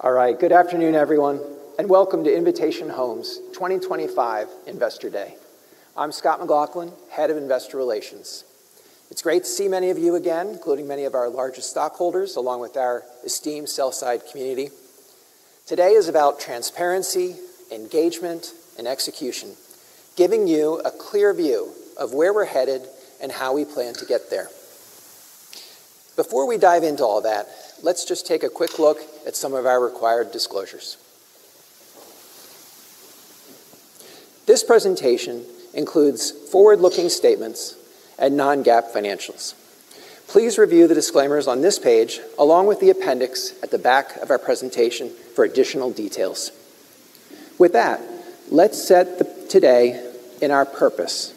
All right, good afternoon, everyone, and welcome to Invitation Homes 2025 Investor Day. I'm Scott McLaughlin, Head of Investor Relations. It's great to see many of you again, including many of our largest stockholders, along with our esteemed sell-side community. Today is about transparency, engagement, and execution, giving you a clear view of where we're headed and how we plan to get there. Before we dive into all that, let's just take a quick look at some of our required disclosures. This presentation includes forward-looking statements and non-GAAP financials. Please review the disclaimers on this page, along with the appendix at the back of our presentation for additional details. With that, let's set today in our purpose.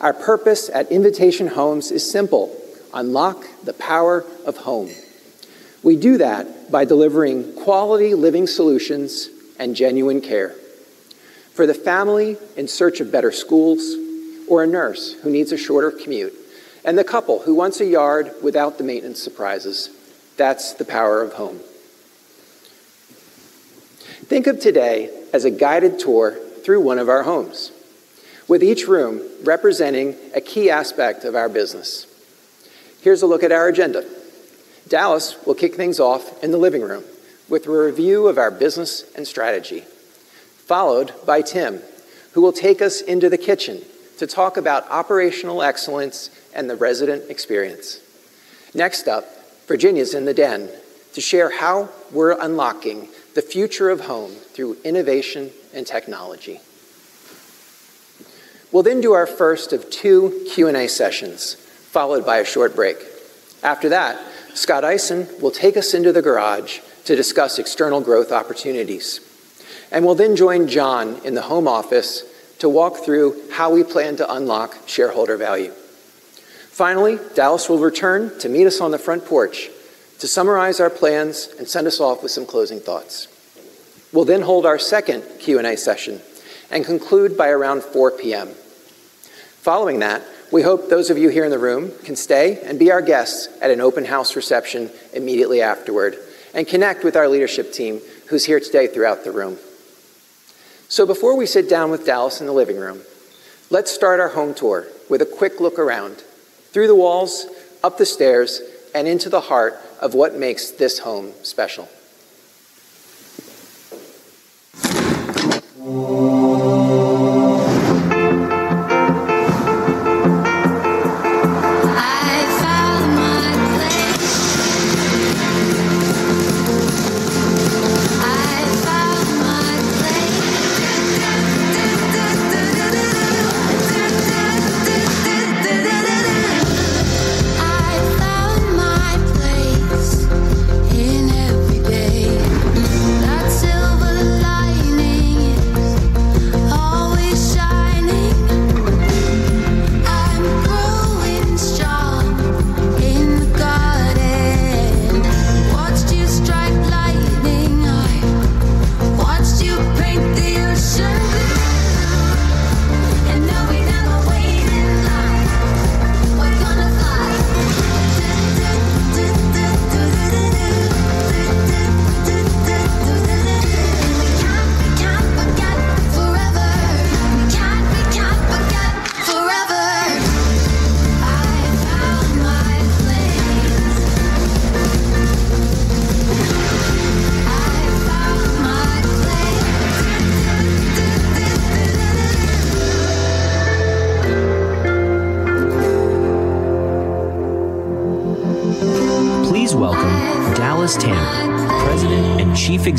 Our purpose at Invitation Homes is simple: unlock the power of home. We do that by delivering quality living solutions and genuine care for the family in search of better schools, or a nurse who needs a shorter commute, and the couple who wants a yard without the maintenance surprises. That's the power of home. Think of today as a guided tour through one of our homes, with each room representing a key aspect of our business. Here's a look at our agenda. Dallas will kick things off in the living room with a review of our business and strategy, followed by Tim, who will take us into the kitchen to talk about operational excellence and the resident experience. Next up, Virginia's in the den to share how we're unlocking the future of home through innovation and technology. We'll then do our first of two Q&A sessions, followed by a short break. After that, Scott Eisen will take us into the garage to discuss external growth opportunities, and we'll then join Jon in the Home Office to walk through how we plan to unlock shareholder value. Finally, Dallas will return to meet us on the front porch to summarize our plans and send us off with some closing thoughts. We'll then hold our second Q&A session and conclude by around 4:00 P.M. Following that, we hope those of you here in the room can stay and be our guests at an open house reception immediately afterward and connect with our leadership team, who's here today throughout the room. Before we sit down with Dallas in the living room, let's start our home tour with a quick look around through the walls, up the stairs, and into the heart of what makes this home special. I found my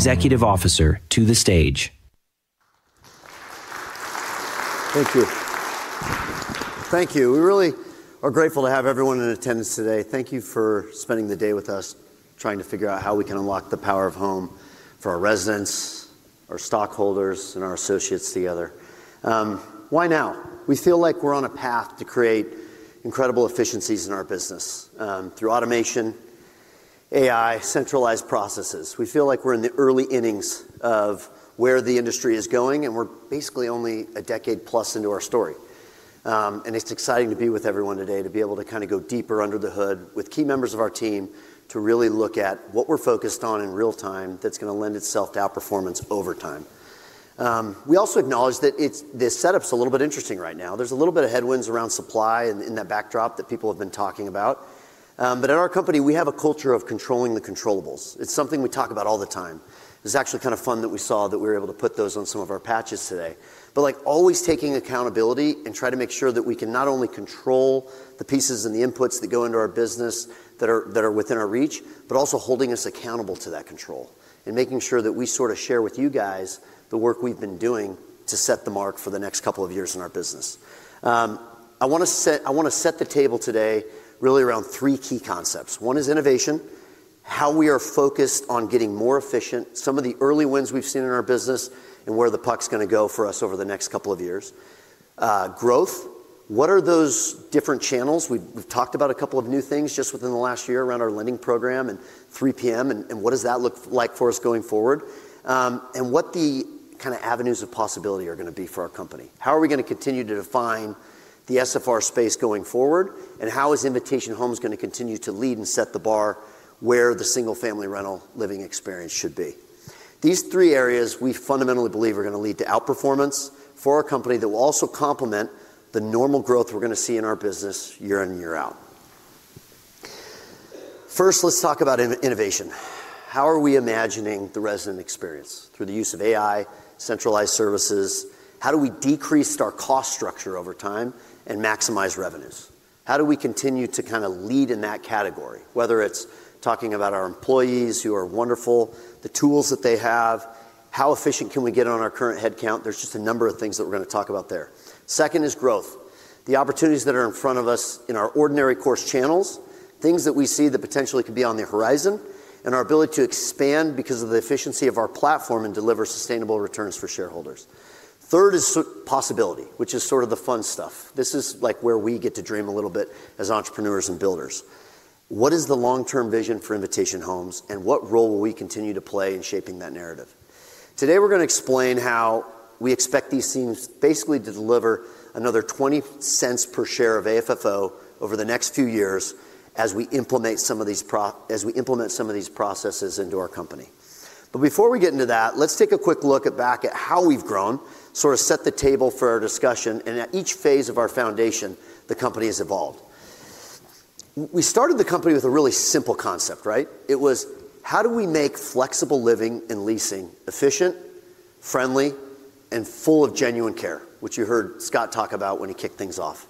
place. I found my place. I found my place in every day. That silver lining is always shining. I'm growing strong in the garden. Watched you strike lightning. I watched you paint the ocean blue. Now we know we're never waiting. We're gonna fly. We can't, we can't forget forever. We can't, we can't forget forever. I found my place. I found my place. Please welcome Dallas Tanner, President and Chief Executive Officer, to the stage. Thank you. Thank you. We really are grateful to have everyone in attendance today. Thank you for spending the day with us trying to figure out how we can unlock the power of home for our residents, our stockholders, and our associates together. Why now? We feel like we're on a path to create incredible efficiencies in our business through automation, AI, centralized processes. We feel like we're in the early innings of where the industry is going, and we're basically only a decade plus into our story. It's exciting to be with everyone today, to be able to kind of go deeper under the hood with key members of our team to really look at what we're focused on in real time that's going to lend itself to outperformance over time. We also acknowledge that the setup's a little bit interesting right now. There's a little bit of headwinds around supply in that backdrop that people have been talking about. At our company, we have a culture of controlling the controllables. It's something we talk about all the time. It was actually kind of fun that we saw that we were able to put those on some of our patches today. Always taking accountability and trying to make sure that we can not only control the pieces and the inputs that go into our business that are within our reach, but also holding us accountable to that control and making sure that we sort of share with you guys the work we've been doing to set the mark for the next couple of years in our business. I want to set the table today really around three key concepts. One is innovation, how we are focused on getting more efficient, some of the early wins we've seen in our business, and where the puck's going to go for us over the next couple of years. Growth, what are those different channels? We've talked about a couple of new things just within the last year around our lending program and 3:00 P.M., and what does that look like for us going forward? What the kind of avenues of possibility are going to be for our company? How are we going to continue to define the SFR space going forward? How is Invitation Homes going to continue to lead and set the bar where the Single-Family Rental living experience should be? These three areas we fundamentally believe are going to lead to outperformance for our company that will also complement the normal growth we are going to see in our business year in and year out. First, let's talk about innovation. How are we imagining the resident experience through the use of AI, centralized services? How do we decrease our cost structure over time and maximize revenues? How do we continue to kind of lead in that category, whether it is talking about our employees who are wonderful, the tools that they have, how efficient can we get on our current headcount? There is just a number of things that we are going to talk about there. Second is growth. The opportunities that are in front of us in our ordinary course channels, things that we see that potentially could be on the horizon, and our ability to expand because of the efficiency of our platform and deliver sustainable returns for shareholders. Third is possibility, which is sort of the fun stuff. This is where we get to dream a little bit as entrepreneurs and builders. What is the long-term vision for Invitation Homes, and what role will we continue to play in shaping that narrative? Today, we're going to explain how we expect these teams basically to deliver another $0.20 per share of AFFO over the next few years as we implement some of these processes into our company. Before we get into that, let's take a quick look back at how we've grown, sort of set the table for our discussion, and at each phase of our foundation, the company has evolved. We started the company with a really simple concept, right? It was, how do we make flexible living and leasing efficient, friendly, and full of genuine care, which you heard Scott talk about when he kicked things off?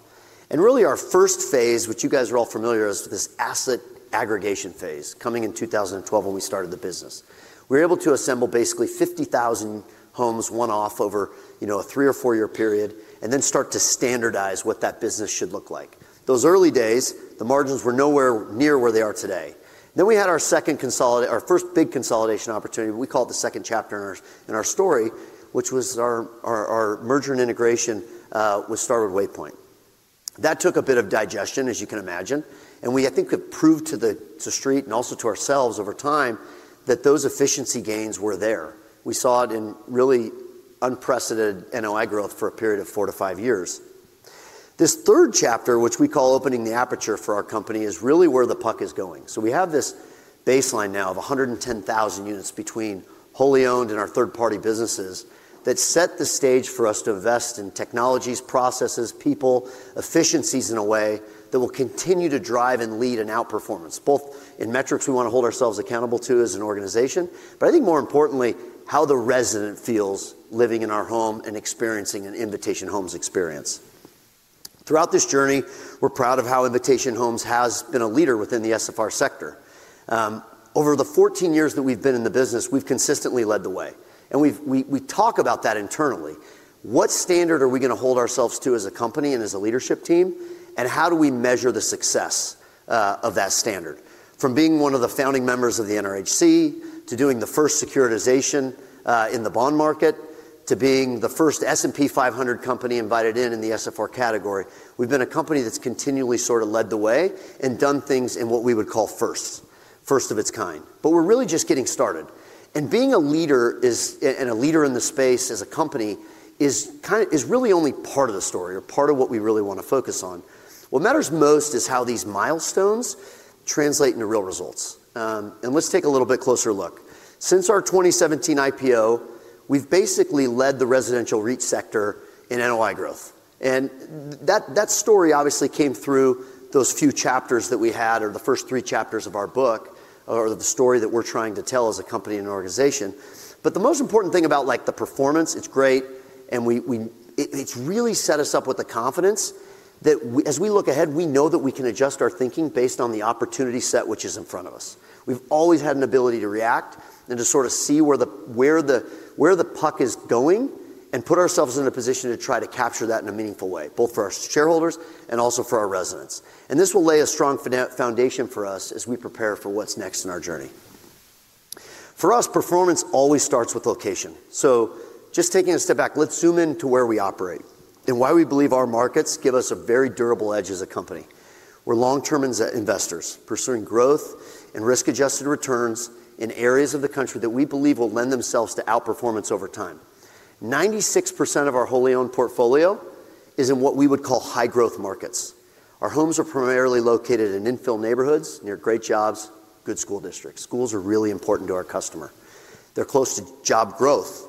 Really, our first phase, which you guys are all familiar with, is this asset aggregation phase coming in 2012 when we started the business. We were able to assemble basically 50,000 homes one-off over a three or four-year period and then start to standardize what that business should look like. Those early days, the margins were nowhere near where they are today. We had our second consolidation, our first big consolidation opportunity. We call it the second chapter in our story, which was our merger and integration with Starwood Waypoint. That took a bit of digestion, as you can imagine, and we, I think, have proved to the street and also to ourselves over time that those efficiency gains were there. We saw it in really unprecedented NOI growth for a period of four to five years. This third chapter, which we call opening the aperture for our company, is really where the puck is going. We have this baseline now of 110,000 units between wholly owned and our third-party businesses that set the stage for us to invest in technologies, processes, people, efficiencies in a way that will continue to drive and lead in outperformance, both in metrics we want to hold ourselves accountable to as an organization, but I think more importantly, how the resident feels living in our home and experiencing an Invitation Homes experience. Throughout this journey, we're proud of how Invitation Homes has been a leader within the SFR sector. Over the 14 years that we've been in the business, we've consistently led the way. We talk about that internally. What standard are we going to hold ourselves to as a company and as a leadership team, and how do we measure the success of that standard? From being one of the founding members of the NRHC to doing the first securitization in the bond market to being the first S&P 500 company invited in in the SFR category, we've been a company that's continually sort of led the way and done things in what we would call first, first of its kind. We're really just getting started. Being a leader and a leader in the space as a company is really only part of the story or part of what we really want to focus on. What matters most is how these milestones translate into real results. Let's take a little bit closer look. Since our 2017 IPO, we've basically led the residential REIT sector in NOI growth. That story obviously came through those few chapters that we had or the first three chapters of our book or the story that we're trying to tell as a company and organization. The most important thing about the performance, it's great, and it's really set us up with the confidence that as we look ahead, we know that we can adjust our thinking based on the opportunity set which is in front of us. We've always had an ability to react and to sort of see where the puck is going and put ourselves in a position to try to capture that in a meaningful way, both for our shareholders and also for our residents. This will lay a strong foundation for us as we prepare for what's next in our journey. For us, performance always starts with location. Just taking a step back, let's zoom in to where we operate and why we believe our markets give us a very durable edge as a company. We're long-term investors pursuing growth and risk-adjusted returns in areas of the country that we believe will lend themselves to outperformance over time. 96% of our wholly owned portfolio is in what we would call high-growth markets. Our homes are primarily located in infill neighborhoods near great jobs, good school districts. Schools are really important to our customer. They're close to job growth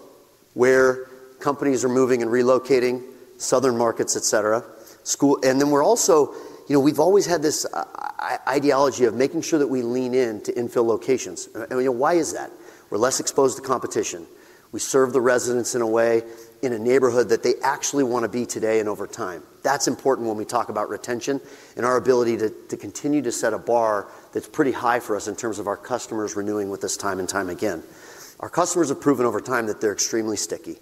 where companies are moving and relocating, Southern markets, et cetera. We've always had this ideology of making sure that we lean into infill locations. Why is that? We're less exposed to competition. We serve the residents in a way, in a neighborhood that they actually want to be today and over time. That's important when we talk about retention and our ability to continue to set a bar that's pretty high for us in terms of our customers renewing with us time and time again. Our customers have proven over time that they're extremely sticky.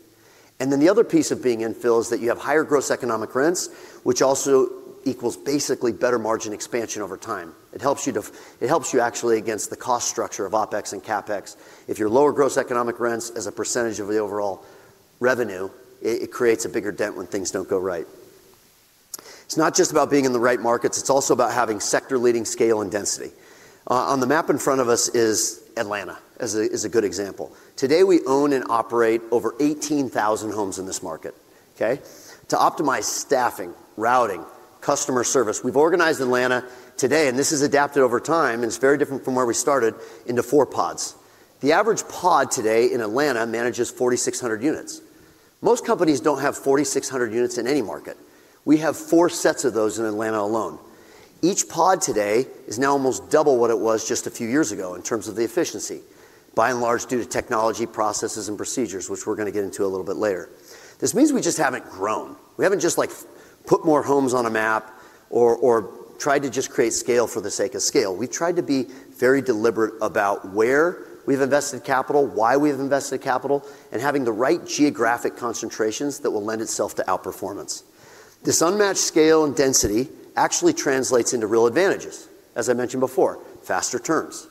The other piece of being infill is that you have higher gross economic rents, which also equals basically better margin expansion over time. It helps you actually against the cost structure of OpEx and CapEx. If you're lower gross economic rents as a percentage of the overall revenue, it creates a bigger dent when things don't go right. It's not just about being in the right markets. It's also about having sector-leading scale and density. On the map in front of us is Atlanta as a good example. Today, we own and operate over 18,000 homes in this market. To optimize staffing, routing, customer service, we've organized Atlanta today, and this is adapted over time, and it's very different from where we started, into four pods. The average pod today in Atlanta manages 4,600 units. Most companies don't have 4,600 units in any market. We have four sets of those in Atlanta alone. Each pod today is now almost double what it was just a few years ago in terms of the efficiency, by and large due to technology, processes, and procedures, which we're going to get into a little bit later. This means we just haven't grown. We haven't just put more homes on a map or tried to just create scale for the sake of scale. We've tried to be very deliberate about where we've invested capital, why we've invested capital, and having the right geographic concentrations that will lend itself to outperformance. This unmatched scale and density actually translates into real advantages, as I mentioned before, faster turns,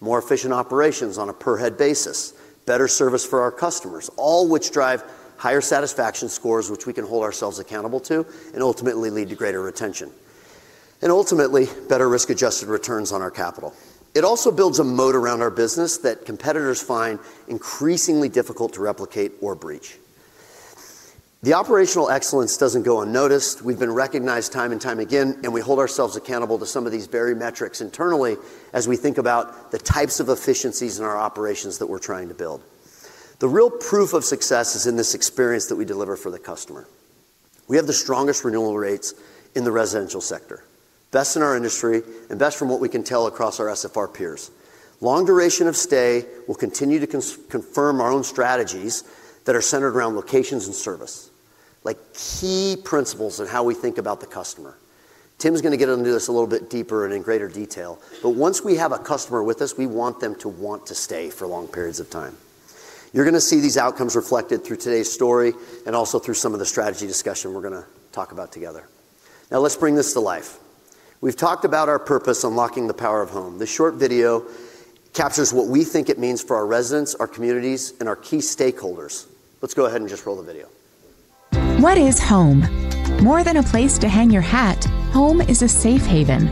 more efficient operations on a per-head basis, better service for our customers, all which drive higher satisfaction scores, which we can hold ourselves accountable to and ultimately lead to greater retention, and ultimately better risk-adjusted returns on our capital. It also builds a moat around our business that competitors find increasingly difficult to replicate or breach. The operational excellence does not go unnoticed. We have been recognized time and time again, and we hold ourselves accountable to some of these very metrics internally as we think about the types of efficiencies in our operations that we are trying to build. The real proof of success is in this experience that we deliver for the customer. We have the strongest renewal rates in the residential sector, best in our industry, and best from what we can tell across our SFR peers. Long duration of stay will continue to confirm our own strategies that are centered around locations and service, like key principles in how we think about the customer. Tim's going to get into this a little bit deeper and in greater detail, but once we have a customer with us, we want them to want to stay for long periods of time. You're going to see these outcomes reflected through today's story and also through some of the strategy discussion we're going to talk about together. Now, let's bring this to life. We've talked about our purpose unlocking the power of home. This short video captures what we think it means for our residents, our communities, and our key stakeholders. Let's go ahead and just roll the video. What is home? More than a place to hang your hat, home is a safe haven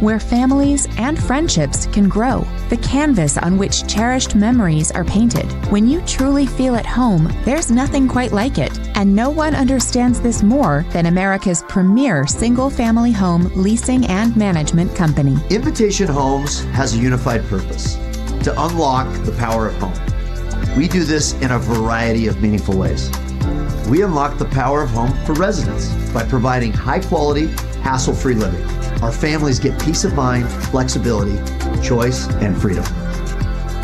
where families and friendships can grow, the canvas on which cherished memories are painted. When you truly feel at home, there's nothing quite like it, and no one understands this more than America's premier single-family home leasing and management company. Invitation Homes has a unified purpose: to unlock the power of home. We do this in a variety of meaningful ways. We unlock the power of home for residents by providing high-quality, hassle-free living. Our families get peace of mind, flexibility, choice, and freedom.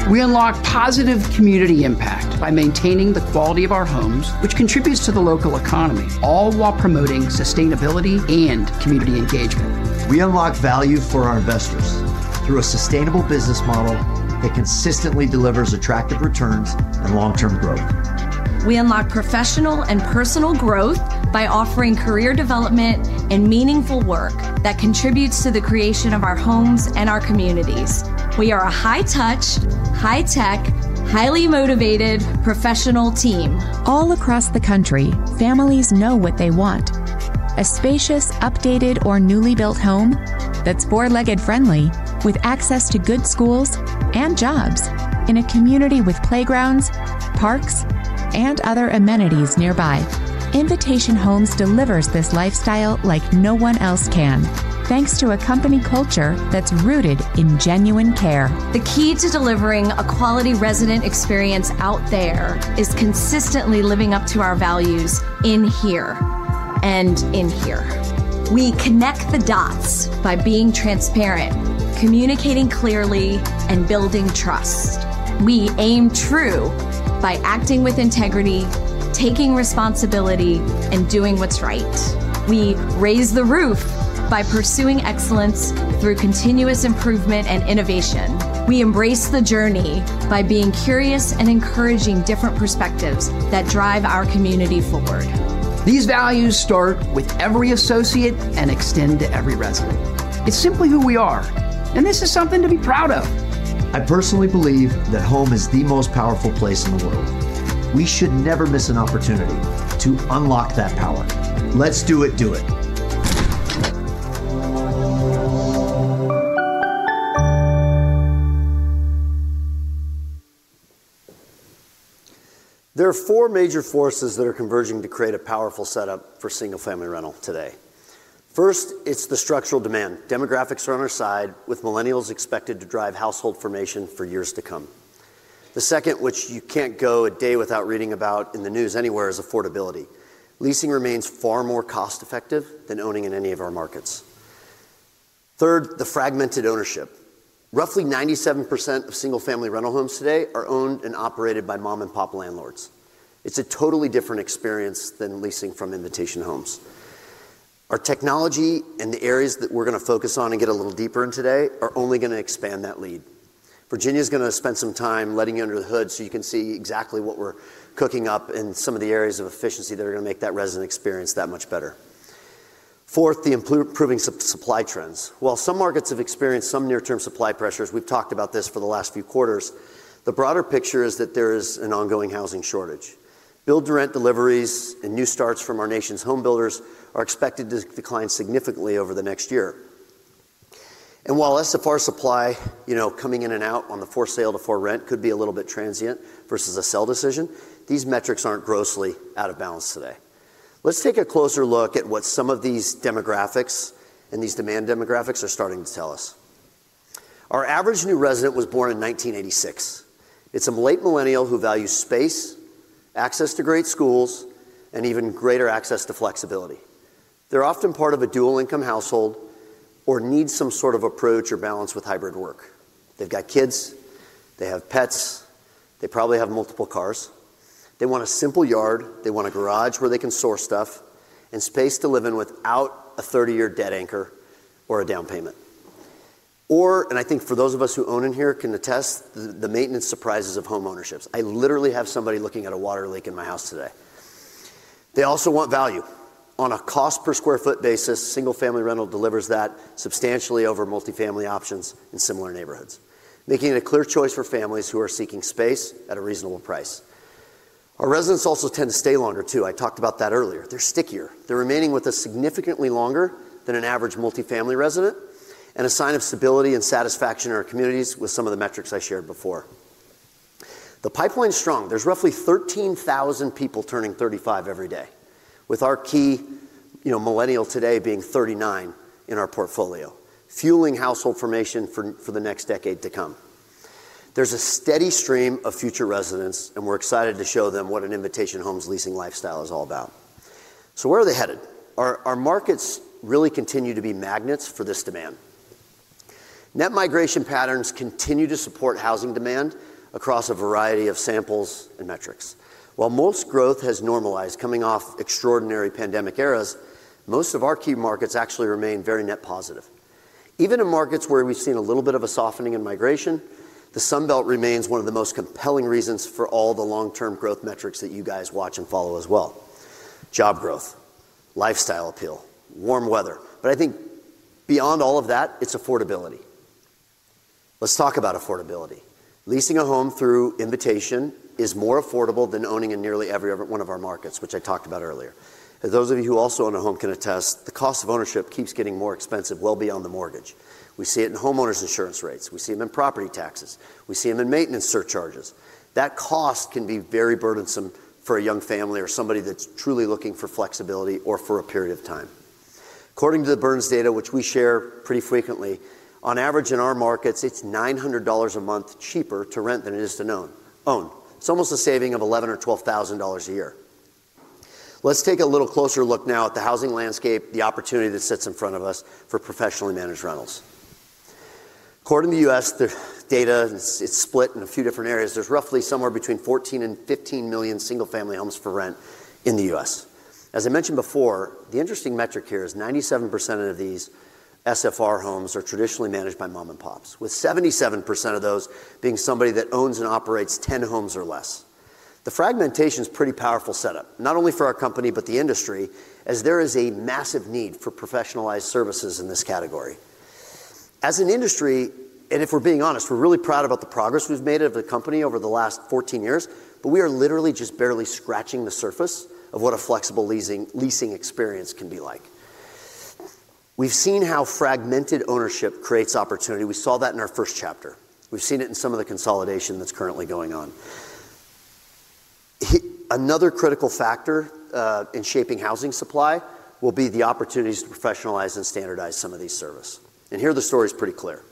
We unlock positive community impact by maintaining the quality of our homes, which contributes to the local economy, all while promoting sustainability and community engagement. We unlock value for our investors through a sustainable business model that consistently delivers attractive returns and long-term growth. We unlock professional and personal growth by offering career development and meaningful work that contributes to the creation of our homes and our communities. We are a high-touch, high-tech, highly motivated professional team. All across the country, families know what they want: a spacious, updated, or newly built home that is four-legged friendly with access to good schools and jobs in a community with playgrounds, parks, and other amenities nearby. Invitation Homes delivers this lifestyle like no one else can, thanks to a company culture that is rooted in genuine care. The key to delivering a quality resident experience out there is consistently living up to our values in here and in here. We connect the dots by being transparent, communicating clearly, and building trust. We aim true by acting with integrity, taking responsibility, and doing what's right. We raise the roof by pursuing excellence through continuous improvement and innovation. We embrace the journey by being curious and encouraging different perspectives that drive our community forward. These values start with every associate and extend to every resident. It's simply who we are, and this is something to be proud of. I personally believe that home is the most powerful place in the world. We should never miss an opportunity to unlock that power. Let's do it, do it. There are four major forces that are converging to create a powerful setup for Single-Family Rental today. First, it's the structural demand. Demographics are on our side, with millennials expected to drive household formation for years to come. The second, which you can't go a day without reading about in the news anywhere, is affordability. Leasing remains far more cost-effective than owning in any of our markets. Third, the fragmented ownership. Roughly 97% of Single-Family Rental homes today are owned and operated by mom-and-pop landlords. It's a totally different experience than leasing from Invitation Homes. Our technology and the areas that we're going to focus on and get a little deeper in today are only going to expand that lead. Virginia is going to spend some time letting you under the hood so you can see exactly what we're cooking up in some of the areas of efficiency that are going to make that resident experience that much better. Fourth, the improving supply trends. While some markets have experienced some near-term supply pressures, we've talked about this for the last few quarters, the broader picture is that there is an ongoing housing shortage. Build-to-rent deliveries and new starts from our nation's homebuilders are expected to decline significantly over the next year. While SFR supply coming in and out on the for-sale to for-rent could be a little bit transient versus a sell decision, these metrics aren't grossly out of balance today. Let's take a closer look at what some of these demographics and these demand demographics are starting to tell us. Our average new resident was born in 1986. It's a late millennial who values space, access to great schools, and even greater access to flexibility. They're often part of a dual-income household or need some sort of approach or balance with Hybrid Work. They've got kids. They have pets. They probably have multiple cars. They want a simple yard. They want a garage where they can store stuff and space to live in without a 30-year debt anchor or a down payment. I think for those of us who own in here can attest to the maintenance surprises of homeownership. I literally have somebody looking at a water leak in my house today. They also want value. On a cost per sq ft basis, Single-Family Rental delivers that substantially over multifamily options in similar neighborhoods, making it a clear choice for families who are seeking space at a reasonable price. Our residents also tend to stay longer, too. I talked about that earlier. They're stickier. They're remaining with us significantly longer than an average multifamily resident and a sign of stability and satisfaction in our communities with some of the metrics I shared before. The pipeline is strong. There's roughly 13,000 people turning 35 every day, with our key millennial today being 39 in our portfolio, fueling household formation for the next decade to come. There's a steady stream of future residents, and we're excited to show them what an Invitation Homes leasing lifestyle is all about. Where are they headed? Our markets really continue to be magnets for this demand. Net migration patterns continue to support housing demand across a variety of samples and metrics. While most growth has normalized coming off extraordinary pandemic eras, most of our key markets actually remain very net positive. Even in markets where we've seen a little bit of a softening in migration, the Sunbelt remains one of the most compelling reasons for all the long-term growth metrics that you guys watch and follow as well: job growth, lifestyle appeal, warm weather. I think beyond all of that, it's affordability. Let's talk about affordability. Leasing a home through Invitation Homes is more affordable than owning in nearly every one of our markets, which I talked about earlier. Those of you who also own a home can attest, the cost of ownership keeps getting more expensive well beyond the mortgage. We see it in homeowners insurance rates. We see them in property taxes. We see them in maintenance surcharges. That cost can be very burdensome for a young family or somebody that's truly looking for flexibility or for a period of time. According to the Burns data, which we share pretty frequently, on average in our markets, it's $900 a month cheaper to rent than it is to own. It's almost a saving of $11,000 or $12,000 a year. Let's take a little closer look now at the housing landscape, the opportunity that sits in front of us for professionally managed rentals. According to the U.S., the data is split in a few different areas. There's roughly somewhere between 14-15 million single-family homes for rent in the U.S. As I mentioned before, the interesting metric here is 97% of these SFR homes are traditionally managed by mom-and-pops, with 77% of those being somebody that owns and operates 10 homes or less. The fragmentation is a pretty powerful setup, not only for our company, but the industry, as there is a massive need for professionalized services in this category. As an industry, and if we're being honest, we're really proud about the progress we've made as a company over the last 14 years, but we are literally just barely scratching the surface of what a flexible leasing experience can be like. We've seen how fragmented ownership creates opportunity. We saw that in our first chapter. We've seen it in some of the consolidation that's currently going on. Another critical factor in shaping housing supply will be the opportunities to professionalize and standardize some of these services. Here the story is pretty clear.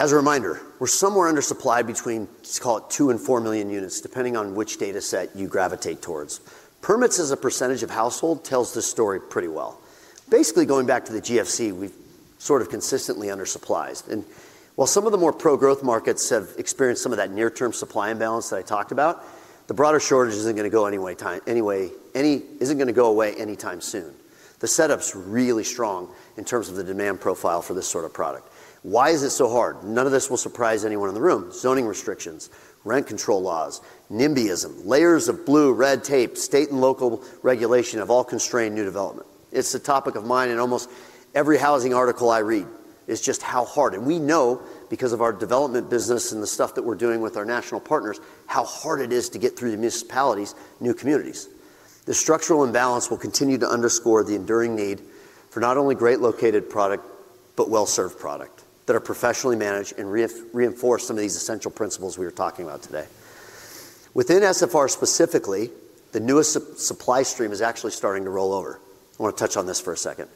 As a reminder, we're somewhere under-supplied between, let's call it, 2-4 million units, depending on which data set you gravitate towards. Permits as a percentage of households tells this story pretty well. Basically, going back to the GFC, we've sort of consistently under-supplied. While some of the more pro-growth markets have experienced some of that near-term supply imbalance that I talked about, the broader shortage is not going to go away anytime soon. The setup is really strong in terms of the demand profile for this sort of product. Why is it so hard? None of this will surprise anyone in the room. Zoning restrictions, rent control laws, NIMBYism, layers of blue, red tape, state and local regulation have all constrained new development. It is a topic of mine in almost every housing article I read. It is just how hard. And we know, because of our development business and the stuff that we are doing with our national partners, how hard it is to get through the municipalities, new communities. The structural imbalance will continue to underscore the enduring need for not only great located product, but well-served product that are professionally managed and reinforce some of these essential principles we were talking about today. Within SFR specifically, the newest supply stream is actually starting to roll over. I want to touch on this for a second.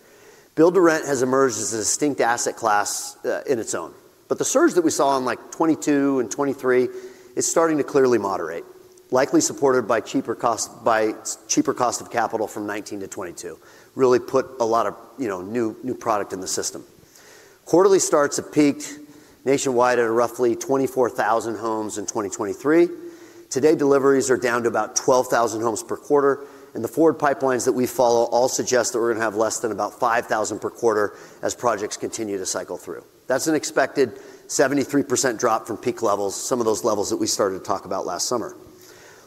Build-to-rent has emerged as a distinct asset class in its own. The surge that we saw in like 2022 and 2023 is starting to clearly moderate, likely supported by cheaper cost of capital from 2019 to 2022, really put a lot of new product in the system. Quarterly starts have peaked nationwide at roughly 24,000 homes in 2023. Today, deliveries are down to about 12,000 homes per quarter. The forward pipelines that we follow all suggest that we're going to have less than about 5,000 per quarter as projects continue to cycle through. That's an expected 73% drop from peak levels, some of those levels that we started to talk about last summer.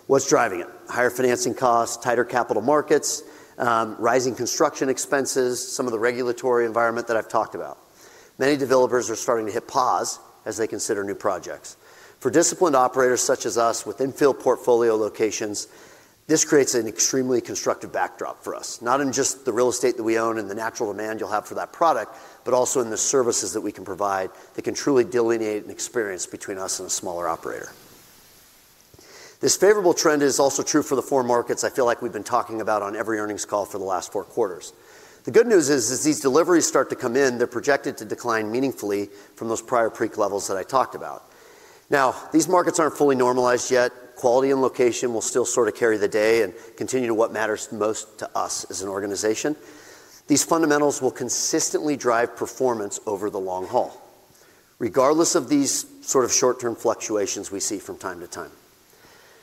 What's driving it? Higher financing costs, tighter capital markets, rising construction expenses, some of the regulatory environment that I've talked about. Many developers are starting to hit pause as they consider new projects. For disciplined operators such as us with infill portfolio locations, this creates an extremely constructive backdrop for us, not in just the real estate that we own and the natural demand you'll have for that product, but also in the services that we can provide that can truly delineate an experience between us and a smaller operator. This favorable trend is also true for the four markets I feel like we've been talking about on every earnings call for the last four quarters. The good news is, as these deliveries start to come in, they're projected to decline meaningfully from those prior peak levels that I talked about. Now, these markets aren't fully normalized yet. Quality and location will still sort of carry the day and continue to what matters most to us as an organization. These fundamentals will consistently drive performance over the long haul, regardless of these sort of short-term fluctuations we see from time to time.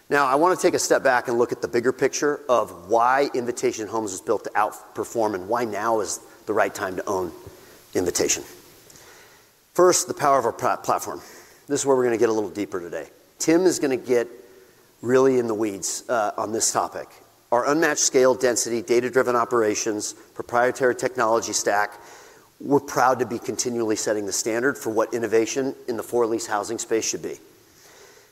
Now, I want to take a step back and look at the bigger picture of why Invitation Homes has built to outperform and why now is the right time to own Invitation. First, the power of our platform. This is where we're going to get a little deeper today. Tim is going to get really in the weeds on this topic. Our unmatched scale, density, data-driven operations, proprietary technology stack, we're proud to be continually setting the standard for what innovation in the for-lease housing space should be.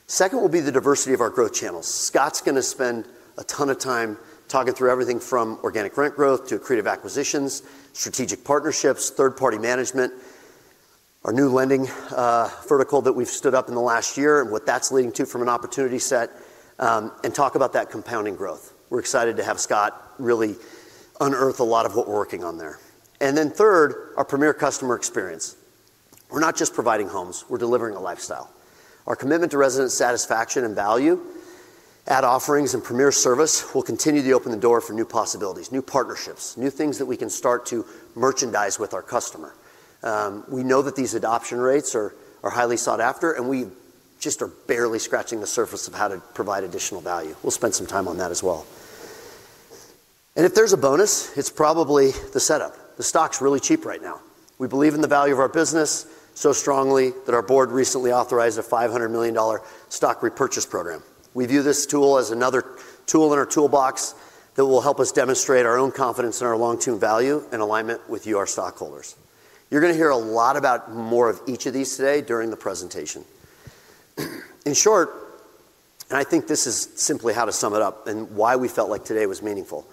Second will be the diversity of our growth channels. Scott's going to spend a ton of time talking through everything from organic rent growth to creative acquisitions, strategic partnerships, third-party management, our new lending vertical that we've stood up in the last year and what that's leading to from an opportunity set, and talk about that compounding growth. We're excited to have Scott really unearth a lot of what we're working on there. Third, our premier customer experience. We're not just providing homes. We're delivering a lifestyle. Our commitment to resident satisfaction and value, ad offerings, and premier service will continue to open the door for new possibilities, new partnerships, new things that we can start to merchandise with our customer. We know that these adoption rates are highly sought after, and we just are barely scratching the surface of how to provide additional value. We will spend some time on that as well. If there is a bonus, it is probably the setup. The stock is really cheap right now. We believe in the value of our business so strongly that our board recently authorized a $500 million stock repurchase program. We view this tool as another tool in our toolbox that will help us demonstrate our own confidence in our long-term value and alignment with you, our stockholders. You are going to hear a lot about more of each of these today during the presentation. In short, and I think this is simply how to sum it up and why we felt like today was meaningful,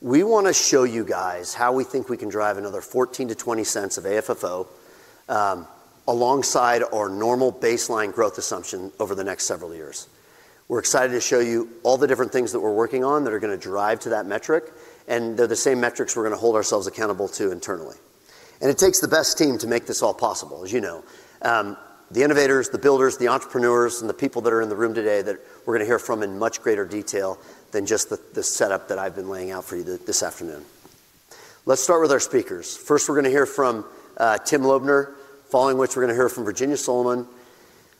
we want to show you guys how we think we can drive another $0.14-$0.20 of AFFO alongside our normal baseline growth assumption over the next several years. We're excited to show you all the different things that we're working on that are going to drive to that metric, and they're the same metrics we're going to hold ourselves accountable to internally. It takes the best team to make this all possible, as you know. The innovators, the builders, the entrepreneurs, and the people that are in the room today that we're going to hear from in much greater detail than just the setup that I've been laying out for you this afternoon. Let's start with our speakers. First, we're going to hear from Tim Loebner, following which we're going to hear from Virginia Solomon,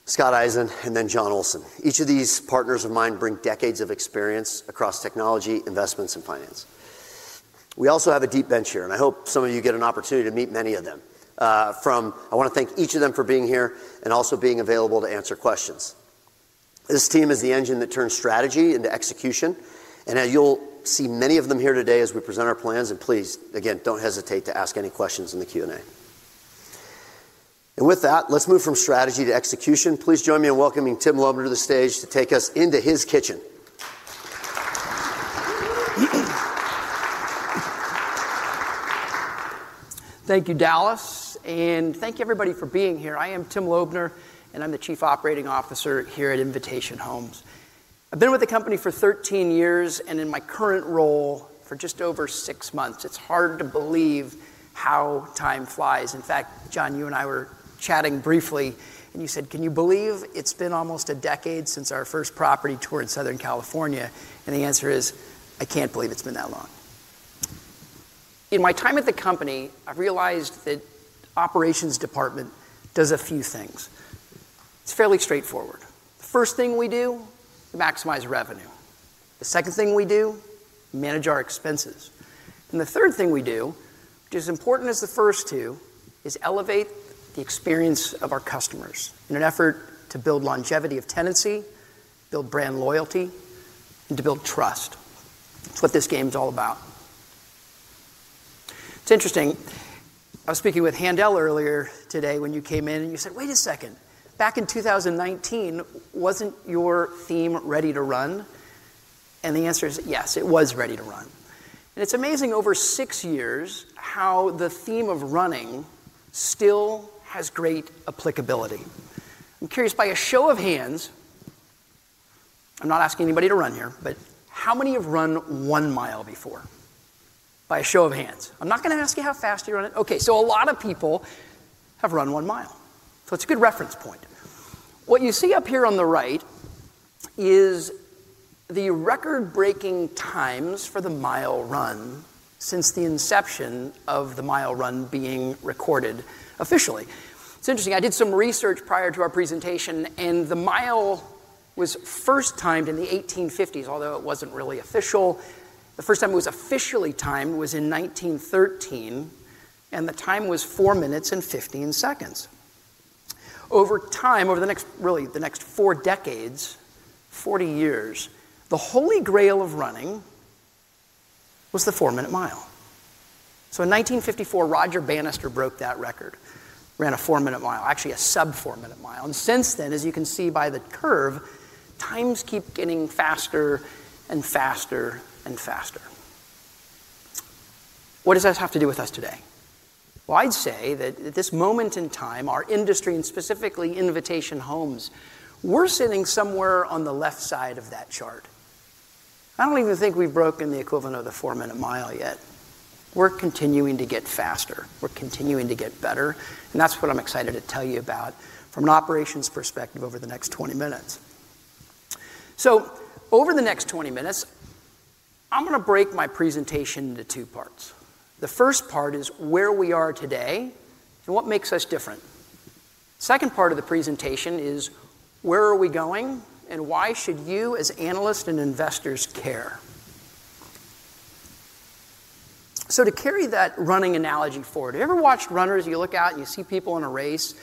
Scott Eisen, and then Jon Olsen. Each of these partners of mine bring decades of experience across technology, investments, and finance. We also have a deep bench here, and I hope some of you get an opportunity to meet many of them. I want to thank each of them for being here and also being available to answer questions. This team is the engine that turns strategy into execution. You will see many of them here today as we present our plans. Please, again, do not hesitate to ask any questions in the Q&A. With that, let's move from strategy to execution. Please join me in welcoming Tim Loebner to the stage to take us into his kitchen. Thank you, Dallas. Thank you, everybody, for being here. I am Tim Loebner, and I'm the Chief Operating Officer here at Invitation Homes. I've been with the company for 13 years and in my current role for just over six months. It's hard to believe how time flies. In fact, Jon, you and I were chatting briefly, and you said, "Can you believe it's been almost a decade since our first property tour in Southern California?" The answer is, "I can't believe it's been that long." In my time at the company, I've realized that the operations department does a few things. It's fairly straightforward. The first thing we do, we maximize revenue. The second thing we do, we manage our expenses. The third thing we do, which is as important as the first two, is elevate the experience of our customers in an effort to build longevity of tenancy, build brand loyalty, and to build trust. It is what this game is all about. It is interesting. I was speaking with Haendel earlier today when you came in, and you said, "Wait a second. Back in 2019, was not your theme ready to run?" The answer is, "Yes, it was ready to run." It is amazing over six years how the theme of running still has great applicability. I am curious, by a show of hands, I am not asking anybody to run here, but how many have run one mile before? By a show of hands. I am not going to ask you how fast you run it. Okay, so a lot of people have run one mile. It is a good reference point. What you see up here on the right is the record-breaking times for the mile run since the inception of the mile run being recorded officially. It's interesting. I did some research prior to our presentation, and the mile was first timed in the 1850s, although it wasn't really official. The first time it was officially timed was in 1913, and the time was 4 minutes and 15 seconds. Over time, over the next, really, the next four decades, 40 years, the holy grail of running was the four-minute mile. In 1954, Roger Bannister broke that record, ran a four-minute mile, actually a sub-four-minute mile. Since then, as you can see by the curve, times keep getting faster and faster and faster. What does that have to do with us today? I’d say that at this moment in time, our industry, and specifically Invitation Homes, we’re sitting somewhere on the left side of that chart. I don’t even think we’ve broken the equivalent of the four-minute mile yet. We’re continuing to get faster. We’re continuing to get better. That’s what I’m excited to tell you about from an operations perspective over the next 20 minutes. Over the next 20 minutes, I’m going to break my presentation into two parts. The first part is where we are today and what makes us different. The second part of the presentation is where are we going and why should you, as analysts and investors, care? To carry that running analogy forward, have you ever watched runners? You look out and you see people in a race,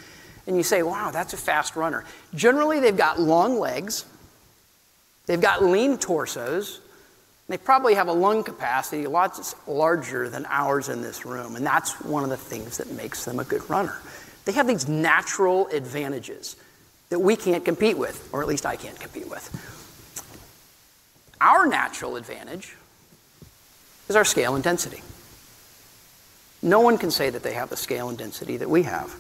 and you say, “Wow, that’s a fast runner.” Generally, they’ve got long legs. They've got lean torsos. They probably have a lung capacity a lot larger than ours in this room. That's one of the things that makes them a good runner. They have these natural advantages that we can't compete with, or at least I can't compete with. Our natural advantage is our scale and density. No one can say that they have the scale and density that we have.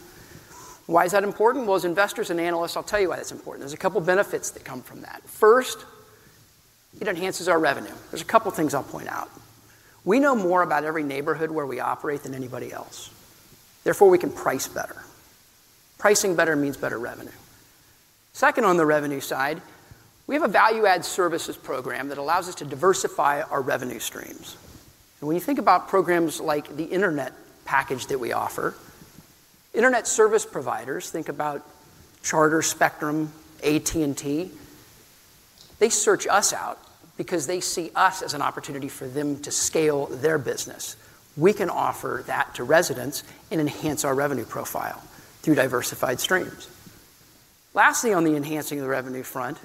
Why is that important? As investors and analysts, I'll tell you why that's important. There's a couple of benefits that come from that. First, it enhances our revenue. There's a couple of things I'll point out. We know more about every neighborhood where we operate than anybody else. Therefore, we can price better. Pricing better means better revenue. Second, on the revenue side, we have a value-add services program that allows us to diversify our revenue streams. When you think about programs like the internet package that we offer, internet service providers, think about Charter Spectrum, AT&T. They search us out because they see us as an opportunity for them to scale their business. We can offer that to residents and enhance our revenue profile through diversified streams. Lastly, on the enhancing of the revenue front,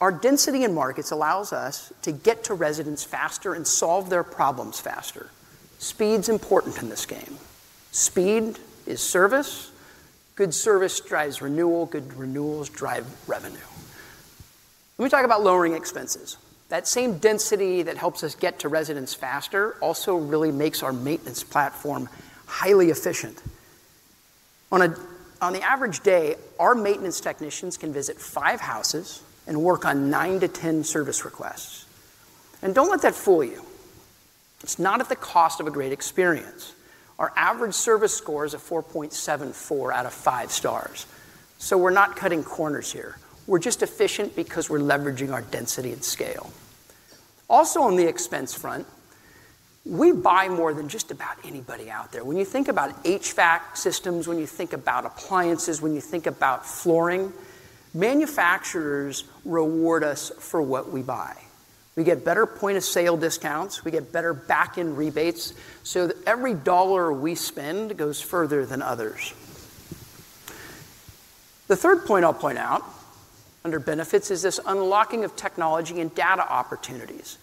our density in markets allows us to get to residents faster and solve their problems faster. Speed's important in this game. Speed is service. Good service drives renewal. Good renewals drive revenue. Let me talk about lowering expenses. That same density that helps us get to residents faster also really makes our maintenance platform highly efficient. On the average day, our maintenance technicians can visit five houses and work on 9-10 service requests. Do not let that fool you. It's not at the cost of a great experience. Our average service score is a 4.74 out of five stars. We are not cutting corners here. We are just efficient because we are leveraging our density and scale. Also, on the expense front, we buy more than just about anybody out there. When you think about HVAC systems, when you think about appliances, when you think about flooring, manufacturers reward us for what we buy. We get better point-of-sale discounts. We get better back-end rebates so that every dollar we spend goes further than others. The third point I will point out under benefits is this unlocking of technology and data opportunities.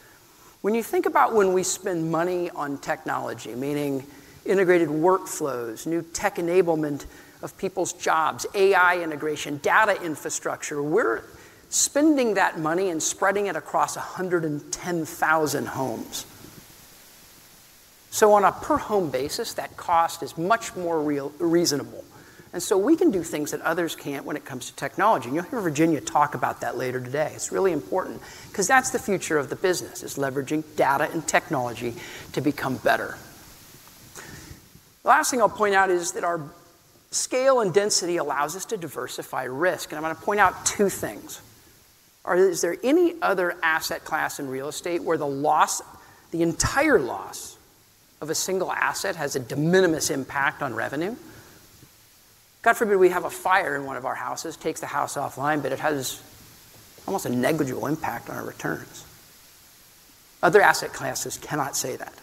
When you think about when we spend money on technology, meaning integrated workflows, new tech enablement of people's jobs, AI integration, data infrastructure, we are spending that money and spreading it across 110,000 homes. On a per-home basis, that cost is much more reasonable. We can do things that others can't when it comes to technology. You'll hear Virginia talk about that later today. It's really important because that's the future of the business, leveraging data and technology to become better. The last thing I'll point out is that our scale and density allow us to diversify risk. I'm going to point out two things. Is there any other asset class in real estate where the loss, the entire loss of a single asset, has a de minimis impact on revenue? God forbid we have a fire in one of our houses, takes the house offline, but it has almost a negligible impact on our returns. Other asset classes cannot say that.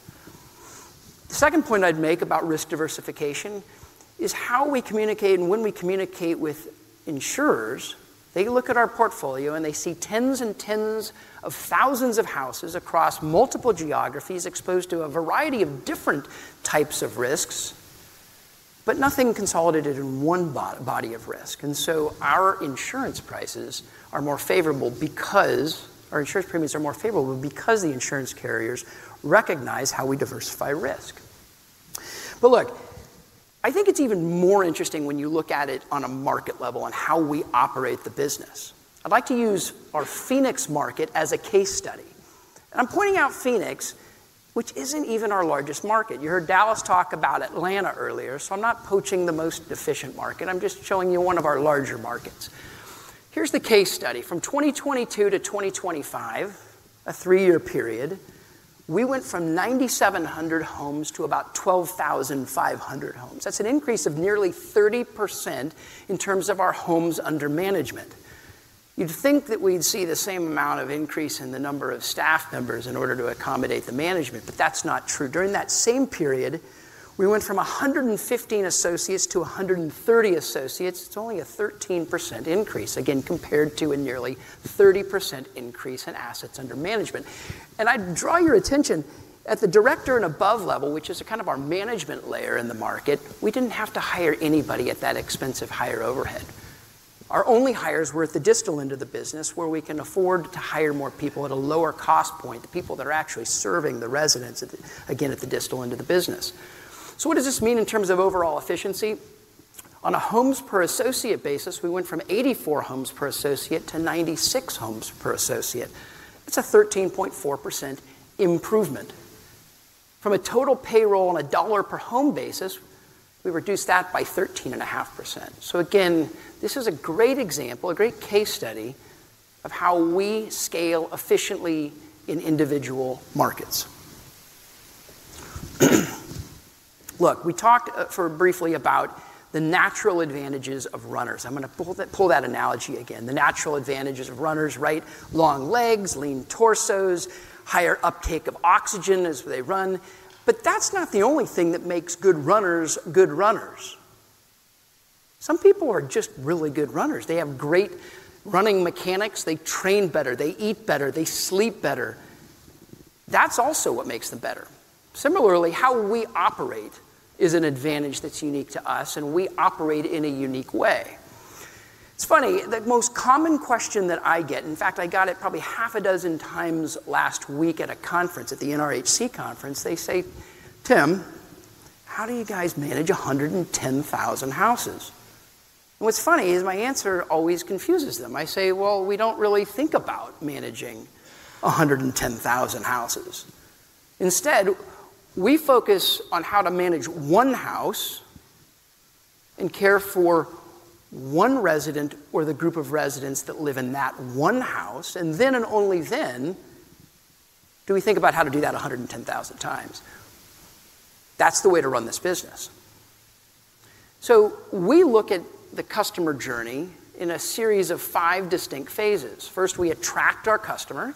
The second point I'd make about risk diversification is how we communicate and when we communicate with insurers. They look at our portfolio, and they see tens and tens of thousands of houses across multiple geographies exposed to a variety of different types of risks, but nothing consolidated in one body of risk. Our insurance prices are more favorable because our insurance premiums are more favorable because the insurance carriers recognize how we diversify risk. I think it's even more interesting when you look at it on a market level and how we operate the business. I'd like to use our Phoenix market as a case study. I'm pointing out Phoenix, which isn't even our largest market. You heard Dallas talk about Atlanta earlier, so I'm not poaching the most efficient market. I'm just showing you one of our larger markets. Here's the case study. From 2022 to 2025, a three-year period, we went from 9,700 homes to about 12,500 homes. That's an increase of nearly 30% in terms of our homes under management. You'd think that we'd see the same amount of increase in the number of staff members in order to accommodate the management, but that's not true. During that same period, we went from 115 associates to 130 associates. It's only a 13% increase, again, compared to a nearly 30% increase in assets under management. I'd draw your attention at the director and above level, which is kind of our management layer in the market, we didn't have to hire anybody at that expensive hire overhead. Our only hires were at the distal end of the business where we can afford to hire more people at a lower cost point, the people that are actually serving the residents, again, at the distal end of the business. What does this mean in terms of overall efficiency? On a homes per associate basis, we went from 84 homes per associate to 96 homes per associate. It's a 13.4% improvement. From a total payroll on a dollar per home basis, we reduced that by 13.5%. Again, this is a great example, a great case study of how we scale efficiently in individual markets. Look, we talked briefly about the natural advantages of runners. I'm going to pull that analogy again. The natural advantages of runners, right? Long legs, lean torsos, higher uptake of oxygen as they run. That's not the only thing that makes good runners good runners. Some people are just really good runners. They have great running mechanics. They train better. They eat better. They sleep better. That's also what makes them better. Similarly, how we operate is an advantage that's unique to us, and we operate in a unique way. It's funny. The most common question that I get, in fact, I got it probably half a dozen times last week at a conference, at the NRHC conference. They say, "Tim, how do you guys manage 110,000 houses?" What's funny is my answer always confuses them. I say, "We don't really think about managing 110,000 houses. Instead, we focus on how to manage one house and care for one resident or the group of residents that live in that one house. Then and only then do we think about how to do that 110,000 times. That's the way to run this business." We look at the customer journey in a series of five distinct phases. First, we attract our customer.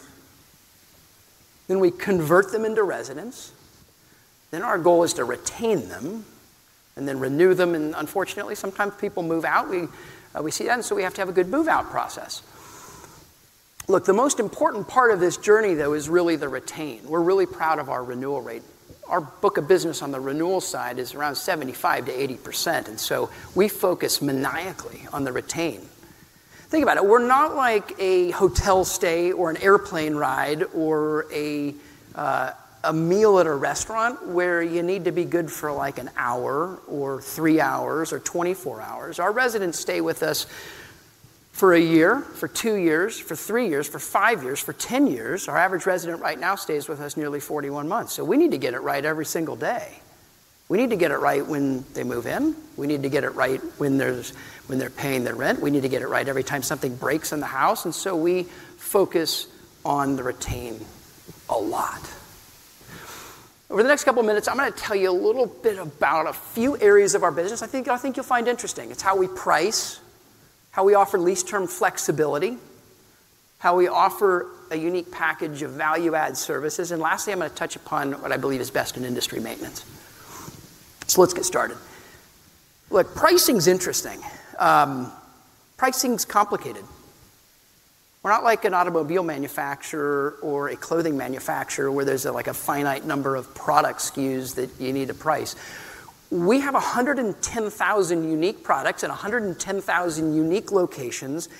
Then we convert them into residents. Then our goal is to retain them and then renew them. Unfortunately, sometimes people move out. We see that. We have to have a good move-out process. Look, the most important part of this journey, though, is really the retain. We're really proud of our renewal rate. Our book of business on the renewal side is around 75-80%. We focus maniacally on the retain. Think about it. We're not like a hotel stay or an airplane ride or a meal at a restaurant where you need to be good for like an hour or three hours or 24 hours. Our residents stay with us for a year, for two years, for three years, for five years, for ten years. Our average resident right now stays with us nearly 41 months. We need to get it right every single day. We need to get it right when they move in. We need to get it right when they're paying their rent. We need to get it right every time something breaks in the house. And so we focus on the retain a lot. Over the next couple of minutes, I'm going to tell you a little bit about a few areas of our business. I think you'll find interesting. It's how we price, how we offer lease-term flexibility, how we offer a unique package of value-add services. And lastly, I'm going to touch upon what I believe is best in industry maintenance. So let's get started. Look, pricing's interesting. Pricing's complicated. We're not like an automobile manufacturer or a clothing manufacturer where there's like a finite number of product SKUs that you need to price. We have 110,000 unique products at 110,000 unique locations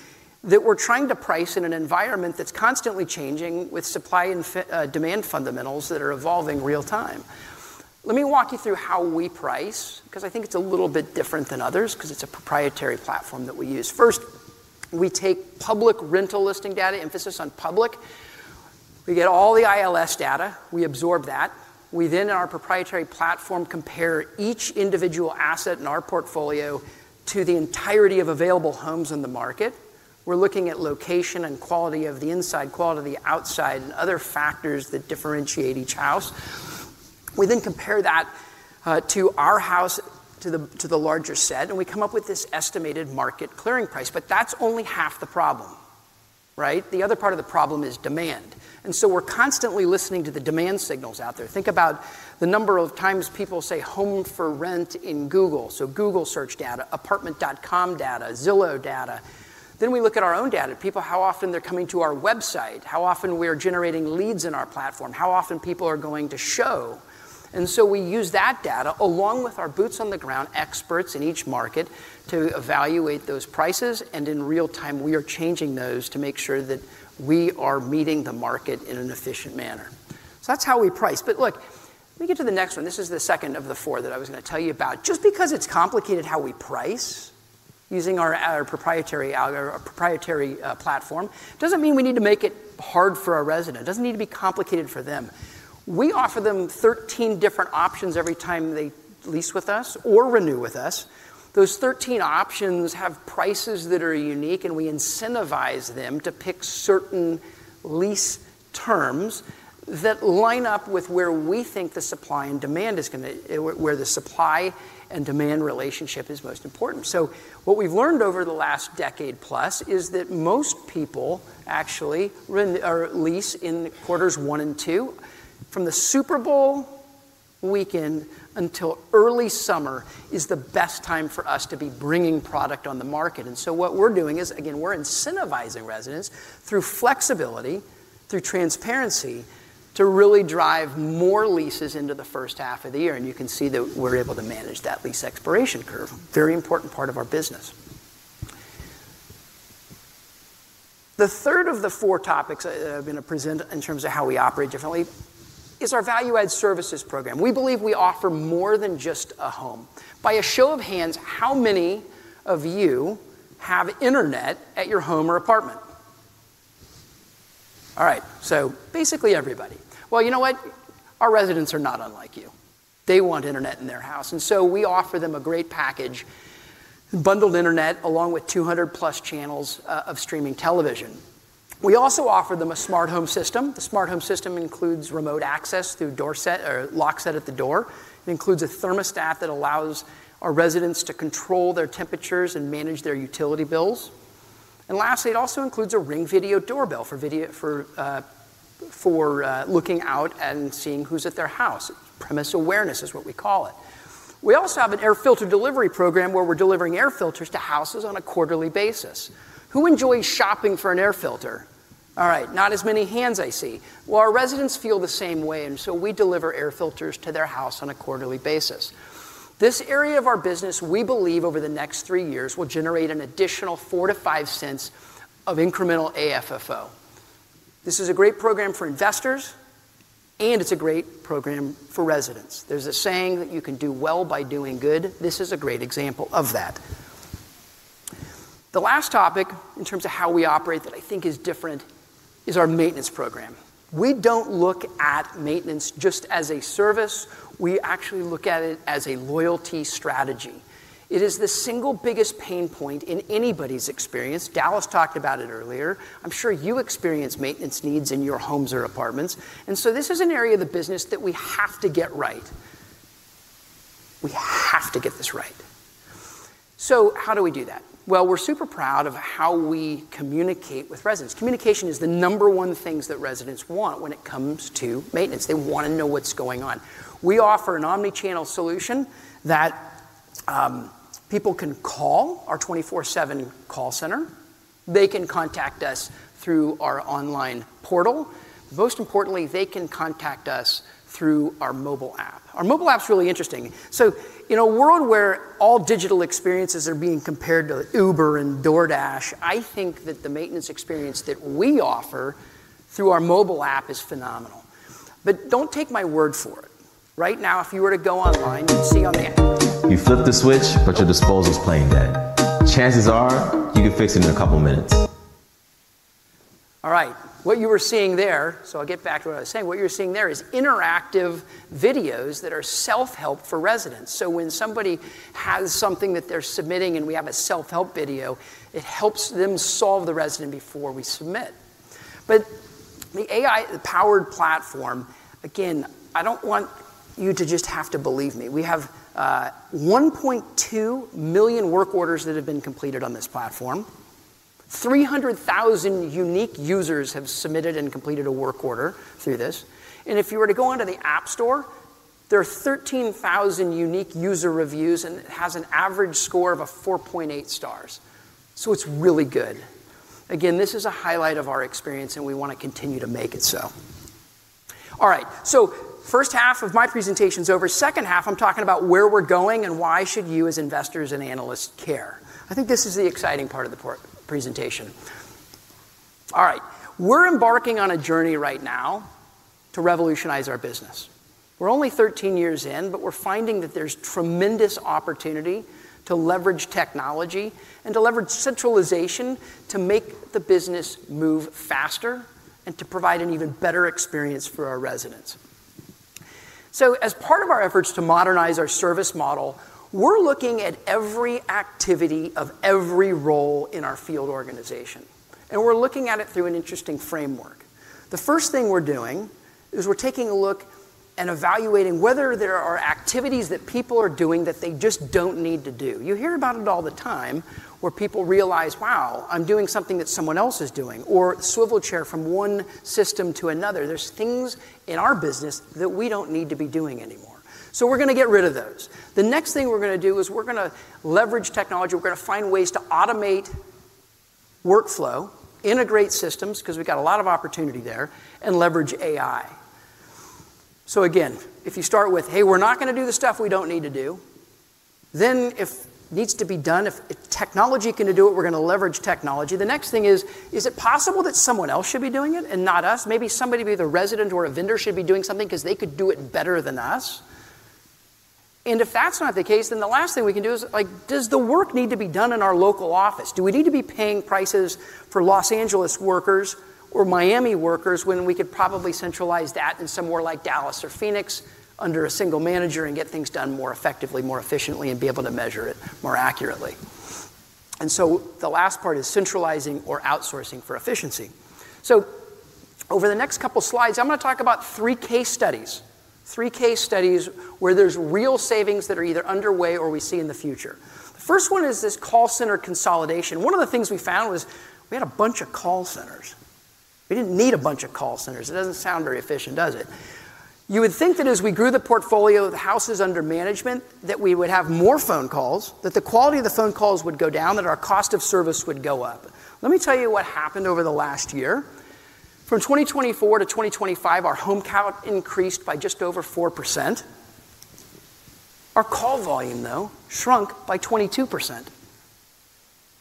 that we're trying to price in an environment that's constantly changing with supply and demand fundamentals that are evolving real-time. Let me walk you through how we price because I think it's a little bit different than others because it's a proprietary platform that we use. First, we take public rental listing data, emphasis on public. We get all the ILS data. We absorb that. We then, in our proprietary platform, compare each individual asset in our portfolio to the entirety of available homes in the market. We're looking at location and quality of the inside, quality of the outside, and other factors that differentiate each house. We then compare that to our house, to the larger set, and we come up with this estimated market clearing price. That's only half the problem, right? The other part of the problem is demand. We are constantly listening to the demand signals out there. Think about the number of times people say home for rent in Google. Google search data, apartment.com data, Zillow data. Then we look at our own data, people, how often they're coming to our website, how often we are generating leads in our platform, how often people are going to show. We use that data along with our boots-on-the-ground experts in each market to evaluate those prices. In real time, we are changing those to make sure that we are meeting the market in an efficient manner. That's how we price. Let me get to the next one. This is the second of the four that I was going to tell you about. Just because it's complicated how we price using our proprietary platform doesn't mean we need to make it hard for our resident. It doesn't need to be complicated for them. We offer them 13 different options every time they lease with us or renew with us. Those 13 options have prices that are unique, and we incentivize them to pick certain lease terms that line up with where we think the supply and demand is going to, where the supply and demand relationship is most important. What we've learned over the last decade plus is that most people actually lease in quarters one and two. From the Super Bowl weekend until early summer is the best time for us to be bringing product on the market. What we're doing is, again, we're incentivizing residents through flexibility, through transparency to really drive more leases into the first half of the year. You can see that we're able to manage that lease expiration curve. Very important part of our business. The third of the four topics I'm going to present in terms of how we operate differently is our value-add services program. We believe we offer more than just a home. By a show of hands, how many of you have internet at your home or apartment? All right. So basically everybody. You know what? Our residents are not unlike you. They want internet in their house. We offer them a great package, bundled internet along with 200-plus channels of streaming television. We also offer them a smart home system. The smart home system includes remote access through lock set at the door. It includes a thermostat that allows our residents to control their temperatures and manage their utility bills. Lastly, it also includes a Ring Video Doorbell for looking out and seeing who's at their house. Premise awareness is what we call it. We also have an Air Filter Delivery Program where we're delivering air filters to houses on a quarterly basis. Who enjoys shopping for an air filter? All right. Not as many hands I see. Our residents feel the same way. We deliver air filters to their house on a quarterly basis. This area of our business, we believe, over the next three years will generate an additional $0.04-$0.05 of incremental AFFO. This is a great program for investors, and it's a great program for residents. There's a saying that you can do well by doing good. This is a great example of that. The last topic in terms of how we operate that I think is different is our maintenance program. We don't look at maintenance just as a service. We actually look at it as a loyalty strategy. It is the single biggest pain point in anybody's experience. Dallas talked about it earlier. I'm sure you experience maintenance needs in your homes or apartments. This is an area of the business that we have to get right. We have to get this right. How do we do that? We are super proud of how we communicate with residents. Communication is the number one thing that residents want when it comes to maintenance. They want to know what's going on. We offer an omnichannel solution that people can call our 24/7 call center. They can contact us through our online portal. Most importantly, they can contact us through our mobile app. Our mobile app's really interesting. In a world where all digital experiences are being compared to Uber and DoorDash, I think that the maintenance experience that we offer through our mobile app is phenomenal. Do not take my word for it. Right now, if you were to go online, you would see on the. You flip the switch, but your disposal is plain dead. Chances are you can fix it in a couple of minutes. All right. What you are seeing there—so I will get back to what I was saying—what you are seeing there is interactive videos that are self-help for residents. When somebody has something that they are submitting and we have a self-help video, it helps them solve the resident before we submit. The AI-powered platform, again, I do not want you to just have to believe me. We have 1.2 million work orders that have been completed on this platform. 300,000 unique users have submitted and completed a work order through this. If you were to go on to the App Store, there are 13,000 unique user reviews, and it has an average score of 4.8 stars. It is really good. Again, this is a highlight of our experience, and we want to continue to make it so. All right. First half of my presentation is over. Second half, I am talking about where we are going and why should you, as investors and analysts, care. I think this is the exciting part of the presentation. All right. We are embarking on a journey right now to revolutionize our business. We are only 13 years in, but we are finding that there is tremendous opportunity to leverage technology and to leverage centralization to make the business move faster and to provide an even better experience for our residents. As part of our efforts to modernize our service model, we're looking at every activity of every role in our field organization. We're looking at it through an interesting framework. The first thing we're doing is we're taking a look and evaluating whether there are activities that people are doing that they just don't need to do. You hear about it all the time where people realize, "Wow, I'm doing something that someone else is doing," or swivel chair from one system to another. There are things in our business that we don't need to be doing anymore. We're going to get rid of those. The next thing we're going to do is we're going to leverage technology. We're going to find ways to automate workflow, integrate systems because we've got a lot of opportunity there, and leverage AI. If you start with, "Hey, we're not going to do the stuff we don't need to do," then if it needs to be done, if technology can do it, we're going to leverage technology. The next thing is, is it possible that someone else should be doing it and not us? Maybe somebody, either a resident or a vendor, should be doing something because they could do it better than us. If that's not the case, then the last thing we can do is, does the work need to be done in our local office? Do we need to be paying prices for Los Angeles workers or Miami workers when we could probably centralize that in somewhere like Dallas or Phoenix under a single manager and get things done more effectively, more efficiently, and be able to measure it more accurately? The last part is centralizing or outsourcing for efficiency. Over the next couple of slides, I'm going to talk about three case studies. Three case studies where there's real savings that are either underway or we see in the future. The first one is this call center consolidation. One of the things we found was we had a bunch of call centers. We didn't need a bunch of call centers. It doesn't sound very efficient, does it? You would think that as we grew the portfolio of the houses under management, that we would have more phone calls, that the quality of the phone calls would go down, that our cost of service would go up. Let me tell you what happened over the last year. From 2024 to 2025, our home count increased by just over 4%. Our call volume, though, shrunk by 22%.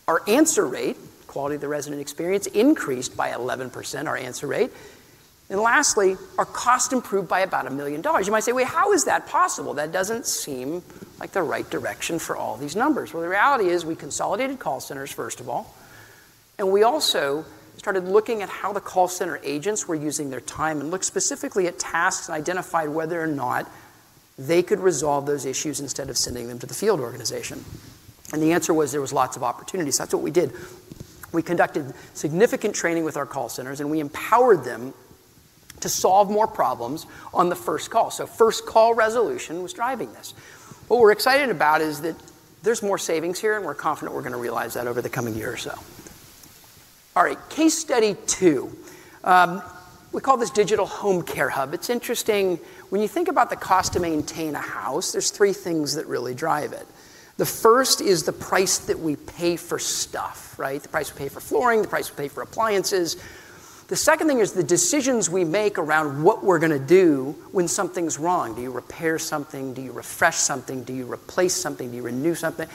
Our answer rate, quality of the resident experience, increased by 11%, our answer rate. Lastly, our cost improved by about $1 million. You might say, "Wait, how is that possible? That does not seem like the right direction for all these numbers." The reality is we consolidated call centers, first of all, and we also started looking at how the call center agents were using their time and looked specifically at tasks and identified whether or not they could resolve those issues instead of sending them to the field organization. The answer was there were lots of opportunities. That is what we did. We conducted significant training with our call centers, and we empowered them to solve more problems on the first call. First call resolution was driving this. What we're excited about is that there's more savings here, and we're confident we're going to realize that over the coming year or so. All right. Case study two. We call this Digital Home Care Hub. It's interesting. When you think about the cost to maintain a house, there's three things that really drive it. The first is the price that we pay for stuff, right? The price we pay for flooring, the price we pay for appliances. The second thing is the decisions we make around what we're going to do when something's wrong. Do you repair something? Do you refresh something? Do you replace something? Do you renew something?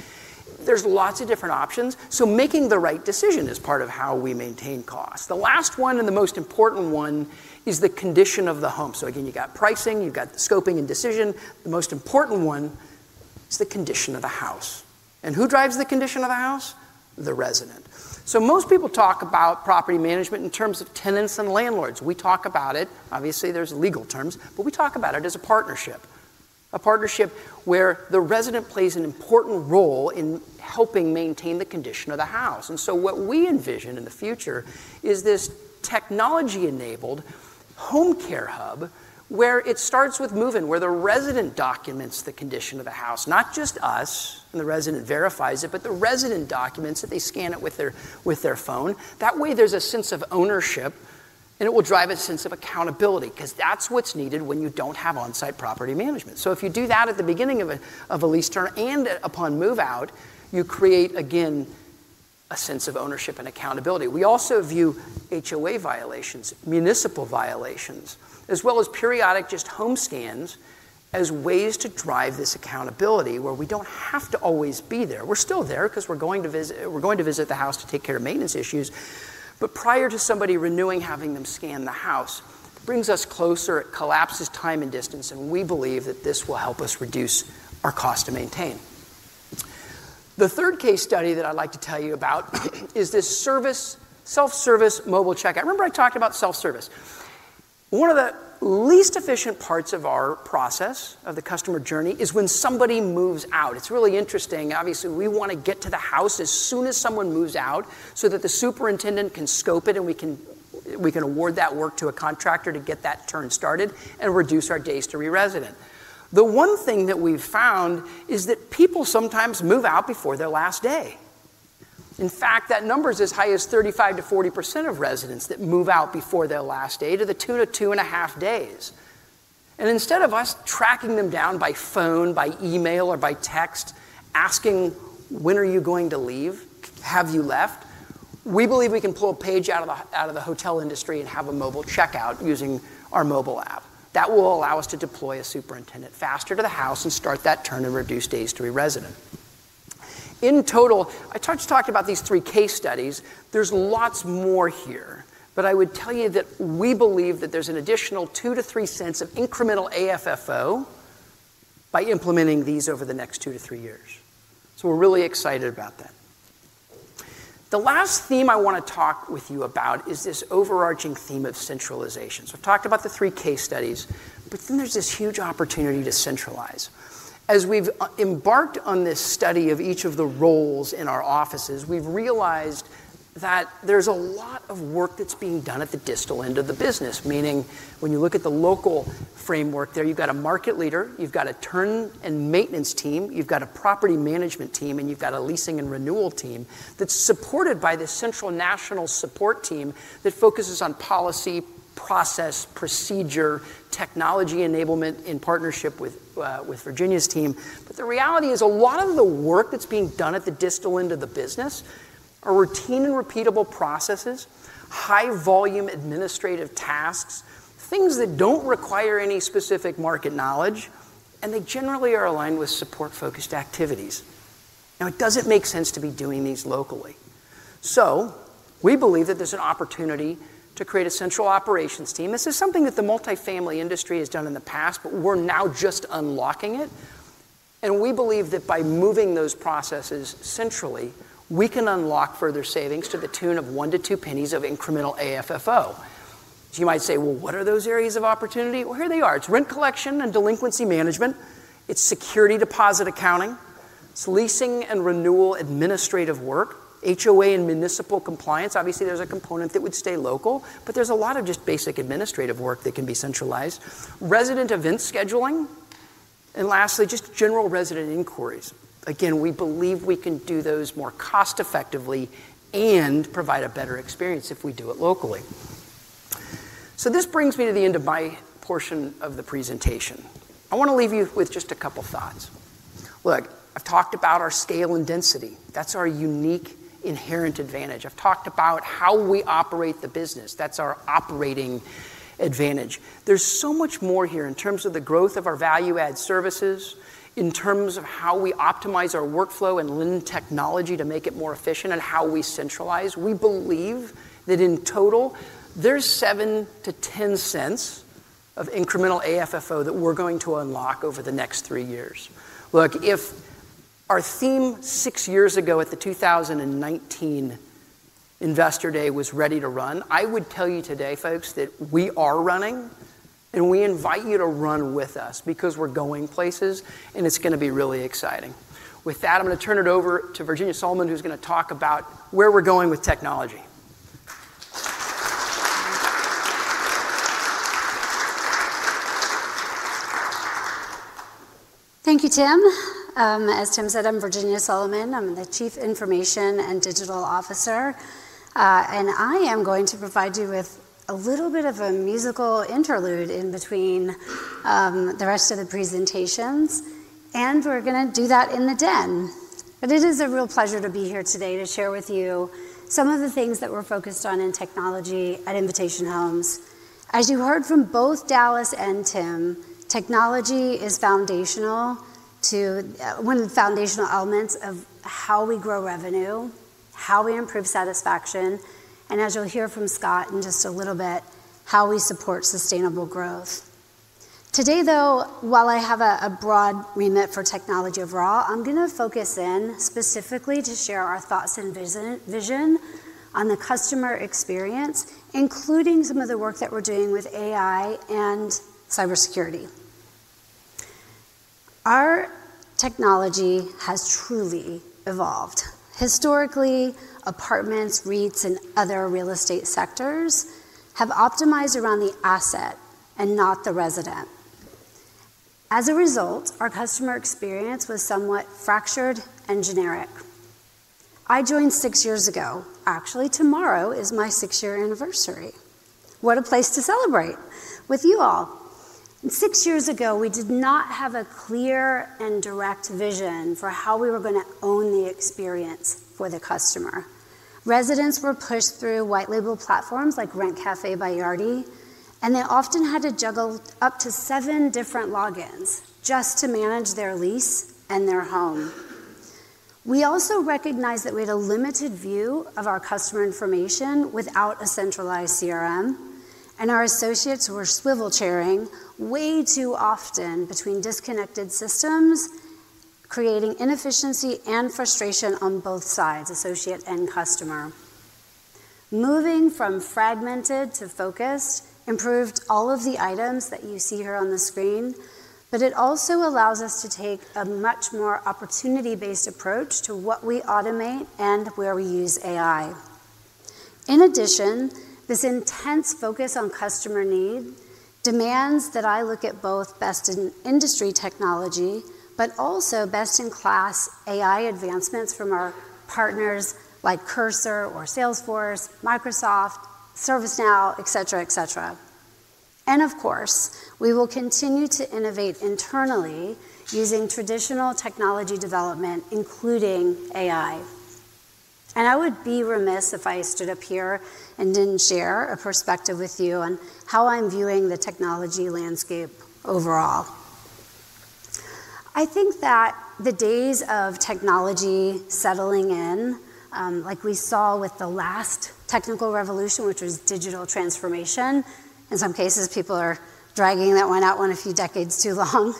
There's lots of different options. So making the right decision is part of how we maintain costs. The last one and the most important one is the condition of the home. Again, you've got pricing, you've got the scoping and decision. The most important one is the condition of the house. And who drives the condition of the house? The resident. Most people talk about property management in terms of tenants and landlords. We talk about it. Obviously, there are legal terms, but we talk about it as a partnership. A partnership where the resident plays an important role in helping maintain the condition of the house. What we envision in the future is this technology-enabled home care hub where it starts with moving, where the resident documents the condition of the house, not just us and the resident verifies it, but the resident documents it. They scan it with their phone. That way, there's a sense of ownership, and it will drive a sense of accountability because that's what's needed when you do not have on-site property management. If you do that at the beginning of a lease term and upon move-out, you create, again, a sense of ownership and accountability. We also view HOA violations, municipal violations, as well as periodic just home scans as ways to drive this accountability where we do not have to always be there. We are still there because we are going to visit the house to take care of maintenance issues. Prior to somebody renewing, having them scan the house brings us closer. It collapses time and distance, and we believe that this will help us reduce our cost to maintain. The third case study that I would like to tell you about is this self-service mobile checkout. Remember I talked about self-service. One of the least efficient parts of our process, of the customer journey, is when somebody moves out. It is really interesting. Obviously, we want to get to the house as soon as someone moves out so that the superintendent can scope it, and we can award that work to a contractor to get that turn started and reduce our days to re-resident. The one thing that we've found is that people sometimes move out before their last day. In fact, that number is as high as 35%-40% of residents that move out before their last day to the 2-2.5 days. Instead of us tracking them down by phone, by email, or by text asking, "When are you going to leave? Have you left?" we believe we can pull a page out of the hotel industry and have a mobile checkout using our mobile app. That will allow us to deploy a superintendent faster to the house and start that turn and reduce days to re-resident. In total, I just talked about these three case studies. There's lots more here, but I would tell you that we believe that there's an additional $0.02-$0.03 of incremental AFFO by implementing these over the next two to three years. We're really excited about that. The last theme I want to talk with you about is this overarching theme of centralization. I've talked about the three case studies, but then there's this huge opportunity to centralize. As we've embarked on this study of each of the roles in our offices, we've realized that there's a lot of work that's being done at the distal end of the business, meaning when you look at the local framework there, you've got a market leader, you've got a turn and maintenance team, you've got a property management team, and you've got a leasing and renewal team that's supported by the central national support team that focuses on policy, process, procedure, technology enablement in partnership with Virginia's team. The reality is a lot of the work that's being done at the distal end of the business are routine and repeatable processes, high-volume administrative tasks, things that don't require any specific market knowledge, and they generally are aligned with support-focused activities. Now, it doesn't make sense to be doing these locally. We believe that there's an opportunity to create a central operations team. This is something that the multifamily industry has done in the past, but we're now just unlocking it. We believe that by moving those processes centrally, we can unlock further savings to the tune of 1-2 pennies of incremental AFFO. You might say, "Well, what are those areas of opportunity?" Here they are. It's rent collection and delinquency management. It's security deposit accounting. It's leasing and renewal administrative work, HOA and municipal compliance. Obviously, there's a component that would stay local, but there's a lot of just basic administrative work that can be centralized, resident event scheduling, and lastly, just general resident inquiries. Again, we believe we can do those more cost-effectively and provide a better experience if we do it locally. This brings me to the end of my portion of the presentation. I want to leave you with just a couple of thoughts. Look, I've talked about our scale and density. That's our unique inherent advantage. I've talked about how we operate the business. That's our operating advantage. There's so much more here in terms of the growth of our value-add services, in terms of how we optimize our workflow and lend technology to make it more efficient, and how we centralize. We believe that in total, there's $0.07-$0.10 of incremental AFFO that we're going to unlock over the next three years. Look, if our theme six years ago at the 2019 Investor Day was ready to run, I would tell you today, folks, that we are running, and we invite you to run with us because we are going places, and it is going to be really exciting. With that, I am going to turn it over to Virginia Solomon, who is going to talk about where we are going with technology. Thank you, Tim. As Tim said, I am Virginia Solomon. I am the Chief Information and Digital Officer. And I am going to provide you with a little bit of a musical interlude in between the rest of the presentations. We are going to do that in the den. It is a real pleasure to be here today to share with you some of the things that we are focused on in technology at Invitation Homes. As you heard from both Dallas and Tim, technology is foundational to one of the foundational elements of how we grow revenue, how we improve satisfaction, and as you'll hear from Scott in just a little bit, how we support sustainable growth. Today, though, while I have a broad remit for technology overall, I'm going to focus in specifically to share our thoughts and vision on the customer experience, including some of the work that we're doing with AI and cybersecurity. Our technology has truly evolved. Historically, apartments, REITs, and other real estate sectors have optimized around the asset and not the resident. As a result, our customer experience was somewhat fractured and generic. I joined six years ago. Actually, tomorrow is my six-year anniversary. What a place to celebrate with you all. Six years ago, we did not have a clear and direct vision for how we were going to own the experience for the customer. Residents were pushed through white-label platforms like Rent Cafe by Yardi, and they often had to juggle up to seven different logins just to manage their lease and their home. We also recognized that we had a limited view of our customer information without a centralized CRM, and our associates were swivel chairing way too often between disconnected systems, creating inefficiency and frustration on both sides, associate and customer. Moving from fragmented to focused improved all of the items that you see here on the screen, but it also allows us to take a much more opportunity-based approach to what we automate and where we use AI. In addition, this intense focus on customer need demands that I look at both best in industry technology, but also best in class AI advancements from our partners like Cursor or Salesforce, Microsoft, ServiceNow, etc., etc. Of course, we will continue to innovate internally using traditional technology development, including AI. I would be remiss if I stood up here and did not share a perspective with you on how I am viewing the technology landscape overall. I think that the days of technology settling in, like we saw with the last technical revolution, which was digital transformation, in some cases, people are dragging that one out a few decades too long,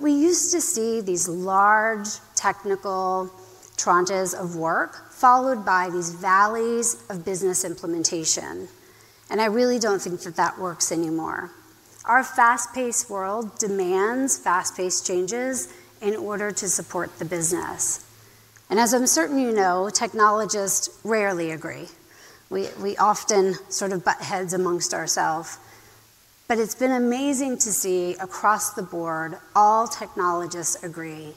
we used to see these large technical tranches of work followed by these valleys of business implementation. I really do not think that that works anymore. Our fast-paced world demands fast-paced changes in order to support the business. As I'm certain you know, technologists rarely agree. We often sort of butt heads amongst ourselves. It has been amazing to see across the board, all technologists agree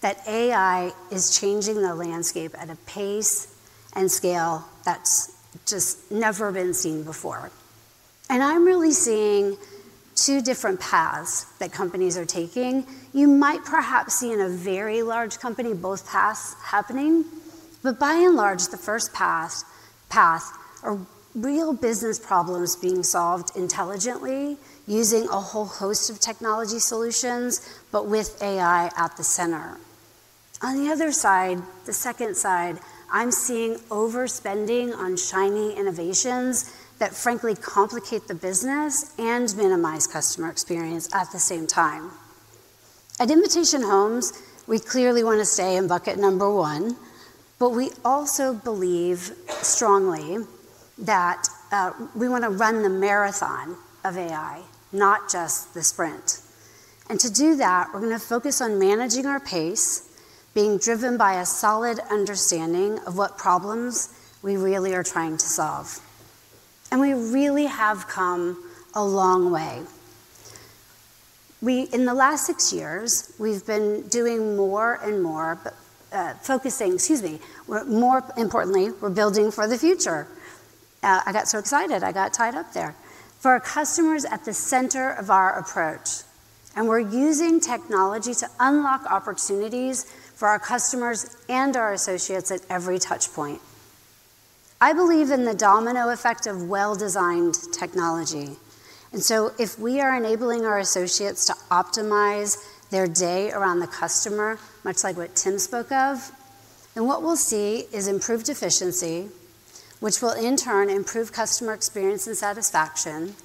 that AI is changing the landscape at a pace and scale that's just never been seen before. I'm really seeing two different paths that companies are taking. You might perhaps see in a very large company both paths happening, but by and large, the first path is real business problems being solved intelligently using a whole host of technology solutions, but with AI at the center. On the other side, the second side, I'm seeing overspending on shiny innovations that, frankly, complicate the business and minimize customer experience at the same time. At Invitation Homes, we clearly want to stay in bucket number one, but we also believe strongly that we want to run the marathon of AI, not just the sprint. To do that, we're going to focus on managing our pace, being driven by a solid understanding of what problems we really are trying to solve. We really have come a long way. In the last six years, we've been doing more and more focusing, excuse me, more importantly, we're building for the future. I got so excited. I got tied up there. For our customers at the center of our approach, and we're using technology to unlock opportunities for our customers and our associates at every touchpoint. I believe in the domino effect of well-designed technology. If we are enabling our associates to optimize their day around the customer, much like what Tim spoke of, what we will see is improved efficiency, which will in turn improve customer experience and satisfaction,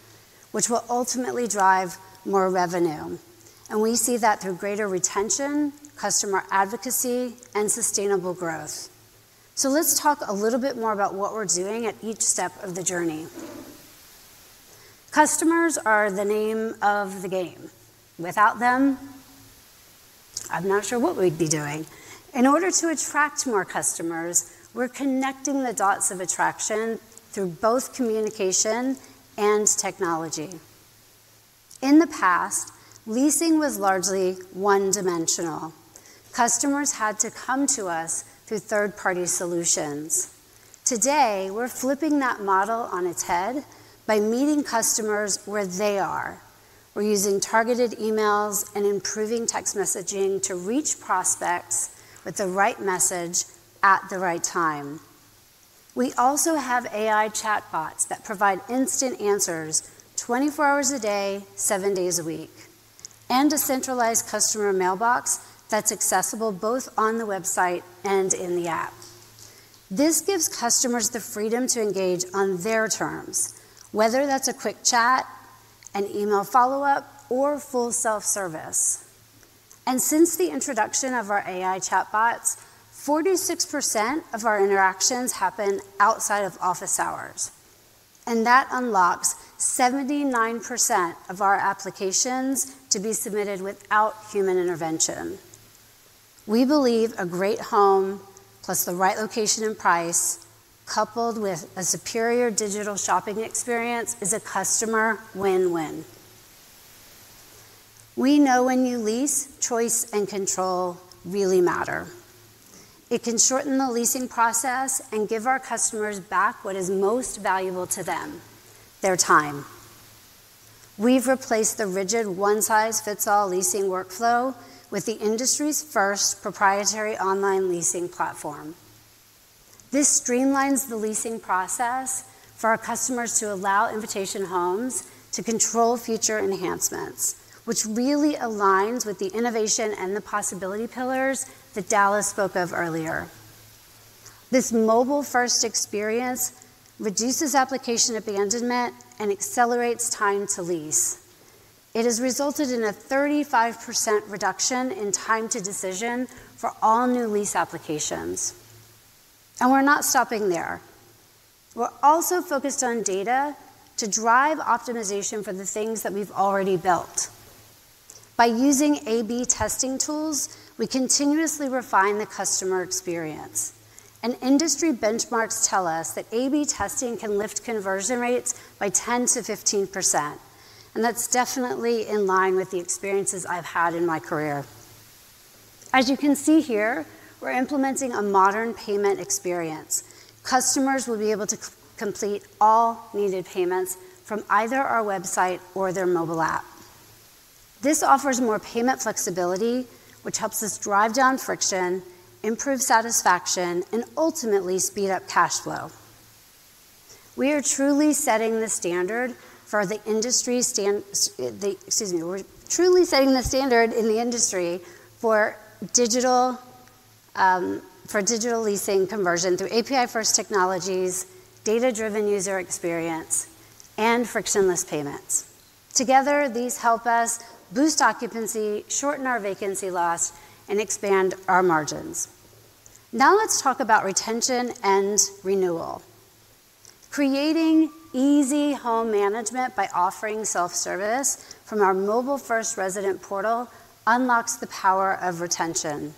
which will ultimately drive more revenue. We see that through greater retention, customer advocacy, and sustainable growth. Let's talk a little bit more about what we are doing at each step of the journey. Customers are the name of the game. Without them, I'm not sure what we would be doing. In order to attract more customers, we are connecting the dots of attraction through both communication and technology. In the past, leasing was largely one-dimensional. Customers had to come to us through third-party solutions. Today, we are flipping that model on its head by meeting customers where they are. We're using targeted emails and improving text messaging to reach prospects with the right message at the right time. We also have AI chatbots that provide instant answers 24 hours a day, seven days a week, and a centralized customer mailbox that's accessible both on the website and in the app. This gives customers the freedom to engage on their terms, whether that's a quick chat, an email follow-up, or full self-service. Since the introduction of our AI chatbots, 46% of our interactions happen outside of office hours. That unlocks 79% of our applications to be submitted without human intervention. We believe a great home plus the right location and price, coupled with a superior digital shopping experience, is a customer win-win. We know when you lease, choice and control really matter. It can shorten the leasing process and give our customers back what is most valuable to them: their time. We have replaced the rigid one-size-fits-all leasing workflow with the industry's first proprietary online leasing platform. This streamlines the leasing process for our customers to allow Invitation Homes to control future enhancements, which really aligns with the innovation and the possibility pillars that Dallas spoke of earlier. This mobile-first experience reduces application abandonment and accelerates time to lease. It has resulted in a 35% reduction in time to decision for all new lease applications. We are not stopping there. We are also focused on data to drive optimization for the things that we have already built. By using A/B testing tools, we continuously refine the customer experience. Industry benchmarks tell us that A/B testing can lift conversion rates by 10-15%. That is definitely in line with the experiences I have had in my career. As you can see here, we are implementing a modern payment experience. Customers will be able to complete all needed payments from either our website or their mobile app. This offers more payment flexibility, which helps us drive down friction, improve satisfaction, and ultimately speed up cash flow. We are truly setting the standard in the industry for digital leasing conversion through API-first technologies, data-driven user experience, and frictionless payments. Together, these help us boost occupancy, shorten our vacancy loss, and expand our margins. Now let's talk about retention and renewal. Creating easy home management by offering self-service from our mobile-first resident portal unlocks the power of retention.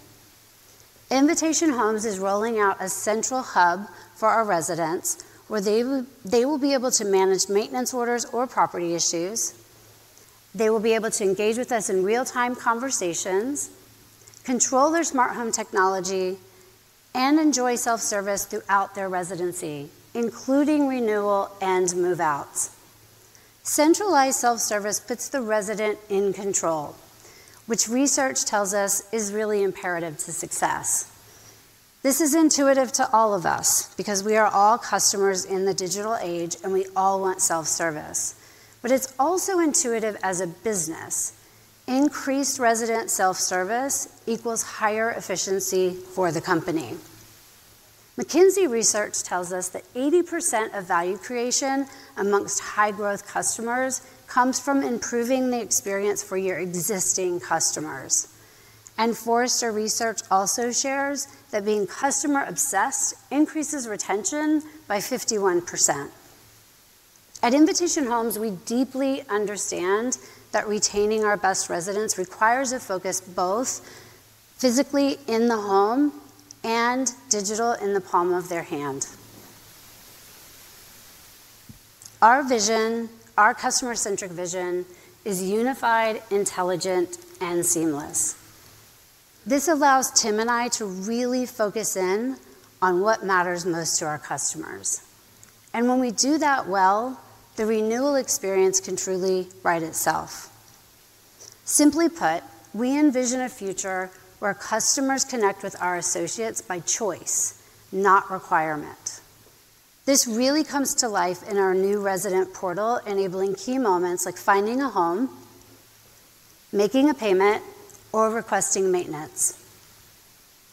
Invitation Homes is rolling out a central hub for our residents where they will be able to manage maintenance orders or property issues. They will be able to engage with us in real-time conversations, control their smart home technology, and enjoy self-service throughout their residency, including renewal and move-outs. Centralized self-service puts the resident in control, which research tells us is really imperative to success. This is intuitive to all of us because we are all customers in the digital age, and we all want self-service. It is also intuitive as a business. Increased resident self-service equals higher efficiency for the company. McKinsey Research tells us that 80% of value creation amongst high-growth customers comes from improving the experience for your existing customers. Forrester Research also shares that being customer-obsessed increases retention by 51%. At Invitation Homes, we deeply understand that retaining our best residents requires a focus both physically in the home and digital in the palm of their hand. Our vision, our customer-centric vision, is unified, intelligent, and seamless. This allows Tim and I to really focus in on what matters most to our customers. When we do that well, the renewal experience can truly write itself. Simply put, we envision a future where customers connect with our associates by choice, not requirement. This really comes to life in our new resident portal, enabling key moments like finding a home, making a payment, or requesting maintenance.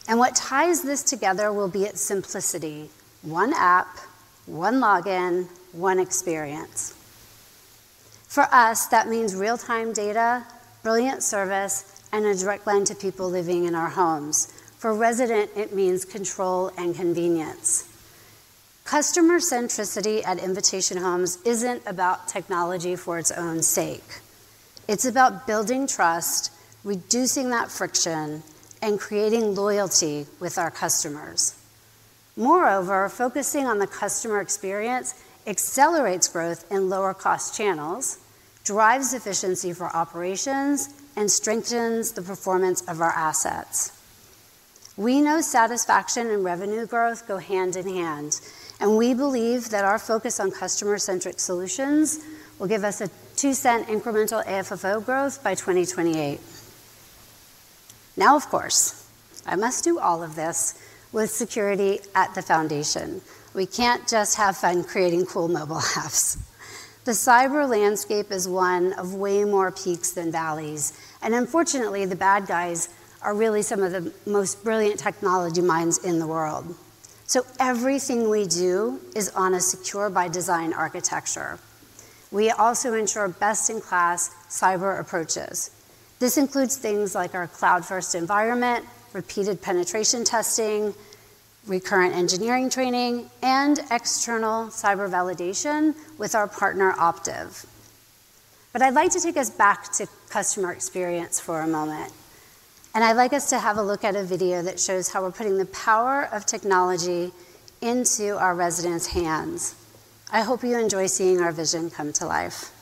What ties this together will be its simplicity: one app, one login, one experience. For us, that means real-time data, brilliant service, and a direct line to people living in our homes. For a resident, it means control and convenience. Customer-centricity at Invitation Homes isn't about technology for its own sake. It's about building trust, reducing that friction, and creating loyalty with our customers. Moreover, focusing on the customer experience accelerates growth in lower-cost channels, drives efficiency for operations, and strengthens the performance of our assets. We know satisfaction and revenue growth go hand in hand, and we believe that our focus on customer-centric solutions will give us a 2% incremental AFFO growth by 2028. Now, of course, I must do all of this with security at the foundation. We can't just have fun creating cool mobile apps. The cyber landscape is one of way more peaks than valleys. Unfortunately, the bad guys are really some of the most brilliant technology minds in the world. Everything we do is on a secure-by-design architecture. We also ensure best-in-class cyber approaches. This includes things like our cloud-first environment, repeated penetration testing, recurrent engineering training, and external cyber validation with our partner Optiv. I would like to take us back to customer experience for a moment. I would like us to have a look at a video that shows how we are putting the power of technology into our residents' hands. I hope you enjoy seeing our vision come to life.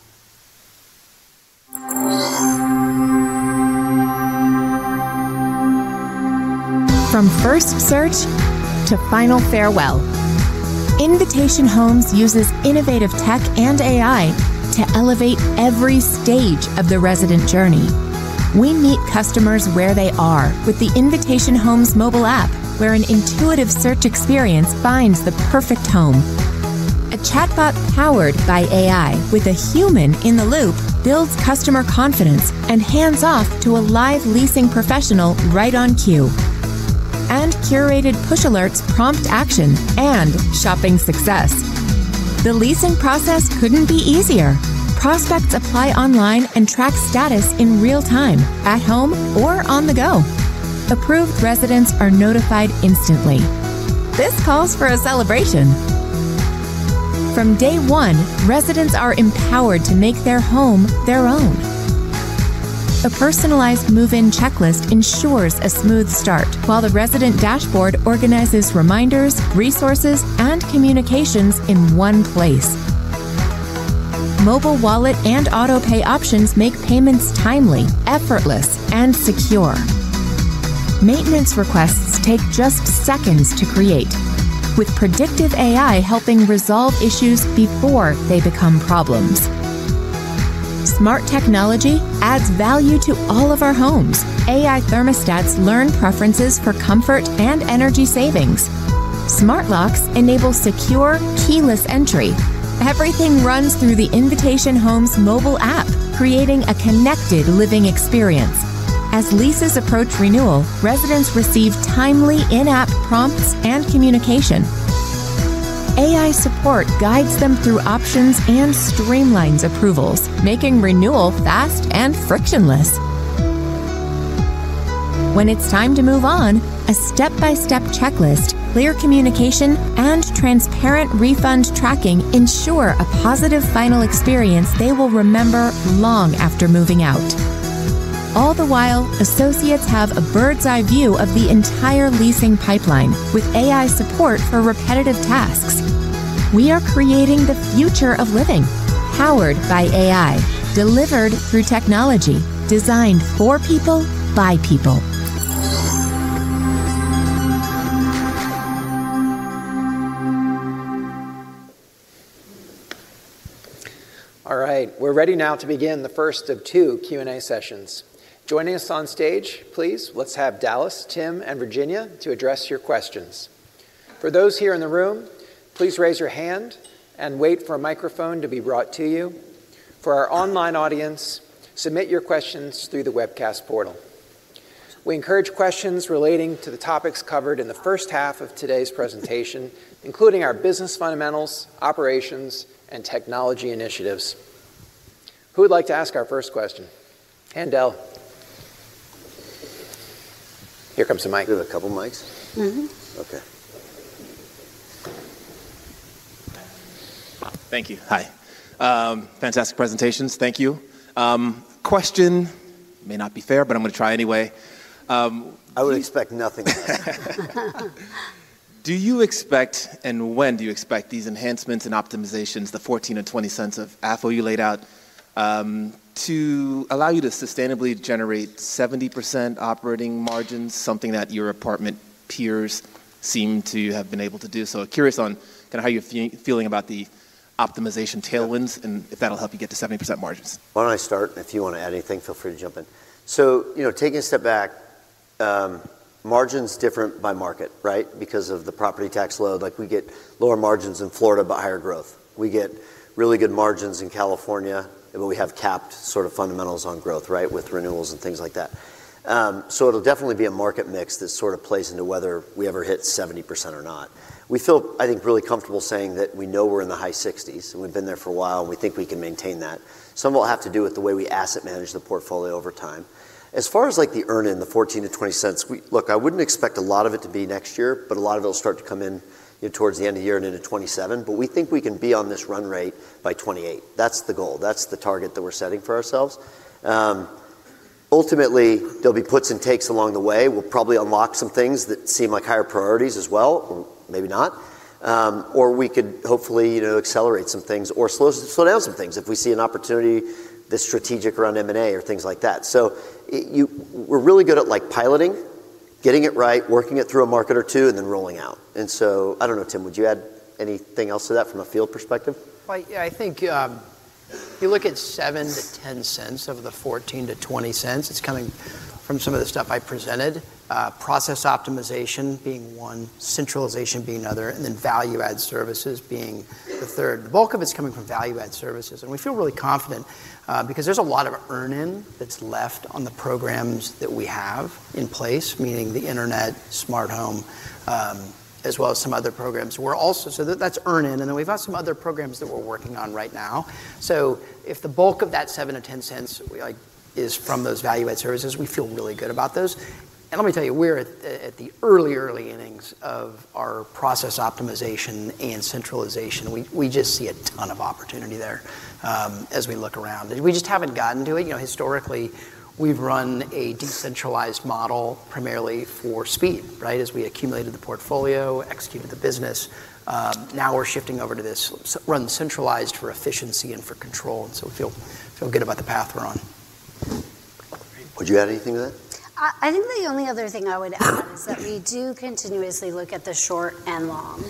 From first search to final farewell, Invitation Homes uses innovative tech and AI to elevate every stage of the resident journey. We meet customers where they are with the Invitation Homes mobile app, where an intuitive search experience finds the perfect home. A chatbot powered by AI with a human in the loop builds customer confidence and hands off to a live leasing professional right on cue. Curated push alerts prompt action and shopping success. The leasing process could not be easier. Prospects apply online and track status in real time, at home, or on the go. Approved residents are notified instantly. This calls for a celebration. From day one, residents are empowered to make their home their own. A personalized move-in checklist ensures a smooth start, while the resident dashboard organizes reminders, resources, and communications in one place. Mobile wallet and autopay options make payments timely, effortless, and secure. Maintenance requests take just seconds to create, with predictive AI helping resolve issues before they become problems. Smart technology adds value to all of our homes. AI thermostats learn preferences for comfort and energy savings. Smart locks enable secure, keyless entry. Everything runs through the Invitation Homes mobile app, creating a connected living experience. As leases approach renewal, residents receive timely in-app prompts and communication. AI support guides them through options and streamlines approvals, making renewal fast and frictionless. When it's time to move on, a step-by-step checklist, clear communication, and transparent refund tracking ensure a positive final experience they will remember long after moving out. All the while, associates have a bird's-eye view of the entire leasing pipeline with AI support for repetitive tasks. We are creating the future of living, powered by AI, delivered through technology designed for people by people. All right, we're ready now to begin the first of two Q&A sessions. Joining us on stage, please, let's have Dallas, Tim, and Virginia to address your questions. For those here in the room, please raise your hand and wait for a microphone to be brought to you. For our online audience, submit your questions through the webcast portal. We encourage questions relating to the topics covered in the first half of today's presentation, including our business fundamentals, operations, and technology initiatives. Who would like to ask our first question? Hand down. Here comes the mic. Do we have a couple of mics? Mm-hmm. Okay. Thank you. Hi. Fantastic presentations. Thank you. Question may not be fair, but I'm going to try anyway. I would expect nothing. Do you expect, and when do you expect these enhancements and optimizations, the $0.14 and $0.20 of AFFO you laid out, to allow you to sustainably generate 70% operating margins, something that your apartment peers seem to have been able to do? Curious on kind of how you're feeling about the optimization tailwinds and if that'll help you get to 70% margins. Why don't I start? If you want to add anything, feel free to jump in. Taking a step back, margin's different by market, right? Because of the property tax load. We get lower margins in Florida but higher growth. We get really good margins in California, but we have capped sort of fundamentals on growth, right, with renewals and things like that. It'll definitely be a market mix that sort of plays into whether we ever hit 70% or not. We feel, I think, really comfortable saying that we know we're in the high 60%, and we've been there for a while, and we think we can maintain that. Some of it will have to do with the way we asset manage the portfolio over time. As far as the earn-in, the $0.14-$0.20, look, I wouldn't expect a lot of it to be next year, but a lot of it will start to come in towards the end of the year and into 2027. We think we can be on this run rate by 2028. That's the goal. That's the target that we're setting for ourselves. Ultimately, there'll be puts and takes along the way. We'll probably unlock some things that seem like higher priorities as well, or maybe not. Or we could hopefully accelerate some things or slow down some things if we see an opportunity that's strategic around M&A or things like that. We're really good at piloting, getting it right, working it through a market or two, and then rolling out. I don't know, Tim, would you add anything else to that from a field perspective? I think if you look at 7-10 cents of the 14-20 cents, it's coming from some of the stuff I presented, process optimization being one, centralization being another, and then value-add services being the third. The bulk of it's coming from value-add services. We feel really confident because there's a lot of earn-in that's left on the programs that we have in place, meaning the internet, smart home, as well as some other programs. That's earn-in. We've got some other programs that we're working on right now. If the bulk of that $0.07-$0.10 is from those value-add services, we feel really good about those. Let me tell you, we're at the early, early innings of our process optimization and centralization. We just see a ton of opportunity there as we look around. We just haven't gotten to it. Historically, we've run a decentralized model primarily for speed, right? As we accumulated the portfolio, executed the business, now we're shifting over to this run centralized for efficiency and for control. We feel good about the path we're on. Would you add anything to that? I think the only other thing I would add is that we do continuously look at the short and long.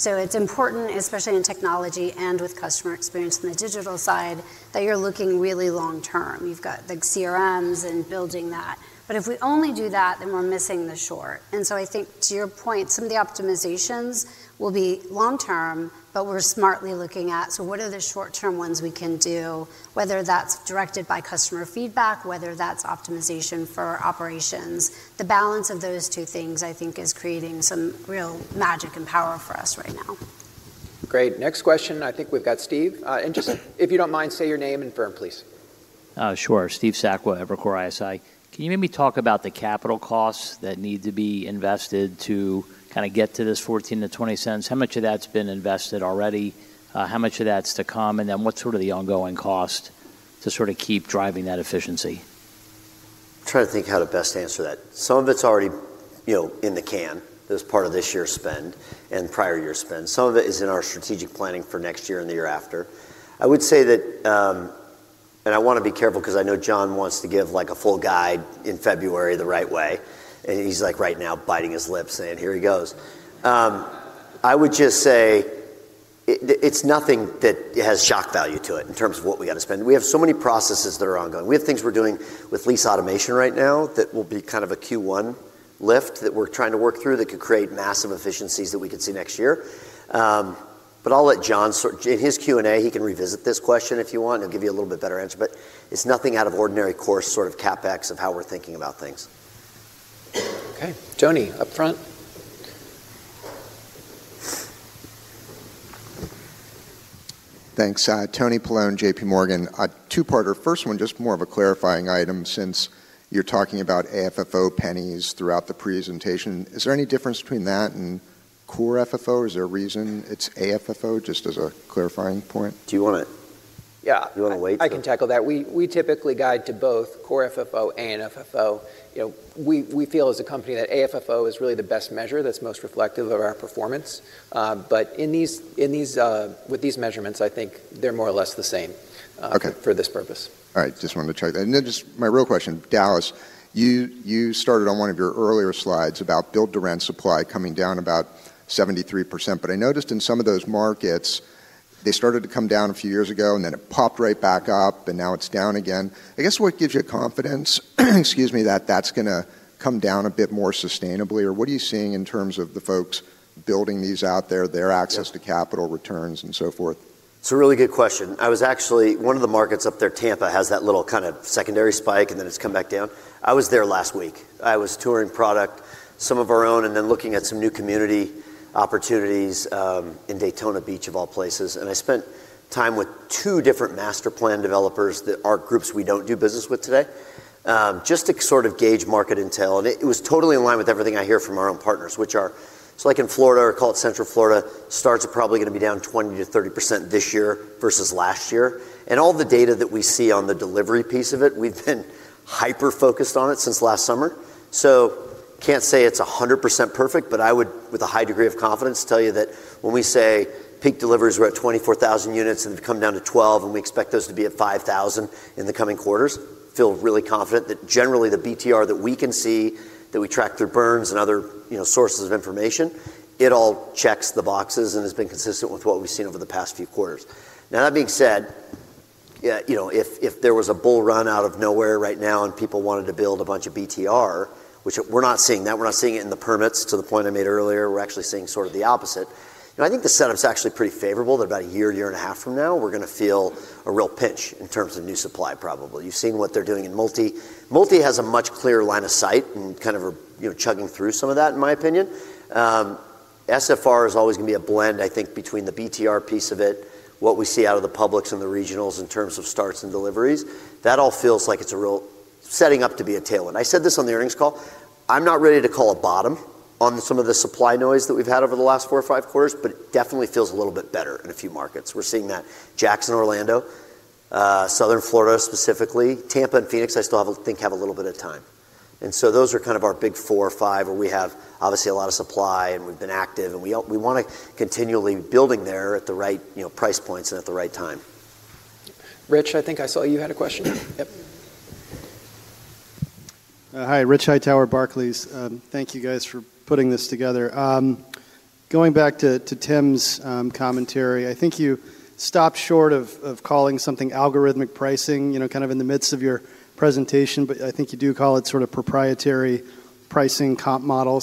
It is important, especially in technology and with customer experience on the digital side, that you are looking really long-term. You have got the CRMs and building that. If we only do that, then we are missing the short. I think to your point, some of the optimizations will be long-term, but we are smartly looking at, so what are the short-term ones we can do, whether that is directed by customer feedback, whether that is optimization for operations. The balance of those two things, I think, is creating some real magic and power for us right now. Great. Next question, I think we have got Steve. If you do not mind, say your name and firm, please. Sure. Steve Sakwa, Evercore ISI. Can you maybe talk about the capital costs that need to be invested to kind of get to this $0.14-$0.20? How much of that's been invested already? How much of that's to come? And then what's sort of the ongoing cost to sort of keep driving that efficiency? I'm trying to think how to best answer that. Some of it's already in the can as part of this year's spend and prior year's spend. Some of it is in our strategic planning for next year and the year after. I would say that, and I want to be careful because I know Jon wants to give a full guide in February the right way. And he's like right now biting his lip saying, "Here he goes." I would just say it's nothing that has shock value to it in terms of what we got to spend. We have so many processes that are ongoing. We have things we're doing with lease automation right now that will be kind of a Q1 lift that we're trying to work through that could create massive efficiencies that we could see next year. I'll let Jon sort of in his Q&A, he can revisit this question if you want, and he'll give you a little bit better answer. It's nothing out of ordinary course sort of CapEx of how we're thinking about things. Okay. Tony, up front. Thanks. Tony Pallone, JPMorgan. Two-parter, first one, just more of a clarifying item since you're talking about AFFO pennies throughout the presentation. Is there any difference between that and core FFO? Is there a reason it's AFFO just as a clarifying point? Do you want to? Yeah. Do you want to wait for? I can tackle that. We typically guide to both core FFO and FFO. We feel as a company that AFFO is really the best measure that's most reflective of our performance. With these measurements, I think they're more or less the same for this purpose. All right. Just wanted to check that. Just my real question, Dallas, you started on one of your earlier slides about build-to-rent supply coming down about 73%. I noticed in some of those markets, they started to come down a few years ago, and then it popped right back up, and now it's down again. I guess what gives you confidence, excuse me, that that's going to come down a bit more sustainably, or what are you seeing in terms of the folks building these out there, their access to capital returns and so forth? It's a really good question. I was actually one of the markets up there, Tampa, has that little kind of secondary spike, and then it's come back down. I was there last week. I was touring product, some of our own, and then looking at some new community opportunities in Daytona Beach, of all places. I spent time with two different master plan developers, groups we don't do business with today, just to sort of gauge market intel. It was totally in line with everything I hear from our own partners, which are, like in Florida, or call it Central Florida, starts are probably going to be down 20-30% this year versus last year. All the data that we see on the delivery piece of it, we've been hyper-focused on it since last summer. I can't say it's 100% perfect, but I would, with a high degree of confidence, tell you that when we say peak deliveries were at 24,000 units and have come down to 12, and we expect those to be at 5,000 in the coming quarters, I feel really confident that generally the BTR that we can see, that we track through Burns and other sources of information, it all checks the boxes and has been consistent with what we've seen over the past few quarters. Now, that being said, if there was a bull run out of nowhere right now and people wanted to build a bunch of BTR, which we're not seeing, we're not seeing it in the permits to the point I made earlier, we're actually seeing sort of the opposite. I think the setup's actually pretty favorable that about a year, year and a half from now, we're going to feel a real pinch in terms of new supply probably. You've seen what they're doing in Multi. Multi has a much clearer line of sight and kind of chugging through some of that, in my opinion. SFR is always going to be a blend, I think, between the BTR piece of it, what we see out of the publics and the regionals in terms of starts and deliveries. That all feels like it's a real setting up to be a tailwind. I said this on the earnings call. I'm not ready to call a bottom on some of the supply noise that we've had over the last four or five quarters, but it definitely feels a little bit better in a few markets. We're seeing that Jacksonville-Orlando, Southern Florida specifically, Tampa and Phoenix, I still think have a little bit of time. Those are kind of our big four or five where we have obviously a lot of supply, and we've been active, and we want to continually be building there at the right price points and at the right time. Rich, I think I saw you had a question. Yep. Hi, Rich Hightower, Barclays. Thank you guys for putting this together. Going back to Tim's commentary, I think you stopped short of calling something algorithmic pricing kind of in the midst of your presentation, but I think you do call it sort of proprietary pricing comp model.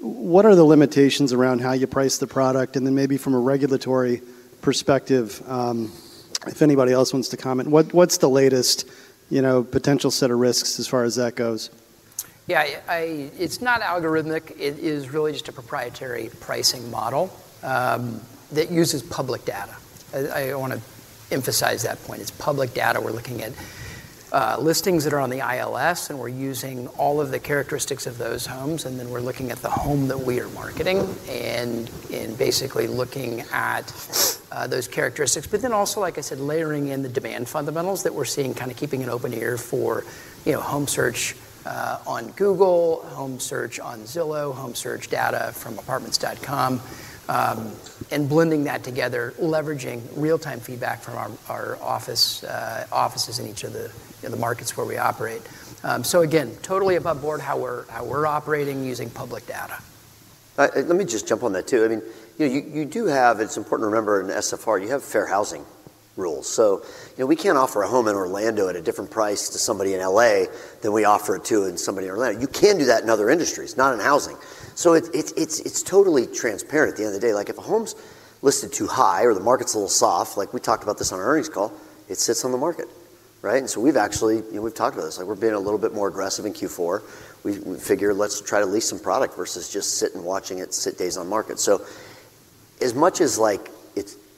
What are the limitations around how you price the product? Maybe from a regulatory perspective, if anybody else wants to comment, what's the latest potential set of risks as far as that goes? Yeah. It's not algorithmic. It is really just a proprietary pricing model that uses public data. I want to emphasize that point. It's public data. We're looking at listings that are on the ILS, and we're using all of the characteristics of those homes. We're looking at the home that we are marketing and basically looking at those characteristics. Also, like I said, layering in the demand fundamentals that we're seeing, kind of keeping an open ear for home search on Google, home search on Zillow, home search data from apartments.com, and blending that together, leveraging real-time feedback from our offices in each of the markets where we operate. Again, totally above board how we're operating using public data. Let me just jump on that too. I mean, you do have, it's important to remember in SFR, you have fair housing rules. So we can't offer a home in Orlando at a different price to somebody in LA than we offer it to in somebody in Orlando. You can do that in other industries, not in housing. It is totally transparent at the end of the day. If a home's listed too high or the market's a little soft, like we talked about this on our earnings call, it sits on the market, right? And so we've actually talked about this. We've been a little bit more aggressive in Q4. We figure let's try to lease some product versus just sit and watching it sit days on market. As much as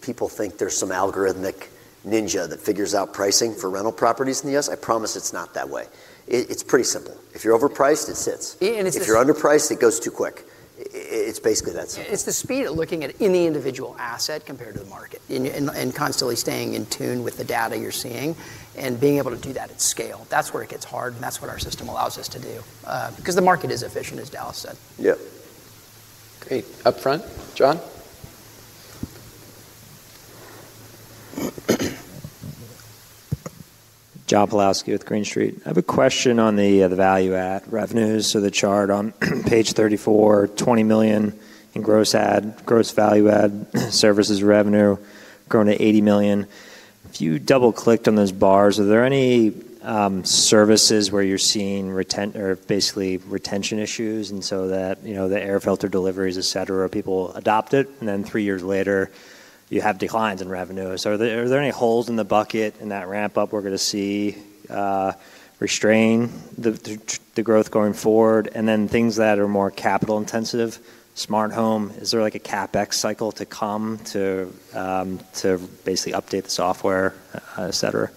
people think there's some algorithmic ninja that figures out pricing for rental properties in the U.S., I promise it's not that way. It's pretty simple. If you're overpriced, it sits. If you're underpriced, it goes too quick. It's basically that simple. It's the speed of looking at any individual asset compared to the market and constantly staying in tune with the data you're seeing and being able to do that at scale. That's where it gets hard, and that's what our system allows us to do because the market is efficient, as Dallas said. Yeah. Great. Up front, Jon. Jon Pawlowski with Green Street. I have a question on the value-add revenues. The chart on page 34, $20 million in gross value-add services revenue grown to $80 million. If you double-clicked on those bars, are there any services where you're seeing basically retention issues and so that the air filter deliveries, et cetera, people adopt it, and then three years later, you have declines in revenue? Are there any holes in the bucket in that ramp-up we're going to see restrain the growth going forward? Things that are more capital-intensive, smart home, is there a CapEx cycle to come to basically update the software, et cetera?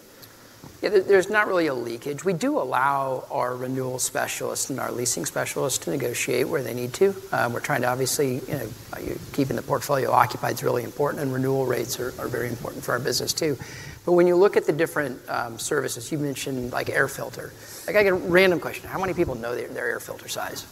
Yeah. There's not really a leakage. We do allow our renewal specialists and our leasing specialists to negotiate where they need to. We're trying to obviously keeping the portfolio occupied is really important, and renewal rates are very important for our business too. When you look at the different services, you mentioned air filter. I got a random question. How many people know their air filter size?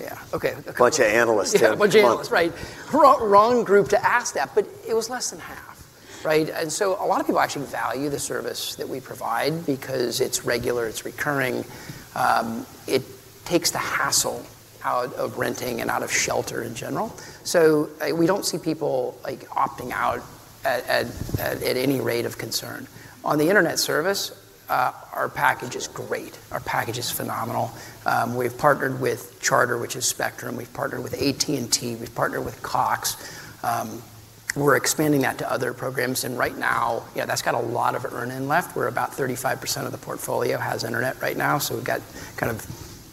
Yeah. Okay. Bunch of analysts. Bunch of analysts, right. Wrong group to ask that, but it was less than half, right? A lot of people actually value the service that we provide because it's regular, it's recurring. It takes the hassle out of renting and out of shelter in general. We do not see people opting out at any rate of concern. On the internet service, our package is great. Our package is phenomenal. We have partnered with Charter, which is Spectrum. We have partnered with AT&T. We have partnered with Cox. We are expanding that to other programs. Right now, that has a lot of earning left. We are about 35% of the portfolio has internet right now. We have kind of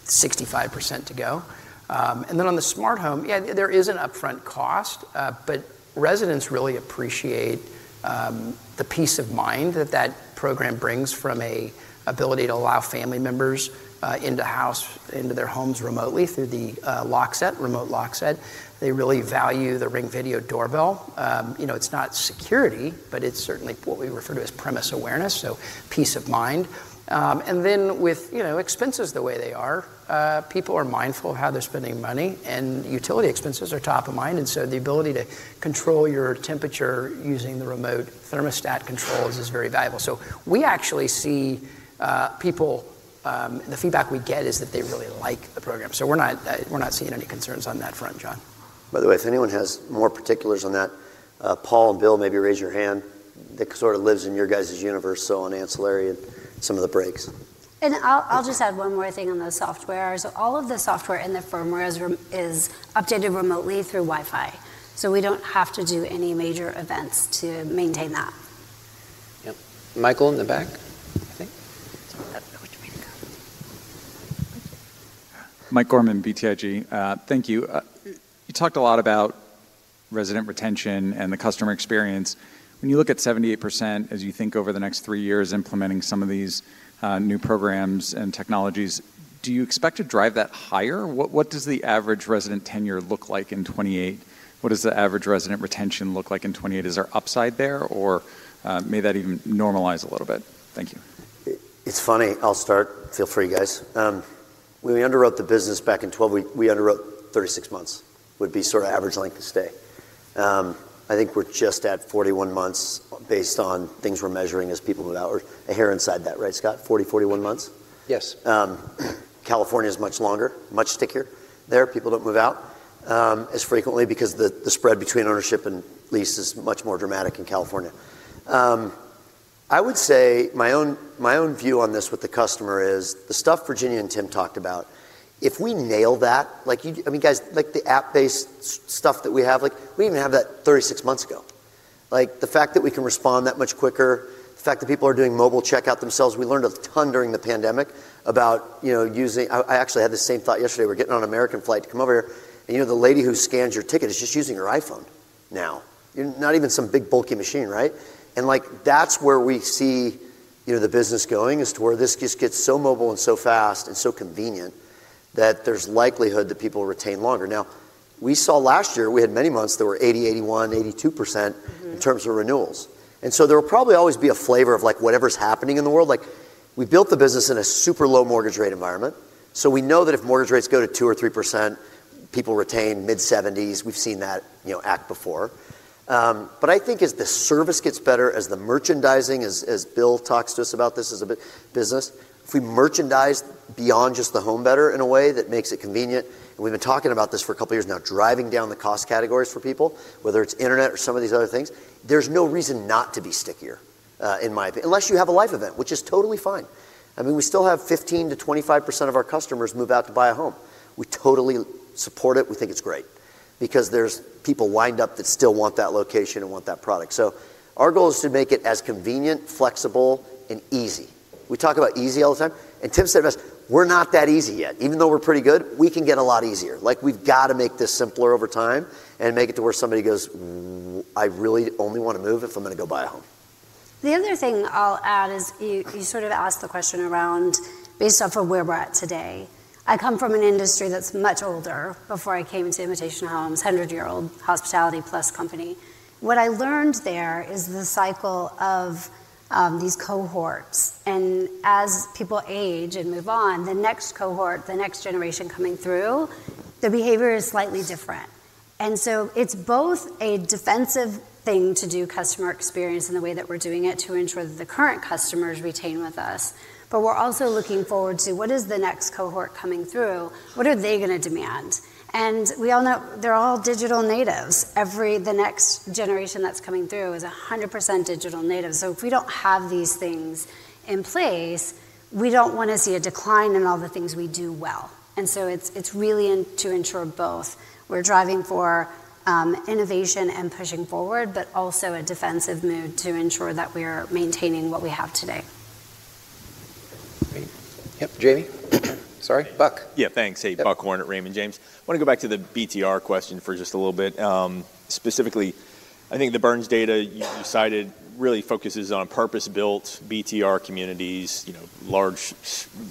65% to go. On the smart home, yeah, there is an upfront cost, but residents really appreciate the peace of mind that that program brings from an ability to allow family members into their homes remotely through the lockset, remote lockset. They really value the Ring Video Doorbell. It is not security, but it is certainly what we refer to as premise awareness, so peace of mind. With expenses the way they are, people are mindful of how they are spending money, and utility expenses are top of mind. The ability to control your temperature using the remote thermostat controls is very valuable. We actually see people, the feedback we get is that they really like the program. We are not seeing any concerns on that front, Jon. By the way, if anyone has more particulars on that, Paul and Bill, maybe raise your hand. That sort of lives in your guys' universe, on ancillary and some of the breaks. I'll just add one more thing on the software. All of the software and the firmware is updated remotely through Wi-Fi. We do not have to do any major events to maintain that. Yep. Michael in the back, I think. Mike Gorman, BTIG. Thank you. You talked a lot about resident retention and the customer experience. When you look at 78%, as you think over the next three years implementing some of these new programs and technologies, do you expect to drive that higher? What does the average resident tenure look like in 2028? What does the average resident retention look like in 2028? Is there upside there, or may that even normalize a little bit? Thank you. It's funny. I'll start. Feel free, guys. When we underwrote the business back in 2012, we underwrote 36 months would be sort of average length of stay. I think we're just at 41 months based on things we're measuring as people move out. Or here inside that, right, Scott? 40, 41 months? Yes. California is much longer, much stickier. There, people don't move out as frequently because the spread between ownership and lease is much more dramatic in California. I would say my own view on this with the customer is the stuff Virginia and Tim talked about, if we nail that, I mean, guys, the app-based stuff that we have, we didn't have that 36 months ago. The fact that we can respond that much quicker, the fact that people are doing mobile checkout themselves, we learned a ton during the pandemic about using I actually had the same thought yesterday. We're getting on an American flight to come over here, and the lady who scans your ticket is just using her iPhone now, not even some big bulky machine, right? That's where we see the business going, to where this just gets so mobile and so fast and so convenient that there's likelihood that people retain longer. We saw last year, we had many months that were 80%, 81%, 82% in terms of renewals. There will probably always be a flavor of whatever's happening in the world. We built the business in a super low mortgage rate environment. We know that if mortgage rates go to 2% or 3%, people retain mid-70s. We've seen that act before. I think as the service gets better, as the merchandising, as Bill talks to us about this as a business, if we merchandise beyond just the home better in a way that makes it convenient, and we've been talking about this for a couple of years now, driving down the cost categories for people, whether it's internet or some of these other things, there's no reason not to be stickier, in my opinion, unless you have a life event, which is totally fine. I mean, we still have 15%-25% of our customers move out to buy a home. We totally support it. We think it's great because there's people lined up that still want that location and want that product. Our goal is to make it as convenient, flexible, and easy. We talk about easy all the time. Tim said to us, "We're not that easy yet. Even though we're pretty good, we can get a lot easier." We have to make this simpler over time and make it to where somebody goes, "I really only want to move if I'm going to go buy a home." The other thing I'll add is you sort of asked the question around based off of where we're at today. I come from an industry that's much older. Before I came into Invitation Homes, a 100-year-old hospitality plus company. What I learned there is the cycle of these cohorts. As people age and move on, the next cohort, the next generation coming through, the behavior is slightly different. It is both a defensive thing to do customer experience in the way that we're doing it to ensure that the current customers retain with us. We're also looking forward to what is the next cohort coming through. What are they going to demand? We all know they're all digital natives. The next generation that's coming through is 100% digital natives. If we do not have these things in place, we do not want to see a decline in all the things we do well. It is really to ensure both we are driving for innovation and pushing forward, but also a defensive move to ensure that we are maintaining what we have today. Great. Yep. Jamie. Sorry. Buck. Yeah. Thanks. Hey, Buck Warner, Raymond James. I want to go back to the BTR question for just a little bit. Specifically, I think the Burns data you cited really focuses on purpose-built BTR communities, large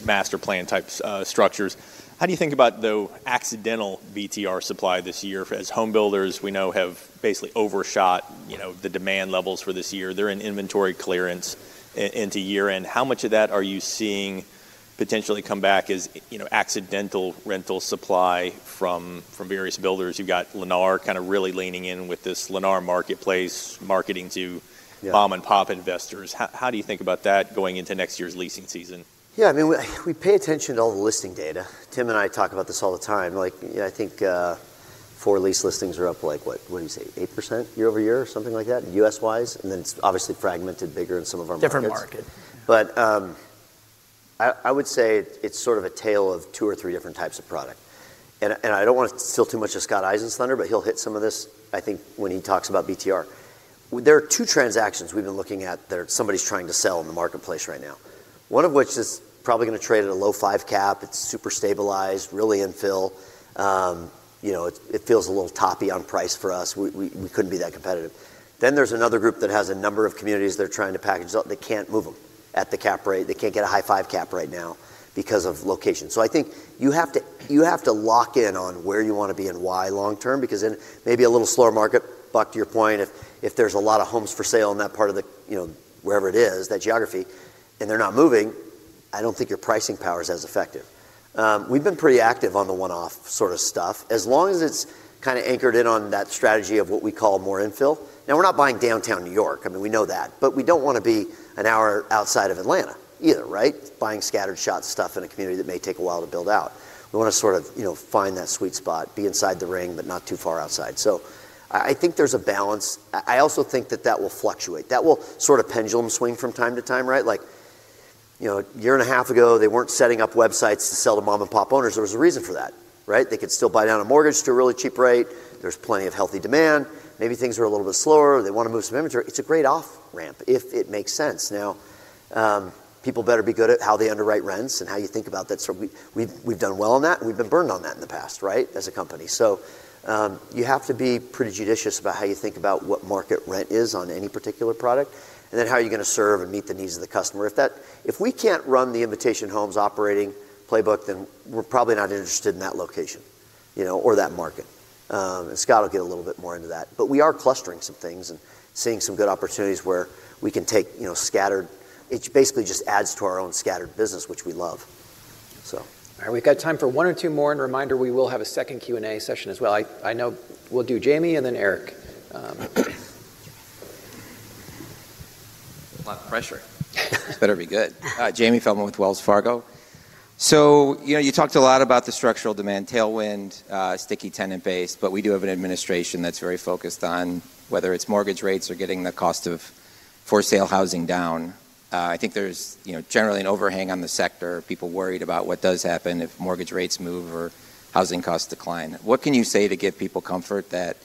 master plan type structures. How do you think about the accidental BTR supply this year? As home builders, we know have basically overshot the demand levels for this year. They're in inventory clearance into year-end. How much of that are you seeing potentially come back as accidental rental supply from various builders? You've got Lennar kind of really leaning in with this Lennar marketplace marketing to mom-and-pop investors. How do you think about that going into next year's leasing season? Yeah. I mean, we pay attention to all the listing data. Tim and I talk about this all the time. I think for-lease listings are up, what did he say, 8% year over year or something like that, US-wise. And then it's obviously fragmented bigger in some of our markets. Different market. I would say it's sort of a tale of two or three different types of product. I do not want to steal too much of Scott Eisen's thunder, but he'll hit some of this, I think, when he talks about BTR. There are two transactions we've been looking at that somebody's trying to sell in the marketplace right now, one of which is probably going to trade at a low five cap. It's super stabilized, really infill. It feels a little toppy on price for us. We could not be that competitive. There is another group that has a number of communities they're trying to package up. They cannot move them at the cap rate. They cannot get a high five cap right now because of location. I think you have to lock in on where you want to be and why long-term because then maybe a little slower market, Buck, to your point, if there's a lot of homes for sale in that part of the, wherever it is, that geography, and they're not moving, I don't think your pricing power is as effective. We've been pretty active on the one-off sort of stuff as long as it's kind of anchored in on that strategy of what we call more infill. Now, we're not buying downtown New York. I mean, we know that, but we don't want to be an hour outside of Atlanta either, right? Buying scattered shot stuff in a community that may take a while to build out. We want to sort of find that sweet spot, be inside the ring, but not too far outside. I think there's a balance. I also think that will fluctuate. That will sort of pendulum swing from time to time, right? A year and a half ago, they were not setting up websites to sell to mom-and-pop owners. There was a reason for that, right? They could still buy down a mortgage to a really cheap rate. There is plenty of healthy demand. Maybe things are a little bit slower. They want to move some inventory. It is a great off-ramp if it makes sense. Now, people better be good at how they underwrite rents and how you think about that. We have done well on that, and we have been burned on that in the past, right, as a company. You have to be pretty judicious about how you think about what market rent is on any particular product and then how you are going to serve and meet the needs of the customer. If we can't run the Invitation Homes operating playbook, then we're probably not interested in that location or that market. Scott will get a little bit more into that. We are clustering some things and seeing some good opportunities where we can take scattered. It basically just adds to our own scattered business, which we love. All right. We've got time for one or two more. Reminder, we will have a second Q&A session as well. I know we'll do Jamie and then Eric. A lot of pressure. This better be good. Jamie Feldman with Wells Fargo. You talked a lot about the structural demand, tailwind, sticky tenant base, but we do have an administration that's very focused on whether it's mortgage rates or getting the cost of for-sale housing down. I think there's generally an overhang on the sector. People worried about what does happen if mortgage rates move or housing costs decline. What can you say to give people comfort that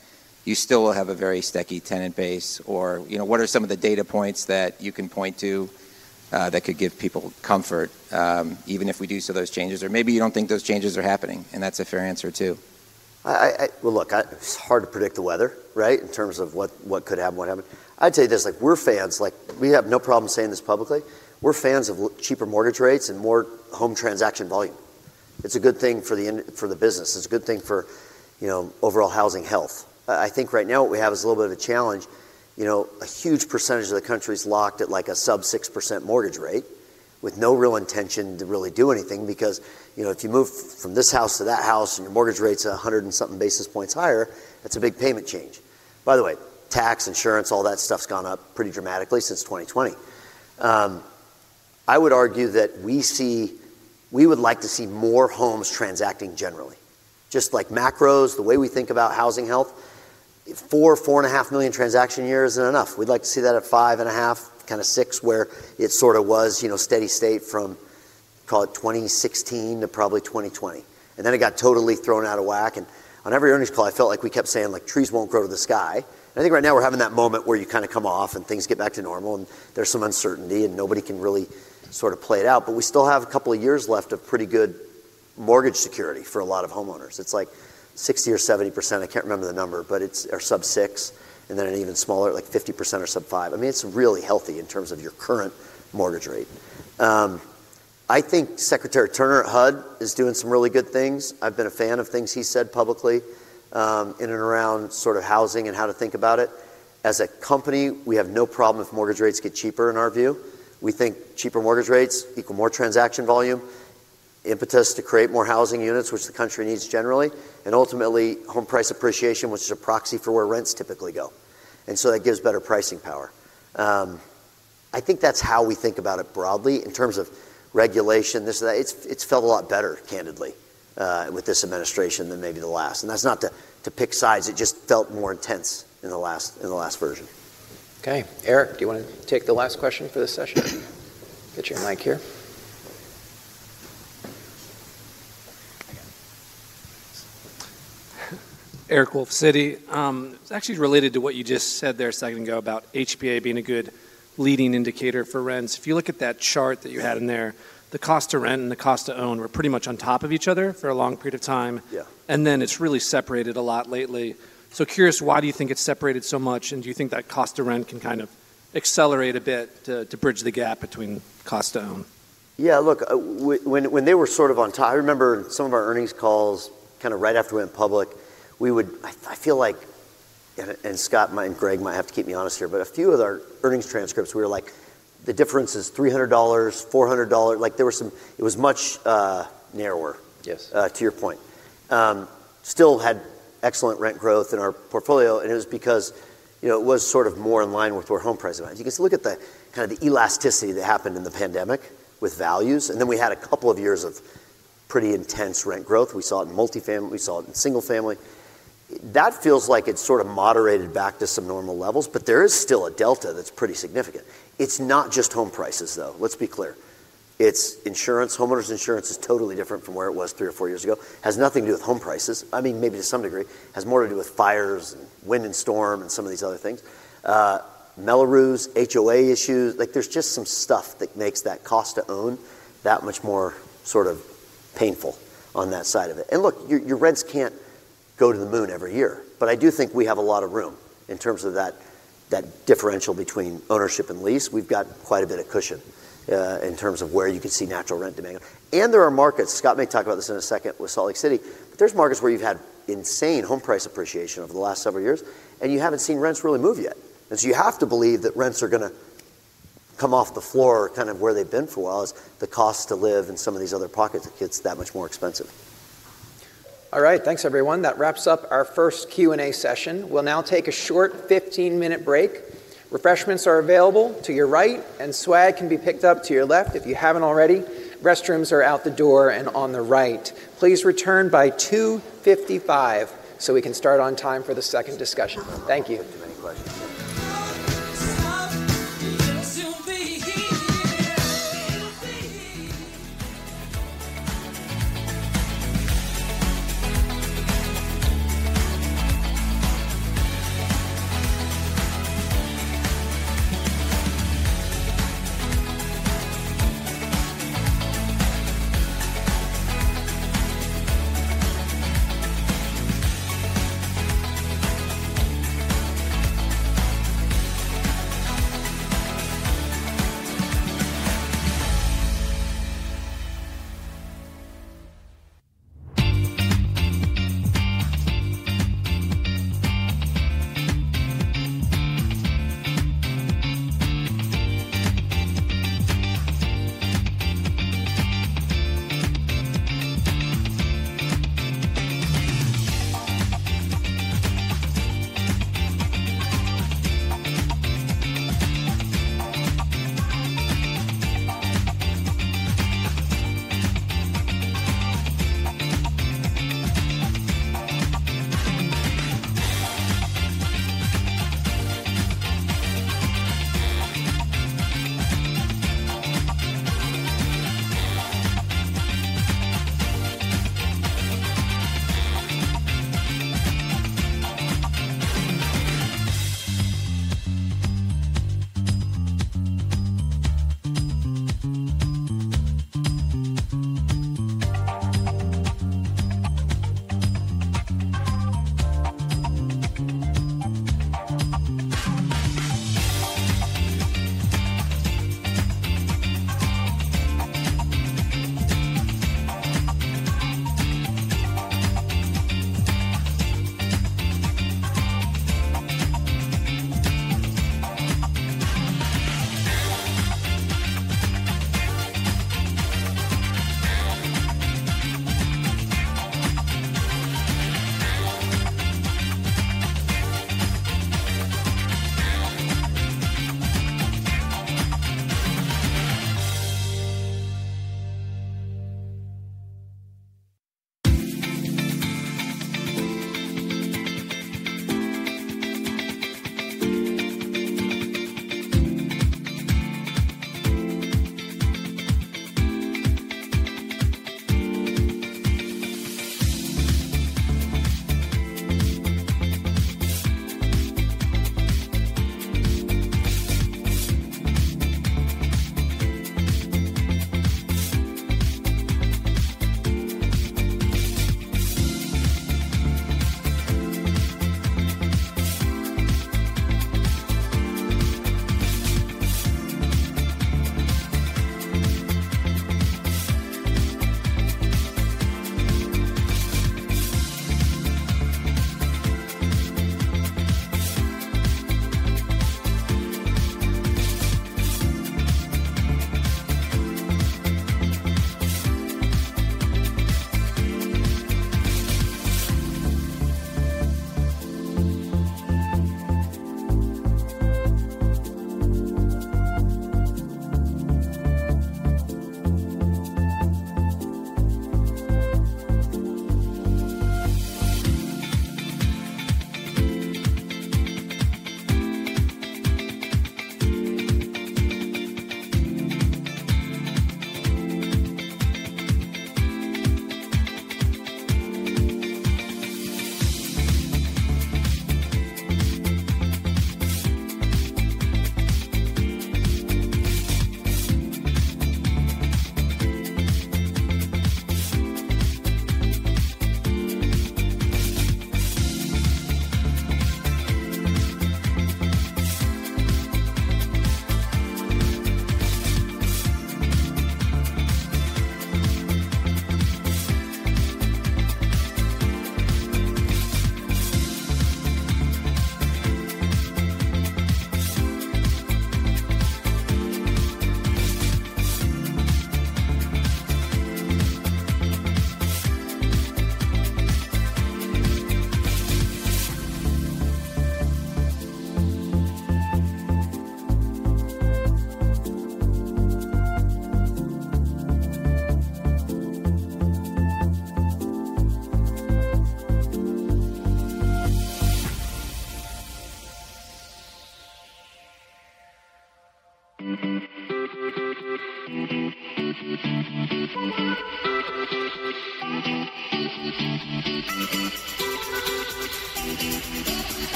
you still will have a very sticky tenant base? Or what are some of the data points that you can point to that could give people comfort even if we do see those changes? Or maybe you do not think those changes are happening, and that is a fair answer too. Look, it is hard to predict the weather, right, in terms of what could happen, what happened. I would say this. We are fans. We have no problem saying this publicly. We are fans of cheaper mortgage rates and more home transaction volume. It is a good thing for the business. It is a good thing for overall housing health. I think right now what we have is a little bit of a challenge. A huge percentage of the country is locked at a sub-6% mortgage rate with no real intention to really do anything because if you move from this house to that house and your mortgage rate's 100 and something basis points higher, that's a big payment change. By the way, tax, insurance, all that stuff's gone up pretty dramatically since 2020. I would argue that we would like to see more homes transacting generally. Just like macros, the way we think about housing health, four, four and a half million transaction years isn't enough. We'd like to see that at five and a half, kind of six, where it sort of was steady state from, call it 2016 to probably 2020. It got totally thrown out of whack. On every earnings call, I felt like we kept saying, "Trees won't grow to the sky." I think right now we're having that moment where you kind of come off and things get back to normal, and there's some uncertainty, and nobody can really sort of play it out. We still have a couple of years left of pretty good mortgage security for a lot of homeowners. It's like 60% or 70%. I can't remember the number, but it's sub-6%, and then an even smaller, like 50% or sub-5%. I mean, it's really healthy in terms of your current mortgage rate. I think Secretary Turner, HUD, is doing some really good things. I've been a fan of things he said publicly in and around sort of housing and how to think about it. As a company, we have no problem if mortgage rates get cheaper in our view. We think cheaper mortgage rates equal more transaction volume, impetus to create more housing units, which the country needs generally, and ultimately home price appreciation, which is a proxy for where rents typically go. That gives better pricing power. I think that's how we think about it broadly in terms of regulation, this and that. It's felt a lot better, candidly, with this administration than maybe the last. That's not to pick sides. It just felt more intense in the last version. Okay. Eric, do you want to take the last question for this session? Get your mic here. Eric Wolfe, Citi. It's actually related to what you just said there a second ago about HBA being a good leading indicator for rents. If you look at that chart that you had in there, the cost to rent and the cost to own were pretty much on top of each other for a long period of time. It has really separated a lot lately. Curious, why do you think it has separated so much? Do you think that cost to rent can kind of accelerate a bit to bridge the gap between cost to own? Yeah. Look, when they were sort of on top, I remember some of our earnings calls kind of right after we went public, we would, I feel like, and Scott and Greg might have to keep me honest here, but a few of our earnings transcripts, we were like, "The difference is $300, $400." There was some it was much narrower, to your point. Still had excellent rent growth in our portfolio, and it was because it was sort of more in line with where home prices are. You can look at kind of the elasticity that happened in the pandemic with values. Then we had a couple of years of pretty intense rent growth. We saw it in multifamily. We saw it in single-family. That feels like it's sort of moderated back to some normal levels, but there is still a delta that's pretty significant. It's not just home prices, though. Let's be clear. It's insurance. Homeowners insurance is totally different from where it was three or four years ago. Has nothing to do with home prices. I mean, maybe to some degree, has more to do with fires and wind and storm and some of these other things. Melrose, HOA issues. There's just some stuff that makes that cost to own that much more sort of painful on that side of it. Look, your rents can't go to the moon every year, but I do think we have a lot of room in terms of that differential between ownership and lease. We've got quite a bit of cushion in terms of where you could see natural rent demand. There are markets. Scott may talk about this in a second with Salt Lake City. There are markets where you've had insane home price appreciation over the last several years, and you haven't seen rents really move yet. You have to believe that rents are going to come off the floor kind of where they've been for a while as the cost to live in some of these other pockets gets that much more expensive. All right. Thanks, everyone. That wraps up our first Q&A session. We'll now take a short 15-minute break. Refreshments are available to your right, and swag can be picked up to your left if you haven't already. Restrooms are out the door and on the right. Please return by 2:55 so we can start on time for the second discussion. Thank you.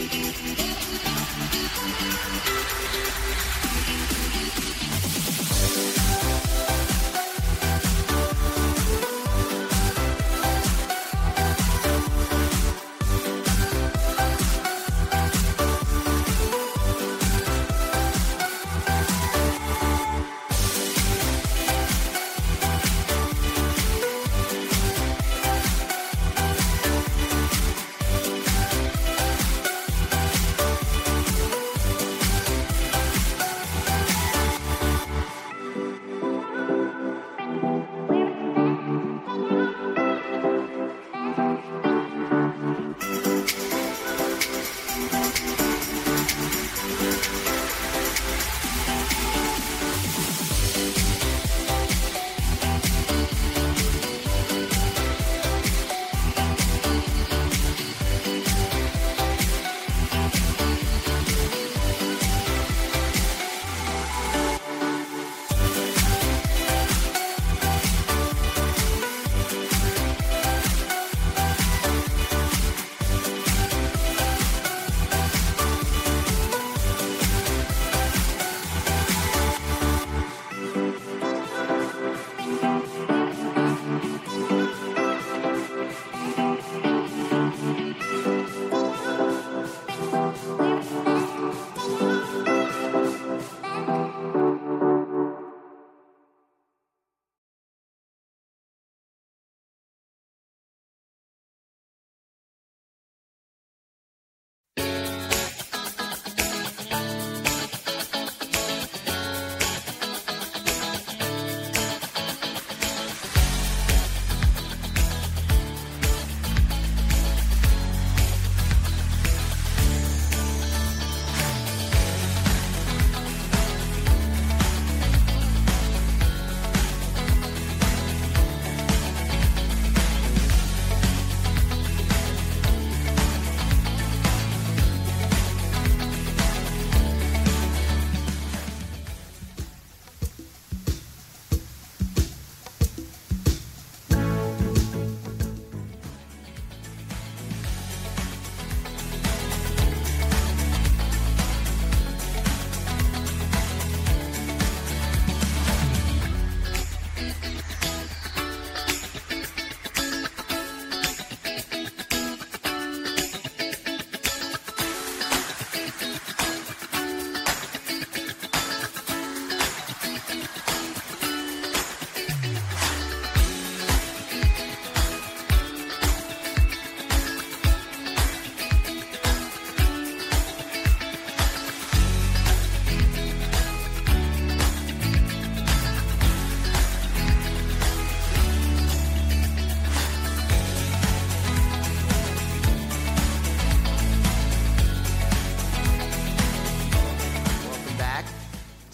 Welcome back.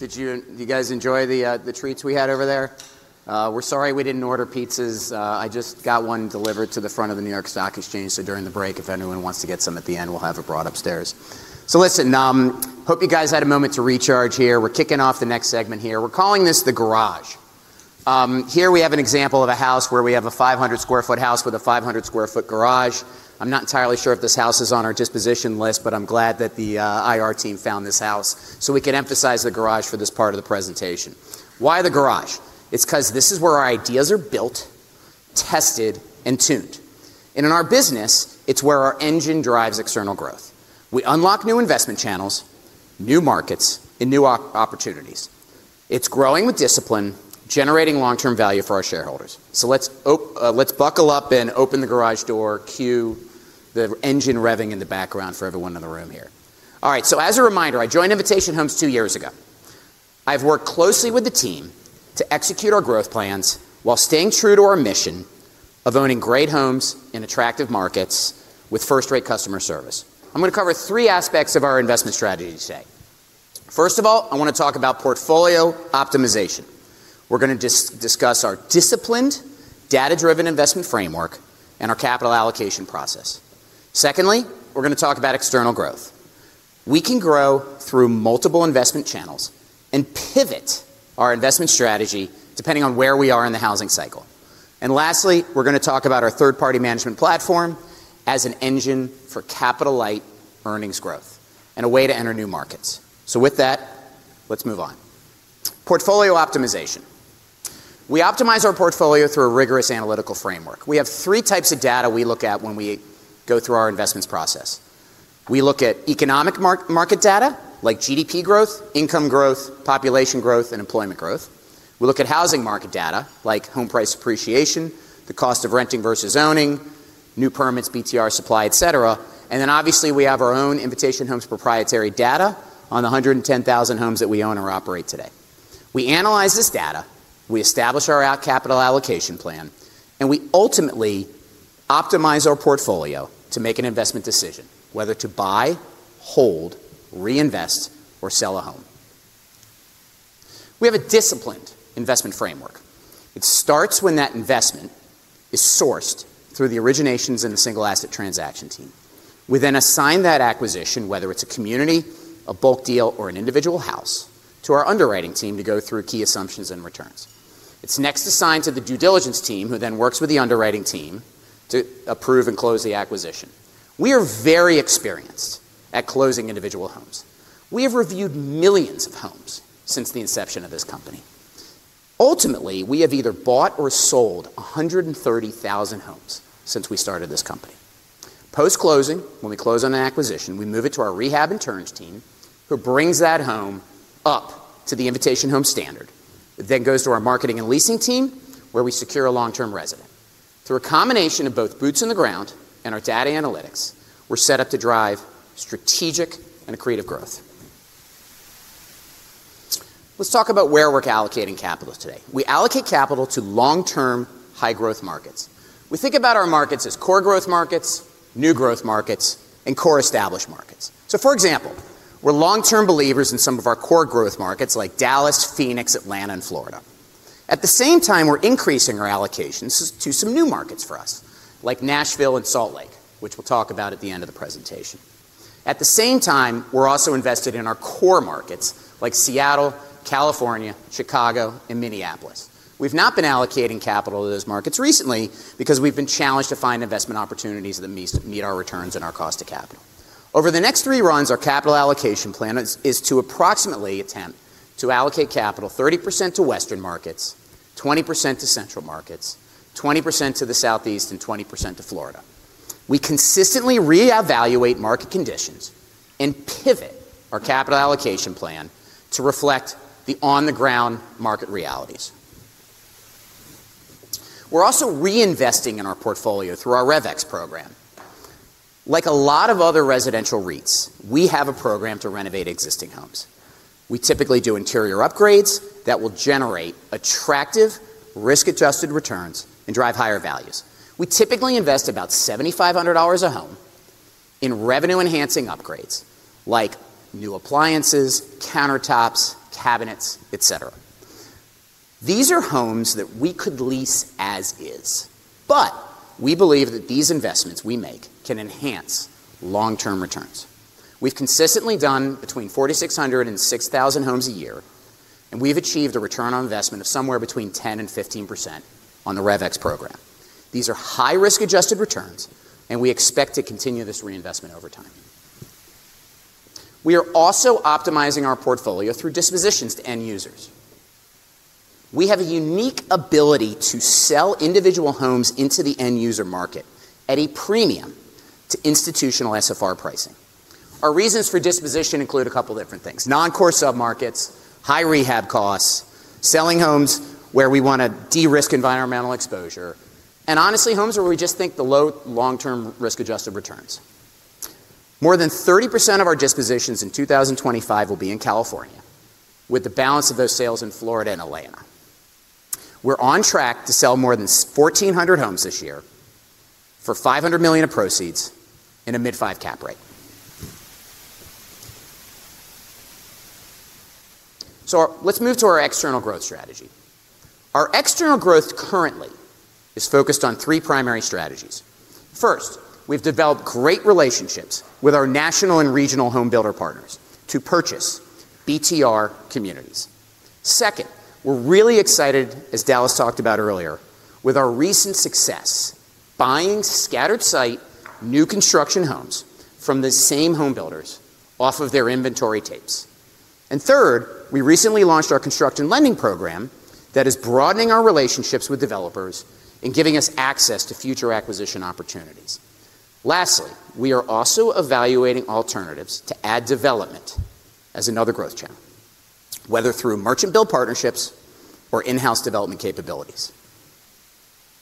Did you guys enjoy the treats we had over there? We're sorry we didn't order pizzas. I just got one delivered to the front of the New York Stock Exchange, so during the break, if anyone wants to get some at the end, we'll have it brought upstairs. Listen, hope you guys had a moment to recharge here. We're kicking off the next segment here. We're calling this the garage. Here we have an example of a house where we have a 500 sq ft house with a 500 sq ft garage. I'm not entirely sure if this house is on our disposition list, but I'm glad that the IR team found this house so we can emphasize the garage for this part of the presentation. Why the garage? It's because this is where our ideas are built, tested, and tuned. In our business, it's where our engine drives external growth. We unlock new investment channels, new markets, and new opportunities. It's growing with discipline, generating long-term value for our shareholders. Let's buckle up and open the garage door, cue the engine revving in the background for everyone in the room here. All right, as a reminder, I joined Invitation Homes two years ago. I've worked closely with the team to execute our growth plans while staying true to our mission of owning great homes in attractive markets with first-rate customer service. I'm going to cover three aspects of our investment strategy today. First of all, I want to talk about portfolio optimization. We're going to discuss our disciplined, data-driven investment framework and our capital allocation process. Secondly, we're going to talk about external growth. We can grow through multiple investment channels and pivot our investment strategy depending on where we are in the housing cycle. Lastly, we're going to talk about our third-party management platform as an engine for capital-light earnings growth and a way to enter new markets. With that, let's move on. Portfolio optimization. We optimize our portfolio through a rigorous analytical framework. We have three types of data we look at when we go through our investments process. We look at economic market data like GDP growth, income growth, population growth, and employment growth. We look at housing market data like home price appreciation, the cost of renting versus owning, new permits, BTR supply, etc. Obviously we have our own Invitation Homes proprietary data on the 110,000 homes that we own or operate today. We analyze this data, we establish our capital allocation plan, and we ultimately optimize our portfolio to make an investment decision, whether to buy, hold, reinvest, or sell a home. We have a disciplined investment framework. It starts when that investment is sourced through the originations and the single asset transaction team. We then assign that acquisition, whether it's a community, a bulk deal, or an individual house, to our underwriting team to go through key assumptions and returns. It's next assigned to the due diligence team who then works with the underwriting team to approve and close the acquisition. We are very experienced at closing individual homes. We have reviewed millions of homes since the inception of this company. Ultimately, we have either bought or sold 130,000 homes since we started this company. Post-closing, when we close on an acquisition, we move it to our rehab and turns team who brings that home up to the Invitation Homes standard. It then goes to our marketing and leasing team where we secure a long-term resident. Through a combination of both boots on the ground and our data analytics, we're set up to drive strategic and creative growth. Let's talk about where we're allocating capital today. We allocate capital to long-term high-growth markets. We think about our markets as core growth markets, new growth markets, and core established markets. For example, we're long-term believers in some of our core growth markets like Dallas, Phoenix, Atlanta, and Florida. At the same time, we're increasing our allocations to some new markets for us like Nashville and Salt Lake, which we'll talk about at the end of the presentation. At the same time, we're also invested in our core markets like Seattle, California, Chicago, and Minneapolis. We've not been allocating capital to those markets recently because we've been challenged to find investment opportunities that meet our returns and our cost of capital. Over the next three runs, our capital allocation plan is to approximately attempt to allocate capital 30% to Western markets, 20% to Central markets, 20% to the Southeast, and 20% to Florida. We consistently reevaluate market conditions and pivot our capital allocation plan to reflect the on-the-ground market realities. We're also reinvesting in our portfolio through our ReVex program. Like a lot of other residential REITs, we have a program to renovate existing homes. We typically do interior upgrades that will generate attractive risk-adjusted returns and drive higher values. We typically invest about $7,500 a home in revenue-enhancing upgrades like new appliances, countertops, cabinets, etc. These are homes that we could lease as-is, but we believe that these investments we make can enhance long-term returns. We've consistently done between 4,600 and 6,000 homes a year, and we've achieved a return on investment of somewhere between 10% and 15% on the ReVex program. These are high-risk-adjusted returns, and we expect to continue this reinvestment over time. We are also optimizing our portfolio through dispositions to end users. We have a unique ability to sell individual homes into the end user market at a premium to institutional SFR pricing. Our reasons for disposition include a couple of different things: non-core sub-markets, high rehab costs, selling homes where we want to de-risk environmental exposure, and honestly, homes where we just think the low long-term risk-adjusted returns. More than 30% of our dispositions in 2025 will be in California, with the balance of those sales in Florida and Atlanta. We are on track to sell more than 1,400 homes this year for $500 million of proceeds in a mid-5% cap rate. Let's move to our external growth strategy. Our external growth currently is focused on three primary strategies. First, we have developed great relationships with our national and regional homebuilder partners to purchase BTR communities. Second, we are really excited, as Dallas talked about earlier, with our recent success buying scattered-site new construction homes from the same homebuilders off of their inventory tapes. Third, we recently launched our construction lending program that is broadening our relationships with developers and giving us access to future acquisition opportunities. Lastly, we are also evaluating alternatives to add development as another growth channel, whether through merchant-build partnerships or in-house development capabilities.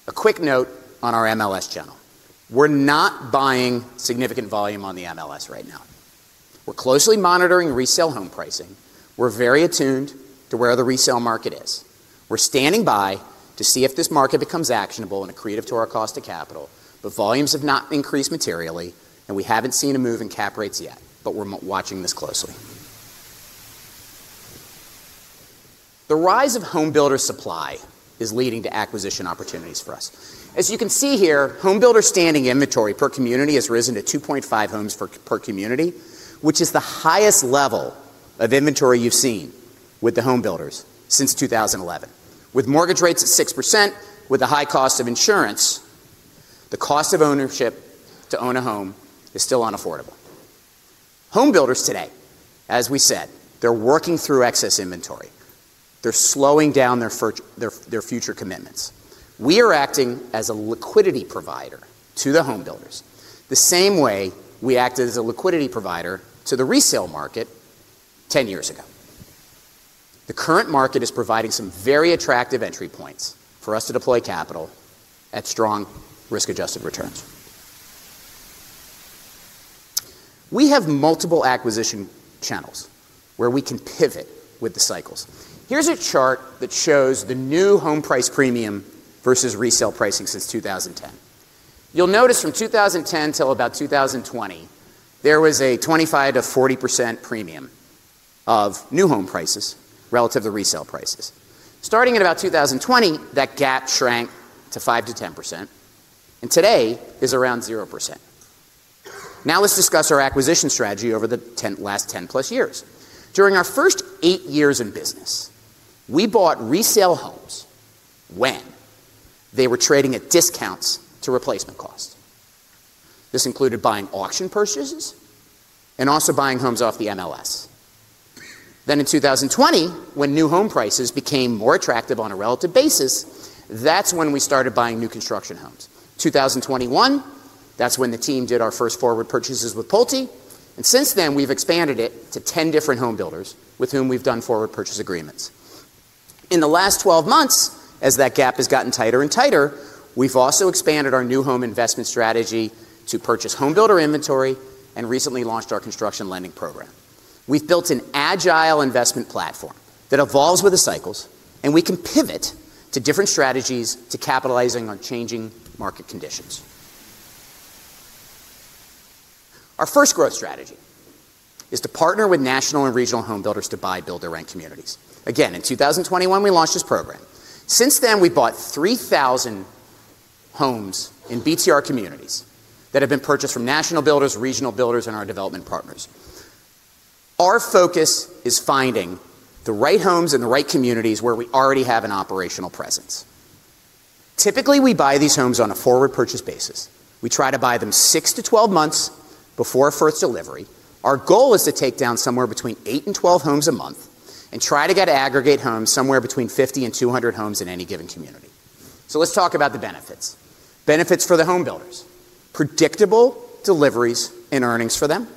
A quick note on our MLS channel. We are not buying significant volume on the MLS right now. We are closely monitoring resale home pricing. We are very attuned to where the resale market is. We are standing by to see if this market becomes actionable and accretive to our cost of capital, but volumes have not increased materially, and we have not seen a move in cap rates yet, but we are watching this closely. The rise of homebuilder supply is leading to acquisition opportunities for us. As you can see here, homebuilder standing inventory per community has risen to 2.5 homes per community, which is the highest level of inventory you've seen with the homebuilders since 2011. With mortgage rates at 6%, with the high cost of insurance, the cost of ownership to own a home is still unaffordable. Homebuilders today, as we said, they're working through excess inventory. They're slowing down their future commitments. We are acting as a liquidity provider to the homebuilders the same way we acted as a liquidity provider to the resale market 10 years ago. The current market is providing some very attractive entry points for us to deploy capital at strong risk-adjusted returns. We have multiple acquisition channels where we can pivot with the cycles. Here's a chart that shows the new home price premium versus resale pricing since 2010. You'll notice from 2010 till about 2020, there was a 25-40% premium of new home prices relative to resale prices. Starting in about 2020, that gap shrank to 5-10%, and today is around 0%. Now let's discuss our acquisition strategy over the last 10 plus years. During our first eight years in business, we bought resale homes when they were trading at discounts to replacement cost. This included buying auction purchases and also buying homes off the MLS. In 2020, when new home prices became more attractive on a relative basis, that's when we started buying new construction homes. In 2021, that's when the team did our first forward purchases with Pulte, and since then, we've expanded it to 10 different homebuilders with whom we've done forward purchase agreements. In the last 12 months, as that gap has gotten tighter and tighter, we've also expanded our new home investment strategy to purchase homebuilder inventory and recently launched our construction lending program. We've built an agile investment platform that evolves with the cycles, and we can pivot to different strategies to capitalize on changing market conditions. Our first growth strategy is to partner with national and regional homebuilders to buy, build, and rent communities. Again, in 2021, we launched this program. Since then, we bought 3,000 homes in BTR communities that have been purchased from national builders, regional builders, and our development partners. Our focus is finding the right homes in the right communities where we already have an operational presence. Typically, we buy these homes on a forward purchase basis. We try to buy them 6 to 12 months before first delivery. Our goal is to take down somewhere between 8 and 12 homes a month and try to aggregate homes somewhere between 50 and 200 homes in any given community. Let's talk about the benefits. Benefits for the homebuilders: predictable deliveries and earnings for them.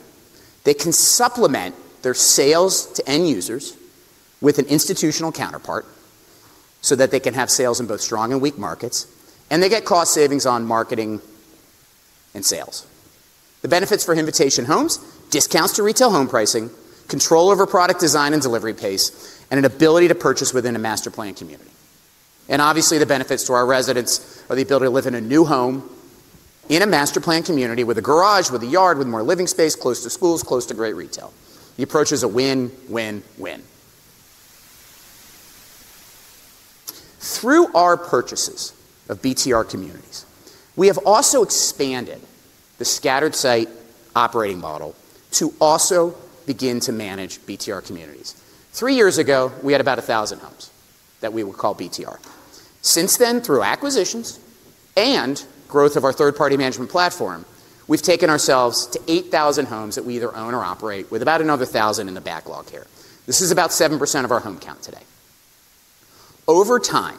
They can supplement their sales to end users with an institutional counterpart so that they can have sales in both strong and weak markets, and they get cost savings on marketing and sales. The benefits for Invitation Homes: discounts to retail home pricing, control over product design and delivery pace, and an ability to purchase within a master plan community. Obviously, the benefits to our residents are the ability to live in a new home in a master plan community with a garage, with a yard, with more living space, close to schools, close to great retail. The approach is a win, win, win. Through our purchases of BTR communities, we have also expanded the scattered-site operating model to also begin to manage BTR communities. Three years ago, we had about 1,000 homes that we would call BTR. Since then, through acquisitions and growth of our third-party management platform, we've taken ourselves to 8,000 homes that we either own or operate with about another 1,000 in the backlog here. This is about 7% of our home count today. Over time,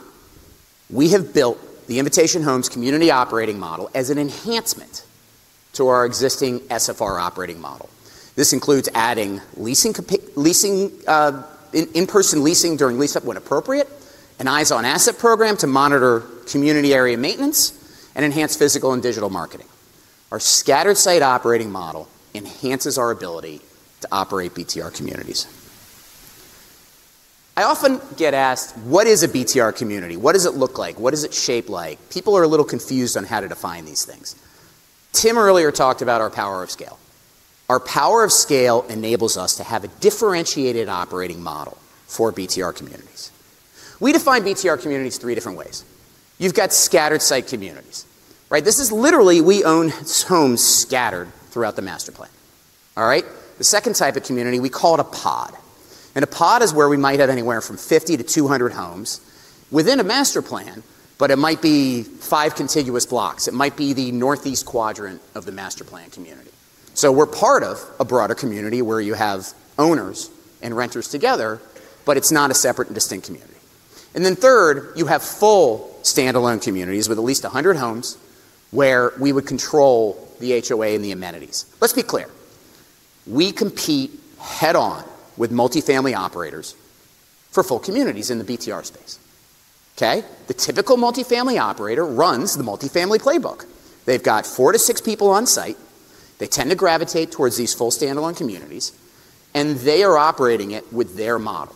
we have built the Invitation Homes community operating model as an enhancement to our existing SFR operating model. This includes adding in-person leasing during lease-up when appropriate, an eyes-on-asset program to monitor community area maintenance, and enhanced physical and digital marketing. Our scattered-site operating model enhances our ability to operate BTR communities. I often get asked, "What is a BTR community? What does it look like? What is it shaped like? People are a little confused on how to define these things. Tim earlier talked about our power of scale. Our power of scale enables us to have a differentiated operating model for BTR communities. We define BTR communities three different ways. You've got scattered-site communities. This is literally we own homes scattered throughout the master plan. The second type of community, we call it a pod. And a pod is where we might have anywhere from 50 to 200 homes within a master plan, but it might be five contiguous blocks. It might be the northeast quadrant of the master plan community. So we're part of a broader community where you have owners and renters together, but it's not a separate and distinct community. Third, you have full standalone communities with at least 100 homes where we would control the HOA and the amenities. Let's be clear. We compete head-on with multifamily operators for full communities in the BTR space. The typical multifamily operator runs the multifamily playbook. They've got four to six people on site. They tend to gravitate towards these full standalone communities, and they are operating it with their model.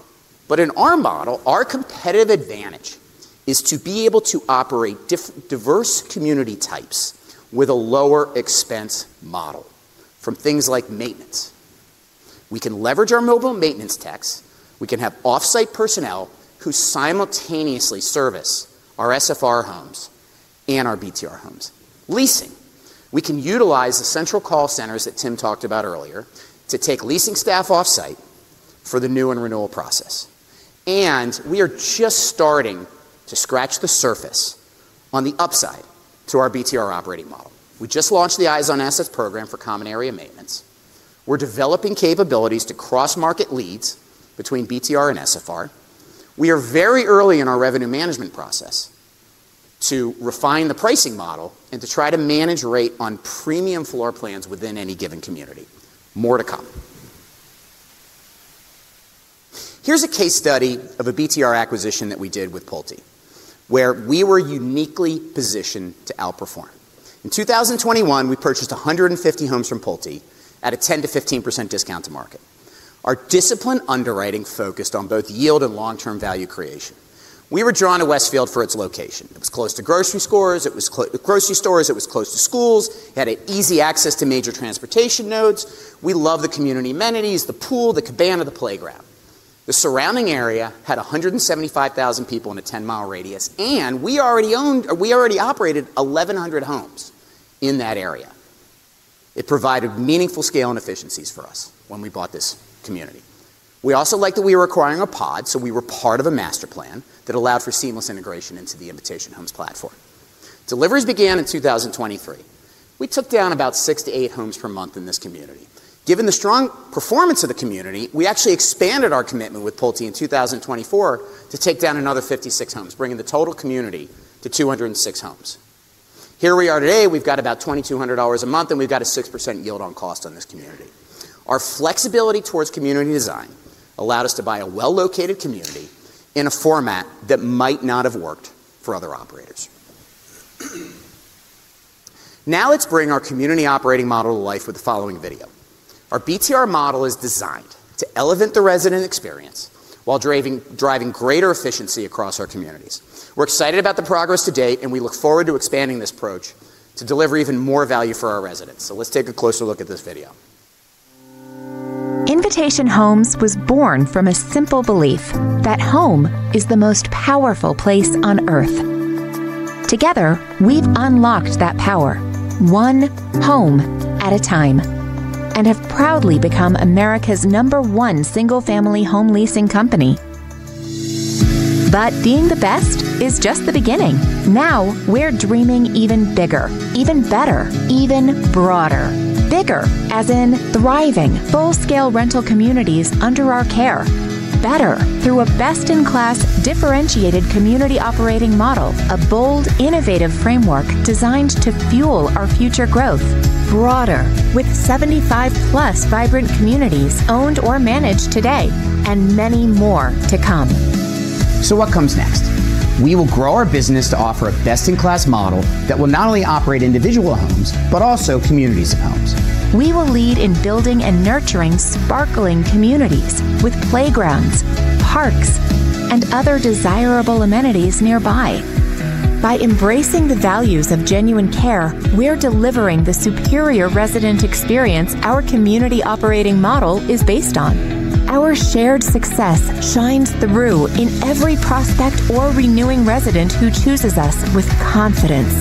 In our model, our competitive advantage is to be able to operate diverse community types with a lower expense model from things like maintenance. We can leverage our mobile maintenance techs. We can have off-site personnel who simultaneously service our SFR homes and our BTR homes. Leasing. We can utilize the central call centers that Tim talked about earlier to take leasing staff off-site for the new and renewal process. We are just starting to scratch the surface on the upside to our BTR operating model. We just launched the eyes-on-asset program for common area maintenance. We are developing capabilities to cross-market leads between BTR and SFR. We are very early in our revenue management process to refine the pricing model and to try to manage rate on premium floor plans within any given community. More to come. Here is a case study of a BTR acquisition that we did with Pulte, where we were uniquely positioned to outperform. In 2021, we purchased 150 homes from Pulte at a 10-15% discount to market. Our discipline underwriting focused on both yield and long-term value creation. We were drawn to Westfield for its location. It was close to grocery stores. It was close to schools. It had easy access to major transportation nodes. We love the community amenities, the pool, the cabana, the playground. The surrounding area had 175,000 people in a 10-mi radius, and we already operated 1,100 homes in that area. It provided meaningful scale and efficiencies for us when we bought this community. We also liked that we were acquiring a pod, so we were part of a master plan that allowed for seamless integration into the Invitation Homes platform. Deliveries began in 2023. We took down about six to eight homes per month in this community. Given the strong performance of the community, we actually expanded our commitment with Pulte in 2024 to take down another 56 homes, bringing the total community to 206 homes. Here we are today. We've got about $2,200 a month, and we've got a 6% yield on cost on this community. Our flexibility towards community design allowed us to buy a well-located community in a format that might not have worked for other operators. Now let's bring our community operating model to life with the following video. Our BTR model is designed to elevate the resident experience while driving greater efficiency across our communities. We're excited about the progress to date, and we look forward to expanding this approach to deliver even more value for our residents. Let's take a closer look at this video. Invitation Homes was born from a simple belief that home is the most powerful place on Earth. Together, we've unlocked that power, one home at a time, and have proudly become America's number one single-family home leasing company. Being the best is just the beginning. Now we're dreaming even bigger, even better, even broader. Bigger, as in thriving, full-scale rental communities under our care. Better, through a best-in-class differentiated community operating model, a bold, innovative framework designed to fuel our future growth. Broader, with 75-plus vibrant communities owned or managed today and many more to come. What comes next? We will grow our business to offer a best-in-class model that will not only operate individual homes but also communities of homes. We will lead in building and nurturing sparkling communities with playgrounds, parks, and other desirable amenities nearby. By embracing the values of genuine care, we're delivering the superior resident experience our community operating model is based on. Our shared success shines through in every prospect or renewing resident who chooses us with confidence.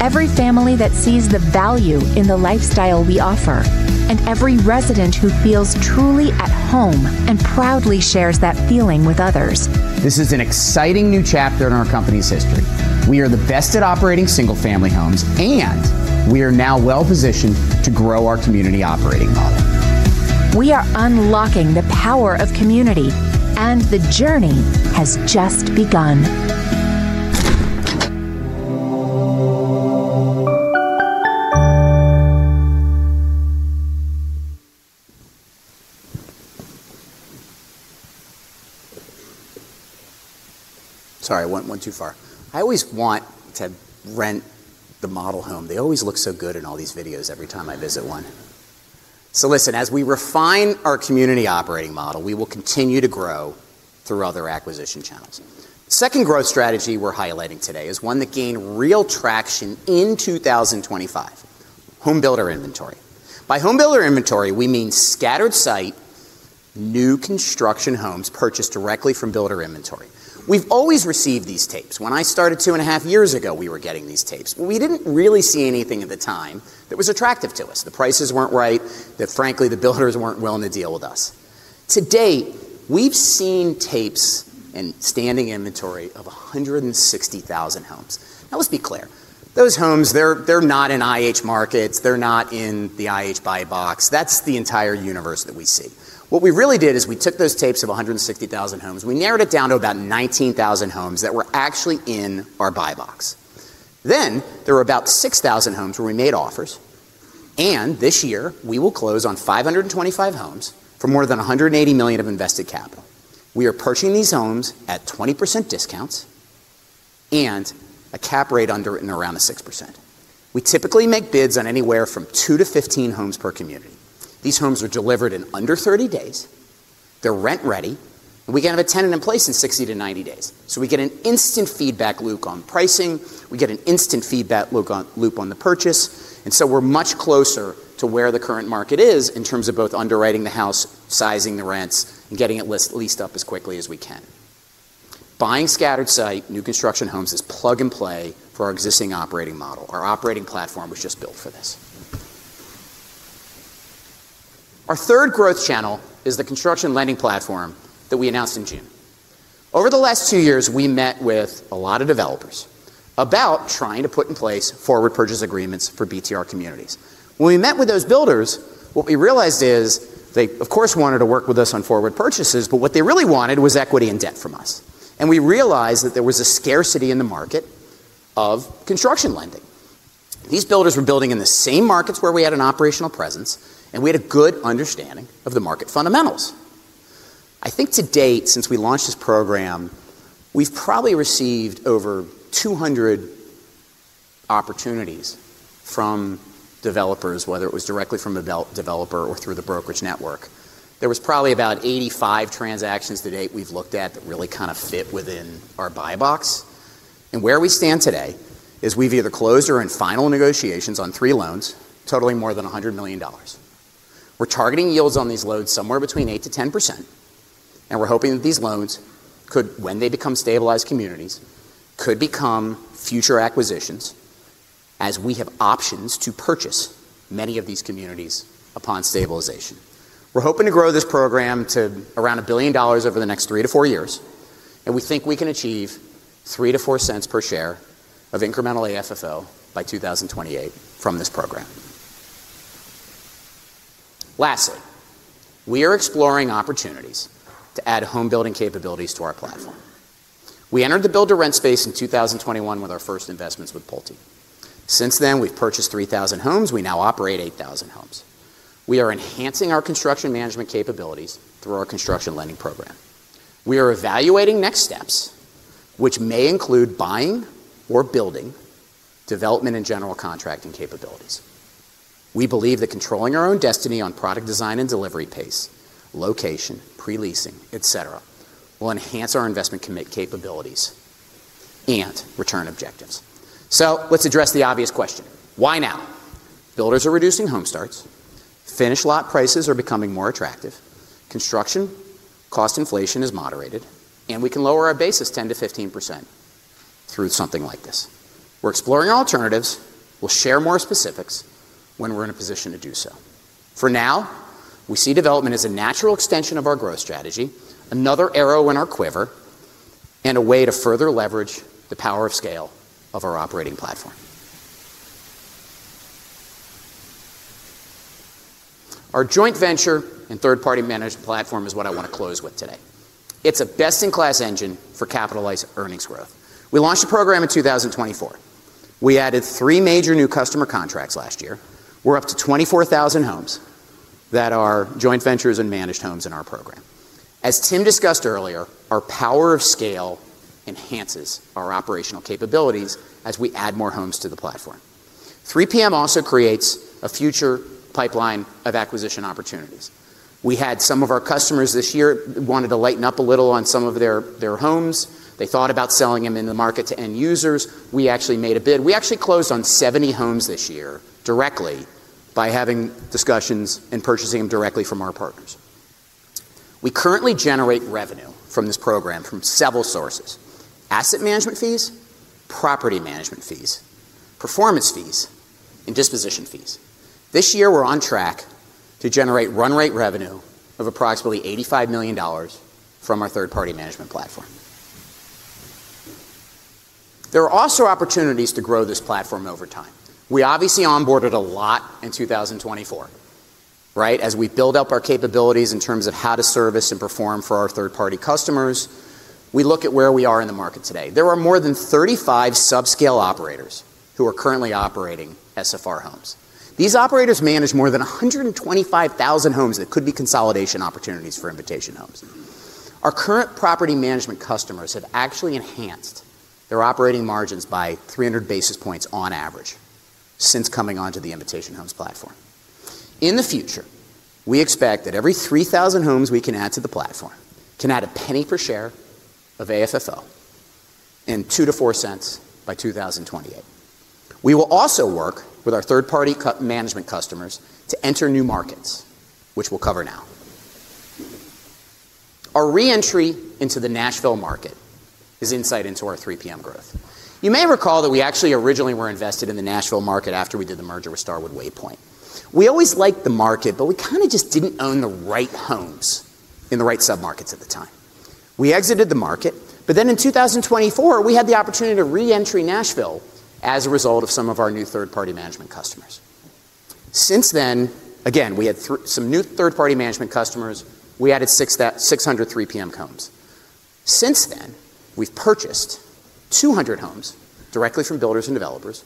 Every family that sees the value in the lifestyle we offer, and every resident who feels truly at home and proudly shares that feeling with others. This is an exciting new chapter in our company's history. We are the best at operating single-family homes, and we are now well-positioned to grow our community operating model. We are unlocking the power of community, and the journey has just begun. Sorry, I went too far. I always want to rent the model home. They always look so good in all these videos every time I visit one. Listen, as we refine our community operating model, we will continue to grow through other acquisition channels. The second growth strategy we're highlighting today is one that gained real traction in 2025: homebuilder inventory. By homebuilder inventory, we mean scattered-site, new construction homes purchased directly from builder inventory. We've always received these tapes. When I started two and a half years ago, we were getting these tapes. We did not really see anything at the time that was attractive to us. The prices were not right. Frankly, the builders were not willing to deal with us. To date, we have seen tapes and standing inventory of 160,000 homes. Now let's be clear. Those homes, they are not in IH markets. They are not in the IH buy box. That is the entire universe that we see. What we really did is we took those tapes of 160,000 homes. We narrowed it down to about 19,000 homes that were actually in our buy box. Then there were about 6,000 homes where we made offers. This year, we will close on 525 homes for more than $180 million of invested capital. We are purchasing these homes at 20% discounts and a cap rate underwritten around the 6%. We typically make bids on anywhere from 2-15 homes per community. These homes are delivered in under 30 days. They are rent-ready. We can have a tenant in place in 60-90 days. We get an instant feedback loop on pricing. We get an instant feedback loop on the purchase. We are much closer to where the current market is in terms of both underwriting the house, sizing the rents, and getting it leased up as quickly as we can. Buying scattered-site, new construction homes is plug and play for our existing operating model. Our operating platform was just built for this. Our third growth channel is the construction lending platform that we announced in June. Over the last two years, we met with a lot of developers about trying to put in place forward purchase agreements for BTR communities. When we met with those builders, what we realized is they, of course, wanted to work with us on forward purchases, but what they really wanted was equity and debt from us. We realized that there was a scarcity in the market of construction lending. These builders were building in the same markets where we had an operational presence, and we had a good understanding of the market fundamentals. I think to date, since we launched this program, we've probably received over 200 opportunities from developers, whether it was directly from a developer or through the brokerage network. There was probably about 85 transactions to date we've looked at that really kind of fit within our buy box. Where we stand today is we've either closed or in final negotiations on three loans totaling more than $100 million. We're targeting yields on these loans somewhere between 8-10%. We're hoping that these loans, when they become stabilized communities, could become future acquisitions as we have options to purchase many of these communities upon stabilization. We're hoping to grow this program to around $1 billion over the next three to four years. We think we can achieve $0.03-$0.04 per share of incremental AFFO by 2028 from this program. Lastly, we are exploring opportunities to add homebuilding capabilities to our platform. We entered the build-to-rent space in 2021 with our first investments with Pulte. Since then, we've purchased 3,000 homes. We now operate 8,000 homes. We are enhancing our construction management capabilities through our construction lending program. We are evaluating next steps, which may include buying or building development and general contracting capabilities. We believe that controlling our own destiny on product design and delivery pace, location, pre-leasing, etc., will enhance our investment capabilities and return objectives. Let's address the obvious question. Why now? Builders are reducing home starts. Finish lot prices are becoming more attractive. Construction cost inflation is moderated, and we can lower our basis 10-15% through something like this. We're exploring alternatives. We'll share more specifics when we're in a position to do so. For now, we see development as a natural extension of our growth strategy, another arrow in our quiver, and a way to further leverage the power of scale of our operating platform. Our joint venture and third-party managed platform is what I want to close with today. It's a best-in-class engine for capitalized earnings growth. We launched the program in 2024. We added three major new customer contracts last year. We're up to 24,000 homes that are joint ventures and managed homes in our program. As Tim discussed earlier, our power of scale enhances our operational capabilities as we add more homes to the platform. 3PM also creates a future pipeline of acquisition opportunities. We had some of our customers this year wanted to lighten up a little on some of their homes. They thought about selling them in the market to end users. We actually made a bid. We actually closed on 70 homes this year directly by having discussions and purchasing them directly from our partners. We currently generate revenue from this program from several sources: asset management fees, property management fees, performance fees, and disposition fees. This year, we're on track to generate run-rate revenue of approximately $85 million from our third-party management platform. There are also opportunities to grow this platform over time. We obviously onboarded a lot in 2024, right? As we build up our capabilities in terms of how to service and perform for our third-party customers, we look at where we are in the market today. There are more than 35 subscale operators who are currently operating SFR homes. These operators manage more than 125,000 homes that could be consolidation opportunities for Invitation Homes. Our current property management customers have actually enhanced their operating margins by 300 basis points on average since coming onto the Invitation Homes platform. In the future, we expect that every 3,000 homes we can add to the platform can add a penny per share of AFFO and 2-4 cents by 2028. We will also work with our third-party management customers to enter new markets, which we'll cover now. Our re-entry into the Nashville market is insight into our 3PM growth. You may recall that we actually originally were invested in the Nashville market after we did the merger with Starwood Waypoint. We always liked the market, but we kind of just did not own the right homes in the right submarkets at the time. We exited the market, but then in 2024, we had the opportunity to re-enter Nashville as a result of some of our new third-party management customers. Since then, again, we had some new third-party management customers. We added 600 3PM homes. Since then, we have purchased 200 homes directly from builders and developers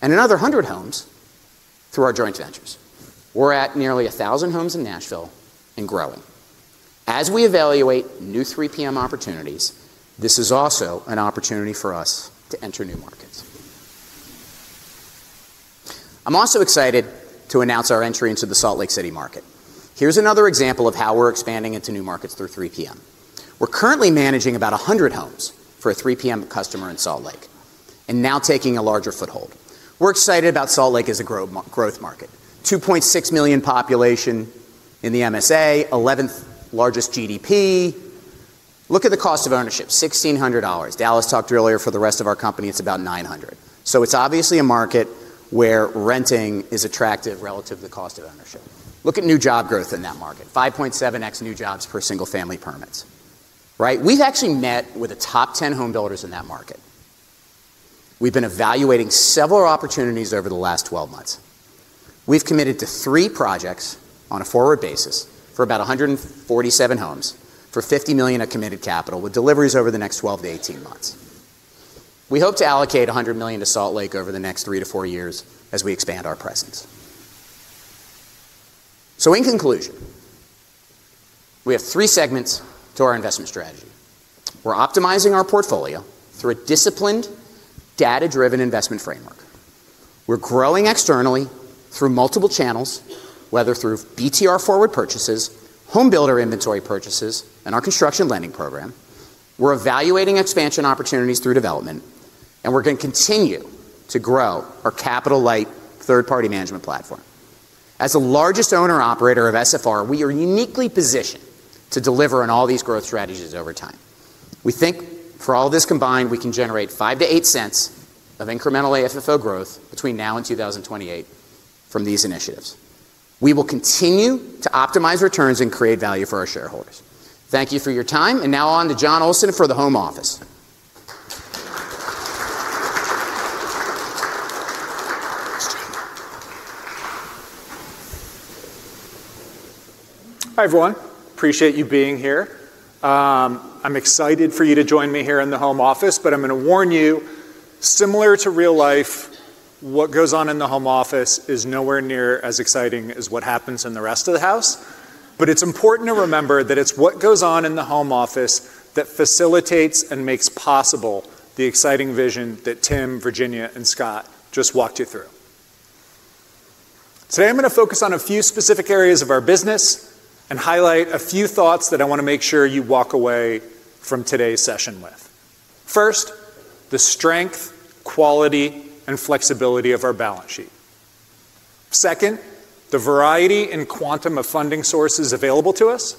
and another 100 homes through our joint ventures. We are at nearly 1,000 homes in Nashville and growing. As we evaluate new 3PM opportunities, this is also an opportunity for us to enter new markets. I am also excited to announce our entry into the Salt Lake City market. Here is another example of how we are expanding into new markets through 3PM. We're currently managing about 100 homes for a 3PM customer in Salt Lake and now taking a larger foothold. We're excited about Salt Lake as a growth market: 2.6 million population in the MSA, 11th largest GDP. Look at the cost of ownership: $1,600. Dallas talked earlier for the rest of our company. It's about $900. It's obviously a market where renting is attractive relative to the cost of ownership. Look at new job growth in that market: 5.7x new jobs per single-family permits, right? We've actually met with the top 10 homebuilders in that market. We've been evaluating several opportunities over the last 12 months. We've committed to three projects on a forward basis for about 147 homes for $50 million of committed capital with deliveries over the next 12 to 18 months. We hope to allocate $100 million to Salt Lake over the next three to four years as we expand our presence. In conclusion, we have three segments to our investment strategy. We're optimizing our portfolio through a disciplined, data-driven investment framework. We're growing externally through multiple channels, whether through BTR forward purchases, homebuilder inventory purchases, and our construction lending program. We're evaluating expansion opportunities through development, and we're going to continue to grow our capital-light third-party management platform. As the largest owner-operator of SFR, we are uniquely positioned to deliver on all these growth strategies over time. We think for all this combined, we can generate $0.05-$0.08 of incremental AFFO growth between now and 2028 from these initiatives. We will continue to optimize returns and create value for our shareholders. Thank you for your time. Now on to Jon Olsen for the Home Office. Hi everyone. Appreciate you being here. I'm excited for you to join me here in the Home Office, but I'm going to warn you, similar to real life, what goes on in the Home Office is nowhere near as exciting as what happens in the rest of the house. It's important to remember that it's what goes on in the Home Office that facilitates and makes possible the exciting vision that Tim, Virginia, and Scott just walked you through. Today, I'm going to focus on a few specific areas of our business and highlight a few thoughts that I want to make sure you walk away from today's session with. First, the strength, quality, and flexibility of our balance sheet. Second, the variety and quantum of funding sources available to us.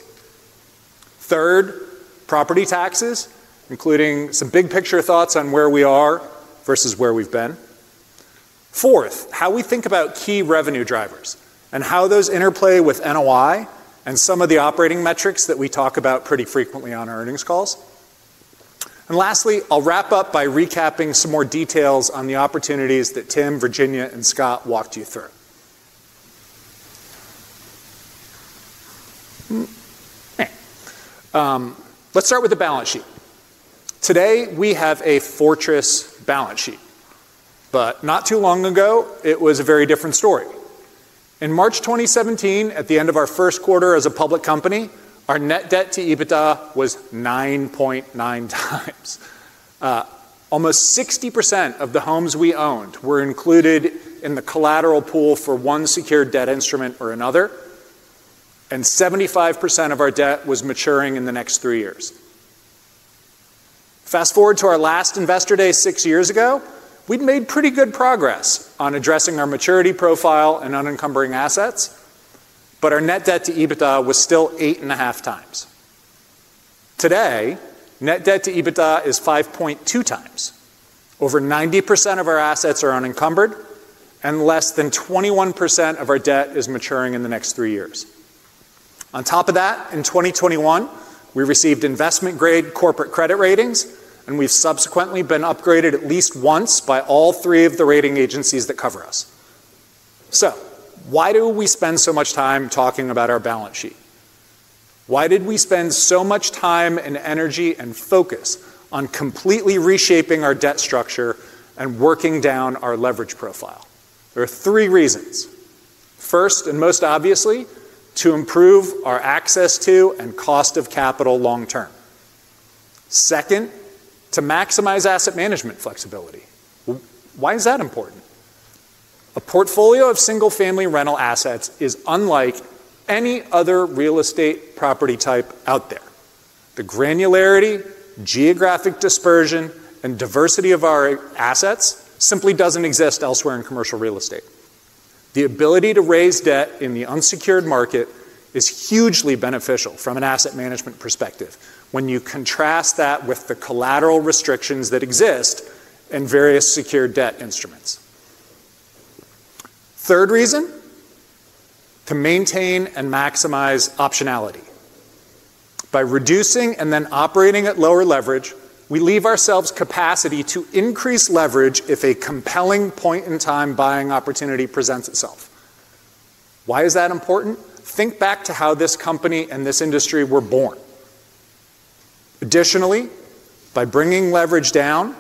Third, property taxes, including some big picture thoughts on where we are versus where we've been. Fourth, how we think about key revenue drivers and how those interplay with NOI and some of the operating metrics that we talk about pretty frequently on our earnings calls. Lastly, I'll wrap up by recapping some more details on the opportunities that Tim, Virginia, and Scott walked you through. Let's start with the balance sheet. Today, we have a fortress balance sheet. Not too long ago, it was a very different story. In March 2017, at the end of our first quarter as a public company, our net debt to EBITDA was 9.9 times. Almost 60% of the homes we owned were included in the collateral pool for one secured debt instrument or another, and 75% of our debt was maturing in the next three years. Fast forward to our last investor day six years ago, we'd made pretty good progress on addressing our maturity profile and unencumbering assets, but our net debt to EBITDA was still 8.5 times. Today, net debt to EBITDA is 5.2 times. Over 90% of our assets are unencumbered, and less than 21% of our debt is maturing in the next three years. On top of that, in 2021, we received investment-grade corporate credit ratings, and we've subsequently been upgraded at least once by all three of the rating agencies that cover us. Why do we spend so much time talking about our balance sheet? Why did we spend so much time and energy and focus on completely reshaping our debt structure and working down our leverage profile? There are three reasons. First, and most obviously, to improve our access to and cost of capital long term. Second, to maximize asset management flexibility. Why is that important? A portfolio of Single-Family Rental assets is unlike any other real estate property type out there. The granularity, geographic dispersion, and diversity of our assets simply does not exist elsewhere in commercial real estate. The ability to raise debt in the unsecured market is hugely beneficial from an asset management perspective when you contrast that with the collateral restrictions that exist in various secured debt instruments. Third reason, to maintain and maximize optionality. By reducing and then operating at lower leverage, we leave ourselves capacity to increase leverage if a compelling point in time buying opportunity presents itself. Why is that important? Think back to how this company and this industry were born. Additionally, by bringing leverage down,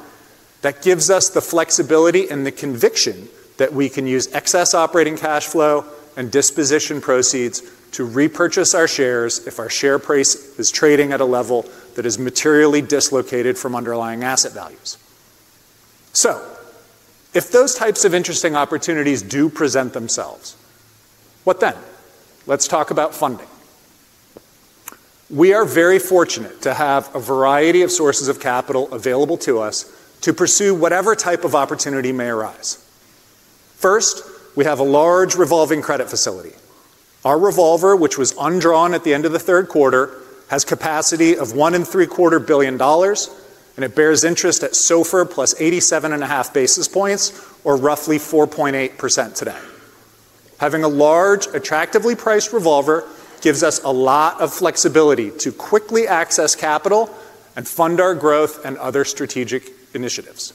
that gives us the flexibility and the conviction that we can use excess operating cash flow and disposition proceeds to repurchase our shares if our share price is trading at a level that is materially dislocated from underlying asset values. If those types of interesting opportunities do present themselves, what then? Let's talk about funding. We are very fortunate to have a variety of sources of capital available to us to pursue whatever type of opportunity may arise. First, we have a large revolving credit facility. Our revolver, which was undrawn at the end of the third quarter, has capacity of $1.75 billion, and it bears interest at SOFR plus 87.5 basis points, or roughly 4.8% today. Having a large, attractively priced revolver gives us a lot of flexibility to quickly access capital and fund our growth and other strategic initiatives.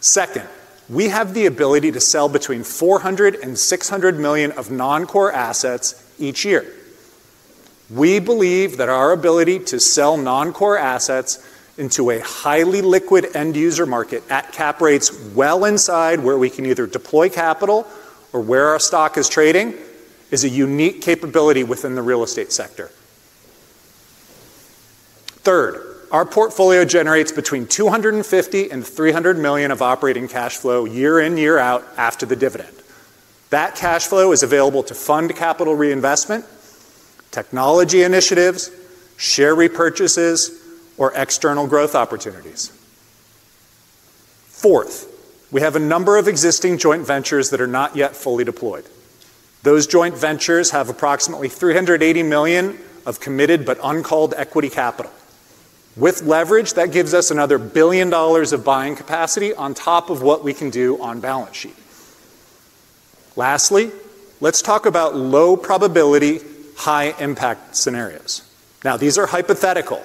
Second, we have the ability to sell between $400 million and $600 million of non-core assets each year. We believe that our ability to sell non-core assets into a highly liquid end user market at cap rates well inside where we can either deploy capital or where our stock is trading is a unique capability within the real estate sector. Third, our portfolio generates between $250 million and $300 million of operating cash flow year in, year out after the dividend. That cash flow is available to fund capital reinvestment, technology initiatives, share repurchases, or external growth opportunities. Fourth, we have a number of existing joint ventures that are not yet fully deployed. Those joint ventures have approximately $380 million of committed but uncalled equity capital. With leverage, that gives us another $1 billion of buying capacity on top of what we can do on balance sheet. Lastly, let's talk about low probability, high impact scenarios. Now, these are hypothetical,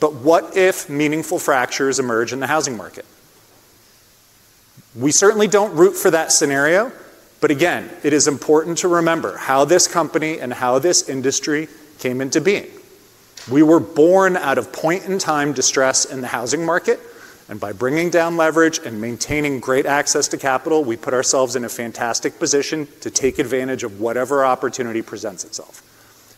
but what if meaningful fractures emerge in the housing market? We certainly don't root for that scenario, but again, it is important to remember how this company and how this industry came into being. We were born out of point-in-time distress in the housing market, and by bringing down leverage and maintaining great access to capital, we put ourselves in a fantastic position to take advantage of whatever opportunity presents itself.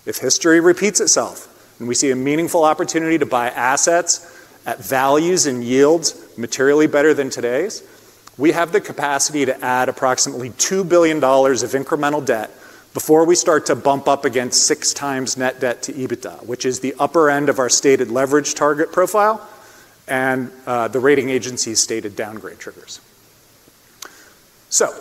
If history repeats itself and we see a meaningful opportunity to buy assets at values and yields materially better than today's, we have the capacity to add approximately $2 billion of incremental debt before we start to bump up against six times net debt to EBITDA, which is the upper end of our stated leverage target profile and the rating agency's stated downgrade triggers.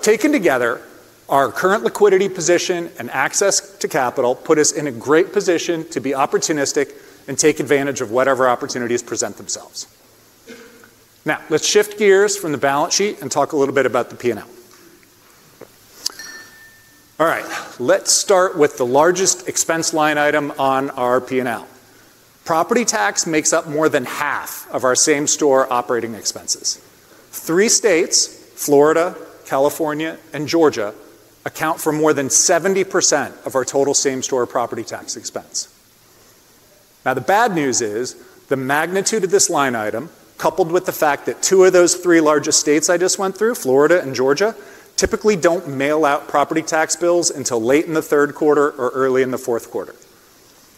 Taken together, our current liquidity position and access to capital put us in a great position to be opportunistic and take advantage of whatever opportunities present themselves. Now, let's shift gears from the balance sheet and talk a little bit about the P&L. All right, let's start with the largest expense line item on our P&L. Property tax makes up more than half of our same-store operating expenses. Three states, Florida, California, and Georgia, account for more than 70% of our total same-store property tax expense. Now, the bad news is the magnitude of this line item, coupled with the fact that two of those three largest states I just went through, Florida and Georgia, typically don't mail out property tax bills until late in the third quarter or early in the fourth quarter.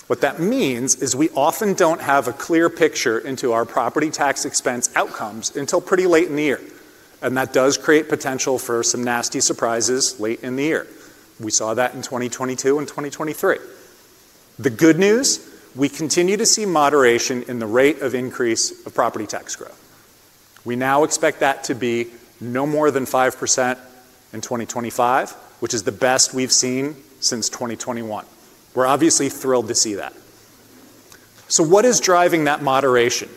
What that means is we often do not have a clear picture into our property tax expense outcomes until pretty late in the year, and that does create potential for some nasty surprises late in the year. We saw that in 2022 and 2023. The good news, we continue to see moderation in the rate of increase of property tax growth. We now expect that to be no more than 5% in 2025, which is the best we have seen since 2021. We are obviously thrilled to see that. What is driving that moderation?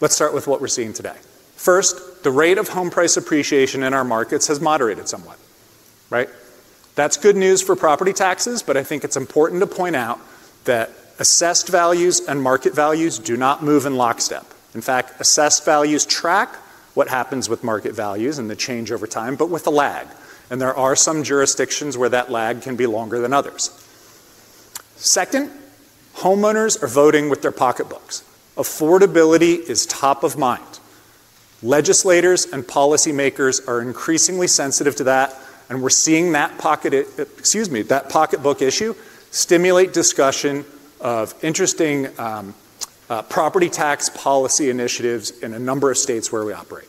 Let's start with what we are seeing today. First, the rate of home price appreciation in our markets has moderated somewhat, right? That is good news for property taxes, but I think it is important to point out that assessed values and market values do not move in lockstep. In fact, assessed values track what happens with market values and the change over time, but with a lag, and there are some jurisdictions where that lag can be longer than others. Second, homeowners are voting with their pocketbooks. Affordability is top of mind. Legislators and policymakers are increasingly sensitive to that, and we're seeing that pocket—excuse me—that pocketbook issue stimulate discussion of interesting property tax policy initiatives in a number of states where we operate.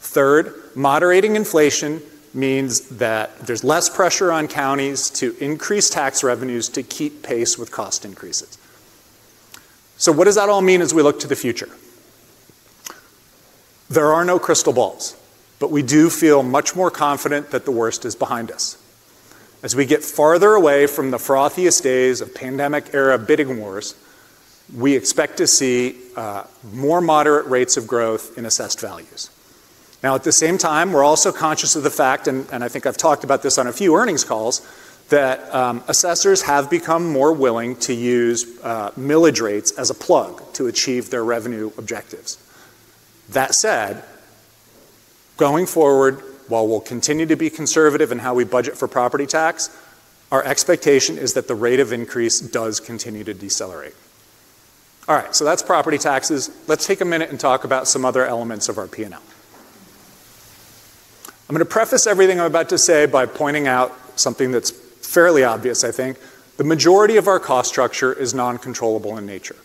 Third, moderating inflation means that there's less pressure on counties to increase tax revenues to keep pace with cost increases. What does that all mean as we look to the future? There are no crystal balls, but we do feel much more confident that the worst is behind us. As we get farther away from the frothiest days of pandemic-era bidding wars, we expect to see more moderate rates of growth in assessed values. Now, at the same time, we're also conscious of the fact, and I think I've talked about this on a few earnings calls, that assessors have become more willing to use millage rates as a plug to achieve their revenue objectives. That said, going forward, while we'll continue to be conservative in how we budget for property tax, our expectation is that the rate of increase does continue to decelerate. All right, so that's property taxes. Let's take a minute and talk about some other elements of our P&L. I'm going to preface everything I'm about to say by pointing out something that's fairly obvious, I think. The majority of our cost structure is non-controllable in nature.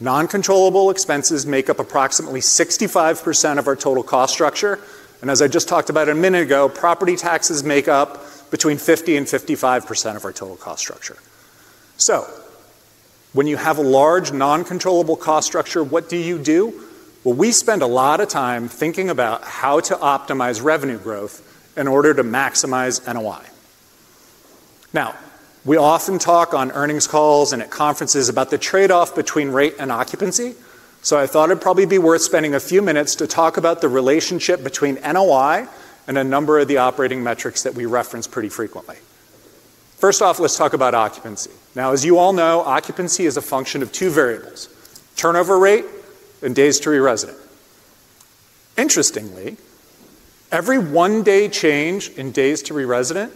Non-controllable expenses make up approximately 65% of our total cost structure, and as I just talked about a minute ago, property taxes make up between 50-55% of our total cost structure. When you have a large non-controllable cost structure, what do you do? We spend a lot of time thinking about how to optimize revenue growth in order to maximize NOI. Now, we often talk on earnings calls and at conferences about the trade-off between rate and occupancy, so I thought it'd probably be worth spending a few minutes to talk about the relationship between NOI and a number of the operating metrics that we reference pretty frequently. First off, let's talk about occupancy. As you all know, occupancy is a function of two variables: turnover rate and days to re-resident. Interestingly, every one-day change in days to re-resident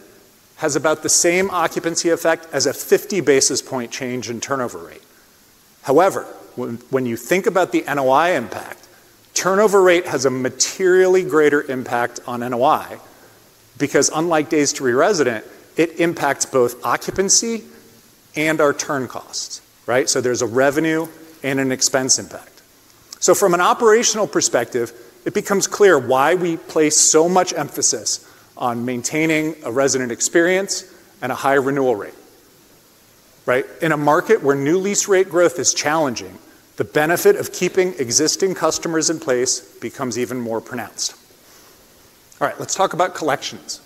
has about the same occupancy effect as a 50 basis point change in turnover rate. However, when you think about the NOI impact, turnover rate has a materially greater impact on NOI because, unlike days to re-resident, it impacts both occupancy and our turn costs, right? There is a revenue and an expense impact. From an operational perspective, it becomes clear why we place so much emphasis on maintaining a resident experience and a high renewal rate, right? In a market where new lease rate growth is challenging, the benefit of keeping existing customers in place becomes even more pronounced. All right, let's talk about collections.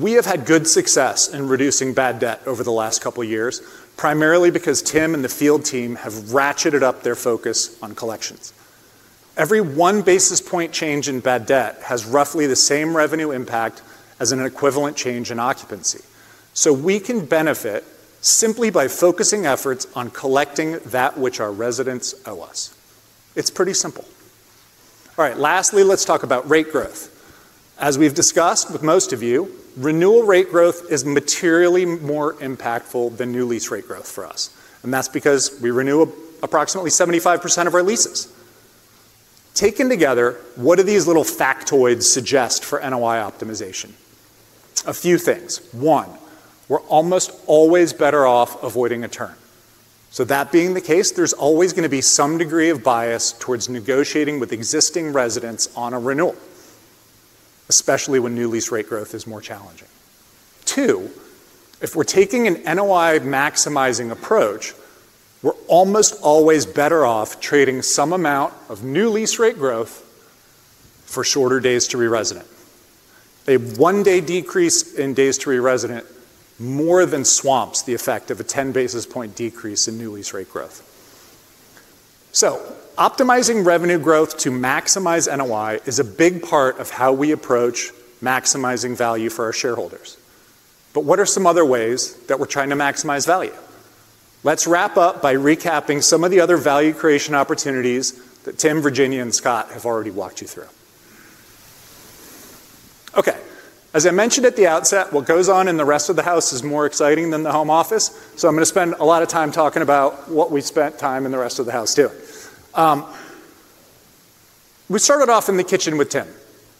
We have had good success in reducing bad debt over the last couple of years, primarily because Tim and the field team have ratcheted up their focus on collections. Every one basis point change in bad debt has roughly the same revenue impact as an equivalent change in occupancy. So we can benefit simply by focusing efforts on collecting that which our residents owe us. It's pretty simple. All right, lastly, let's talk about rate growth. As we've discussed with most of you, renewal rate growth is materially more impactful than new lease rate growth for us, and that's because we renew approximately 75% of our leases. Taken together, what do these little factoids suggest for NOI optimization? A few things. One, we're almost always better off avoiding a turn. That being the case, there's always going to be some degree of bias towards negotiating with existing residents on a renewal, especially when new lease rate growth is more challenging. Two, if we're taking an NOI maximizing approach, we're almost always better off trading some amount of new lease rate growth for shorter days to re-resident. A one-day decrease in days to re-resident more than swamps the effect of a 10 basis point decrease in new lease rate growth. Optimizing revenue growth to maximize NOI is a big part of how we approach maximizing value for our shareholders. What are some other ways that we're trying to maximize value? Let's wrap up by recapping some of the other value creation opportunities that Tim, Virginia, and Scott have already walked you through. Okay, as I mentioned at the outset, what goes on in the rest of the house is more exciting than the Home Office, so I'm going to spend a lot of time talking about what we spent time in the rest of the house doing. We started off in the kitchen with Tim,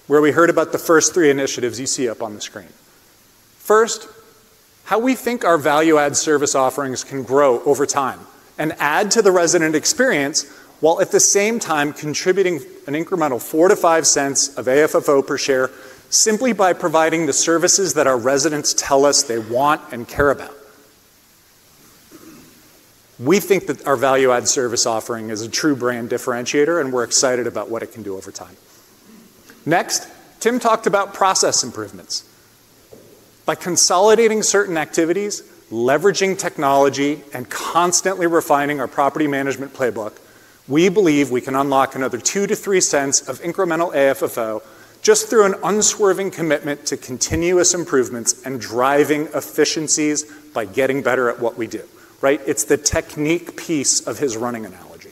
where we heard about the first three initiatives you see up on the screen. First, how we think our value-add service offerings can grow over time and add to the resident experience while at the same time contributing an incremental $0.04-$0.05 of AFFO per share simply by providing the services that our residents tell us they want and care about. We think that our value-add service offering is a true brand differentiator, and we're excited about what it can do over time. Next, Tim talked about process improvements. By consolidating certain activities, leveraging technology, and constantly refining our property management playbook, we believe we can unlock another $0.02-$0.03 of incremental AFFO just through an unswerving commitment to continuous improvements and driving efficiencies by getting better at what we do, right? It's the technique piece of his running analogy.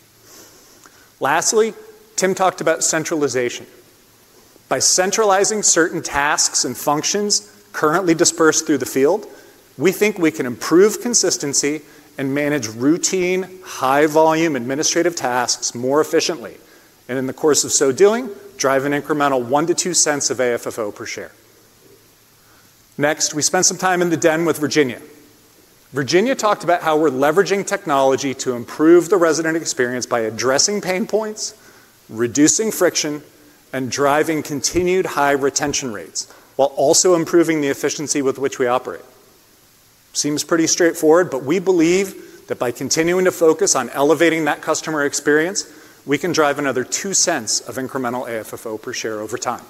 Lastly, Tim talked about centralization. By centralizing certain tasks and functions currently dispersed through the field, we think we can improve consistency and manage routine high-volume administrative tasks more efficiently, and in the course of so doing, drive an incremental $0.01-$0.02 of AFFO per share. Next, we spent some time in the den with Virginia. Virginia talked about how we're leveraging technology to improve the resident experience by addressing pain points, reducing friction, and driving continued high retention rates while also improving the efficiency with which we operate. Seems pretty straightforward, but we believe that by continuing to focus on elevating that customer experience, we can drive another $0.02 of incremental AFFO per share over time.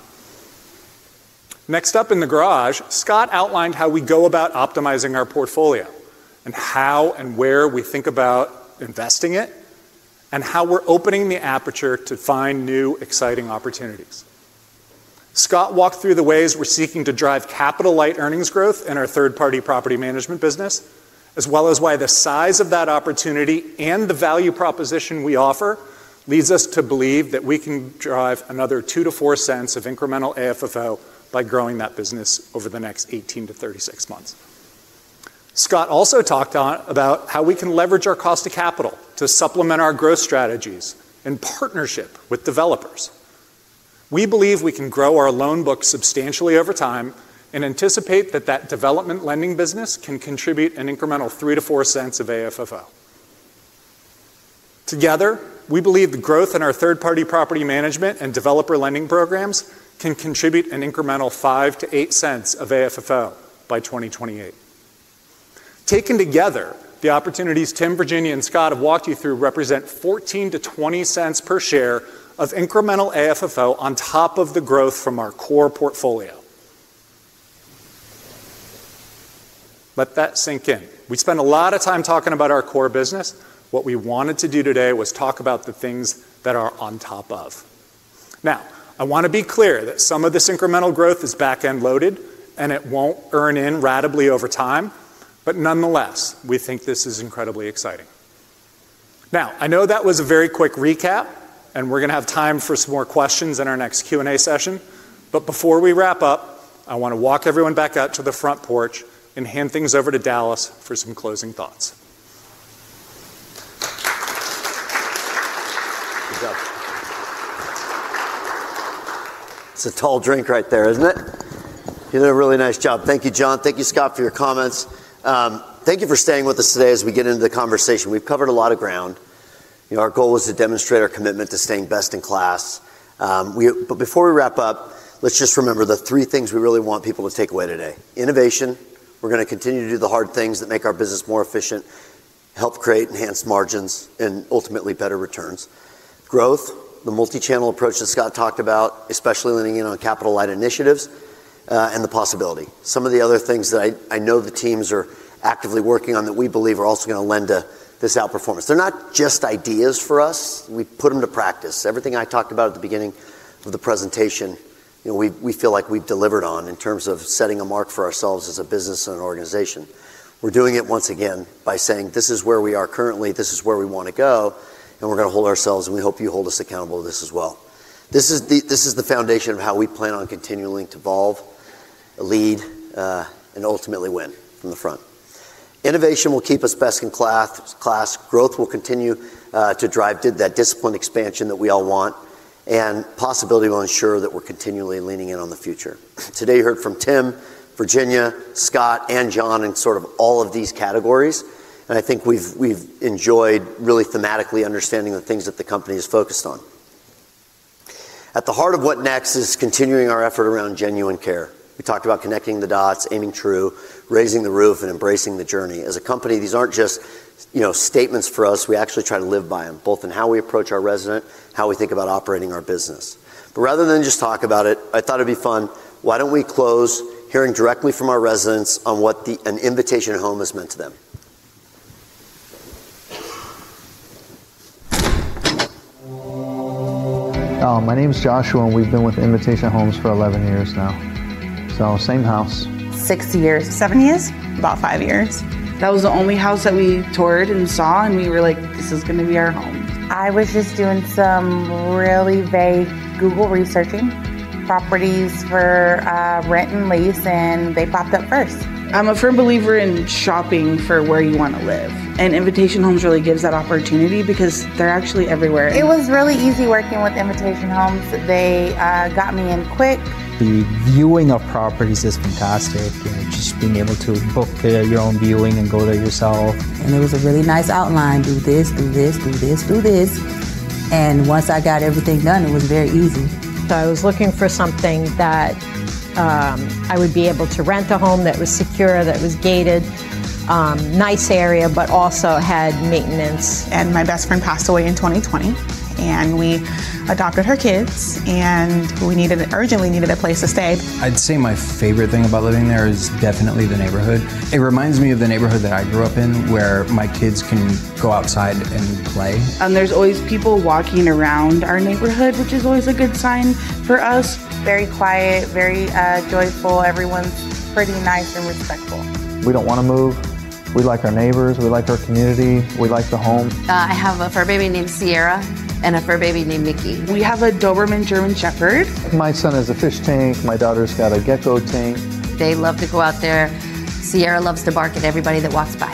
Next up in the garage, Scott outlined how we go about optimizing our portfolio and how and where we think about investing it and how we're opening the aperture to find new exciting opportunities. Scott walked through the ways we're seeking to drive capital-light earnings growth in our third-party property management business, as well as why the size of that opportunity and the value proposition we offer leads us to believe that we can drive another $0.02-$0.04 of incremental AFFO by growing that business over the next 18-36 months. Scott also talked about how we can leverage our cost of capital to supplement our growth strategies in partnership with developers. We believe we can grow our loan book substantially over time and anticipate that that development lending business can contribute an incremental $0.03-$0.04 of AFFO. Together, we believe the growth in our third-party property management and developer lending programs can contribute an incremental $0.05-$0.08 of AFFO by 2028. Taken together, the opportunities Tim, Virginia, and Scott have walked you through represent $0.14-$0.20 per share of incremental AFFO on top of the growth from our core portfolio. Let that sink in. We spent a lot of time talking about our core business. What we wanted to do today was talk about the things that are on top of. Now, I want to be clear that some of this incremental growth is back-end loaded, and it won't earn in radably over time, but nonetheless, we think this is incredibly exciting. Now, I know that was a very quick recap, and we're going to have time for some more questions in our next Q&A session, but before we wrap up, I want to walk everyone back out to the front porch and hand things over to Dallas for some closing thoughts. Good job. It's a tall drink right there, isn't it? You did a really nice job. Thank you, Jon. Thank you, Scott, for your comments. Thank you for staying with us today as we get into the conversation. We've covered a lot of ground. Our goal is to demonstrate our commitment to staying best in class. Before we wrap up, let's just remember the three things we really want people to take away today: innovation—we're going to continue to do the hard things that make our business more efficient, help create enhanced margins, and ultimately better returns; growth—the multi-channel approach that Scott talked about, especially leaning in on capital-light initiatives; and the possibility. Some of the other things that I know the teams are actively working on that we believe are also going to lend to this outperformance. They're not just ideas for us. We put them to practice. Everything I talked about at the beginning of the presentation, we feel like we've delivered on in terms of setting a mark for ourselves as a business and an organization. We're doing it once again by saying, "This is where we are currently. This is where we want to go, and we're going to hold ourselves, and we hope you hold us accountable to this as well. This is the foundation of how we plan on continuing to evolve, lead, and ultimately win from the front. Innovation will keep us best in class. Growth will continue to drive that discipline expansion that we all want, and possibility will ensure that we're continually leaning in on the future. Today, you heard from Tim, Virginia, Scott, and Jon in sort of all of these categories, and I think we've enjoyed really thematically understanding the things that the company is focused on. At the heart of what next is continuing our effort around genuine care. We talked about connecting the dots, aiming true, raising the roof, and embracing the journey. As a company, these aren't just statements for us. We actually try to live by them, both in how we approach our resident, how we think about operating our business. Rather than just talk about it, I thought it'd be fun, why don't we close hearing directly from our residents on what an Invitation Home has meant to them. My name is Joshua, and we've been with Invitation Homes for 11 years now. Same house. Six years. Seven years. About five years. That was the only house that we toured and saw, and we were like, "This is going to be our home." I was just doing some really vague Google researching. Properties for rent and lease, and they popped up first. I'm a firm believer in shopping for where you want to live, and Invitation Homes really gives that opportunity because they're actually everywhere. It was really easy working with Invitation Homes. They got me in quick. The viewing of properties is fantastic, and just being able to book your own viewing and go there yourself. It was a really nice outline. Do this, do this, do this, do this. Once I got everything done, it was very easy. I was looking for something that I would be able to rent, a home that was secure, that was gated, nice area, but also had maintenance. My best friend passed away in 2020, and we adopted her kids, and we urgently needed a place to stay. I'd say my favorite thing about living there is definitely the neighborhood. It reminds me of the neighborhood that I grew up in, where my kids can go outside and play. There's always people walking around our neighborhood, which is always a good sign for us. Very quiet, very joyful. Everyone's pretty nice and respectful. We don't want to move. We like our neighbors. We like our community. We like the home. I have a fur baby named Sierra and a fur baby named Mickey. We have a Doberman German Shepherd. My son has a fish tank. My daughter's got a gecko tank. They love to go out there. Sierra loves to bark at everybody that walks by.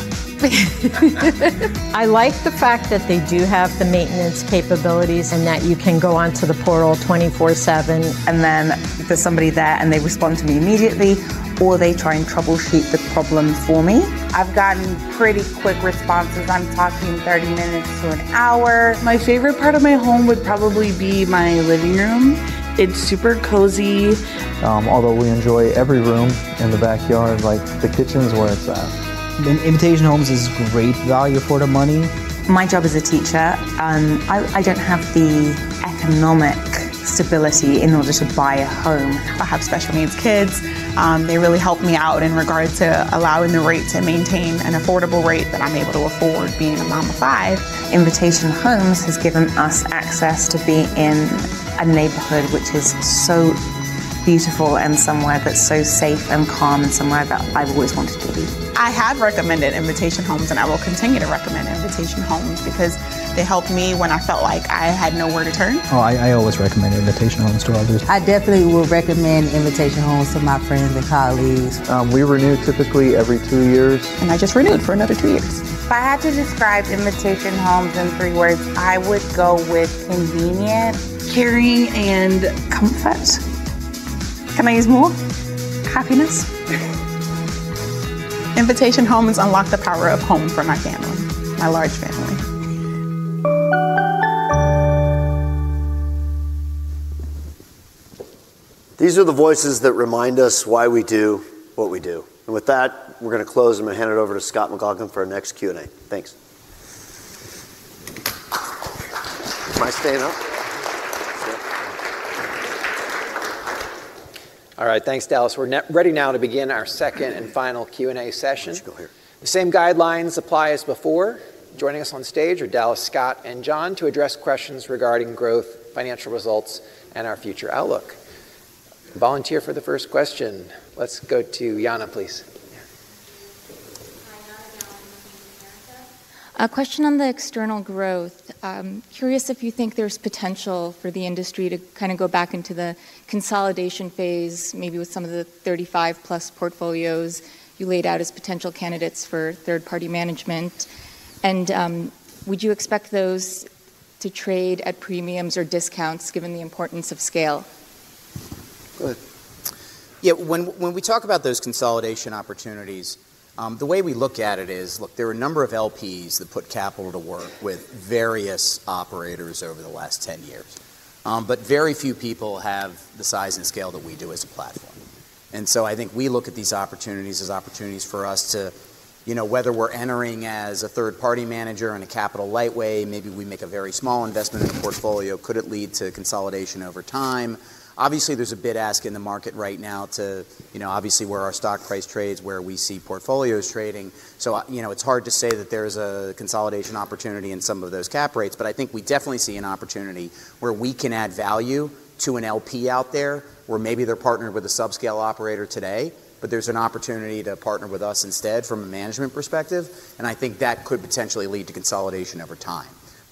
I like the fact that they do have the maintenance capabilities and that you can go onto the portal 24/7. There is somebody there, and they respond to me immediately, or they try and troubleshoot the problem for me. I've gotten pretty quick responses. I'm talking 30 minutes to an hour. My favorite part of my home would probably be my living room. It's super cozy. Although we enjoy every room in the backyard, the kitchen's where it's at. Invitation Homes is great value for the money. My job as a teacher, I do not have the economic stability in order to buy a home. I have special needs kids. They really help me out in regard to allowing the rate to maintain an affordable rate that I am able to afford being a mom of five. Invitation Homes has given us access to be in a neighborhood which is so beautiful and somewhere that is so safe and calm and somewhere that I have always wanted to be. I have recommended Invitation Homes, and I will continue to recommend Invitation Homes because they helped me when I felt like I had nowhere to turn. Oh, I always recommend Invitation Homes to others. I definitely will recommend Invitation Homes to my friends and colleagues. We renew typically every two years. I just renewed for another two years. If I had to describe Invitation Homes in three words, I would go with convenience. Caring and comfort. Camaismo. Happiness. Invitation Homes unlocked the power of home for my family, my large family. These are the voices that remind us why we do what we do. With that, we're going to close and hand it over to Scott McLaughlin for our next Q&A. Thanks. Am I staying up? All right. Thanks, Dallas. We're ready now to begin our second and final Q&A session. Same guidelines apply as before. Joining us on stage are Dallas, Scott, and Jon to address questions regarding growth, financial results, and our future outlook. Volunteer for the first question. Let's go to Yana, please. Hi, Yana Dallas from Team America. A question on the external growth. Curious if you think there's potential for the industry to kind of go back into the consolidation phase, maybe with some of the 35-plus portfolios you laid out as potential candidates for third-party management. Would you expect those to trade at premiums or discounts given the importance of scale? Yeah. When we talk about those consolidation opportunities, the way we look at it is, look, there are a number of LPs that put capital to work with various operators over the last 10 years, but very few people have the size and scale that we do as a platform. I think we look at these opportunities as opportunities for us to, whether we're entering as a third-party manager in a capital-light way, maybe we make a very small investment in the portfolio. Could it lead to consolidation over time? Obviously, there's a bid-ask in the market right now to, obviously, where our stock price trades, where we see portfolios trading. It is hard to say that there's a consolidation opportunity in some of those cap rates, but I think we definitely see an opportunity where we can add value to an LP out there where maybe they're partnered with a subscale operator today, but there's an opportunity to partner with us instead from a management perspective. I think that could potentially lead to consolidation over time.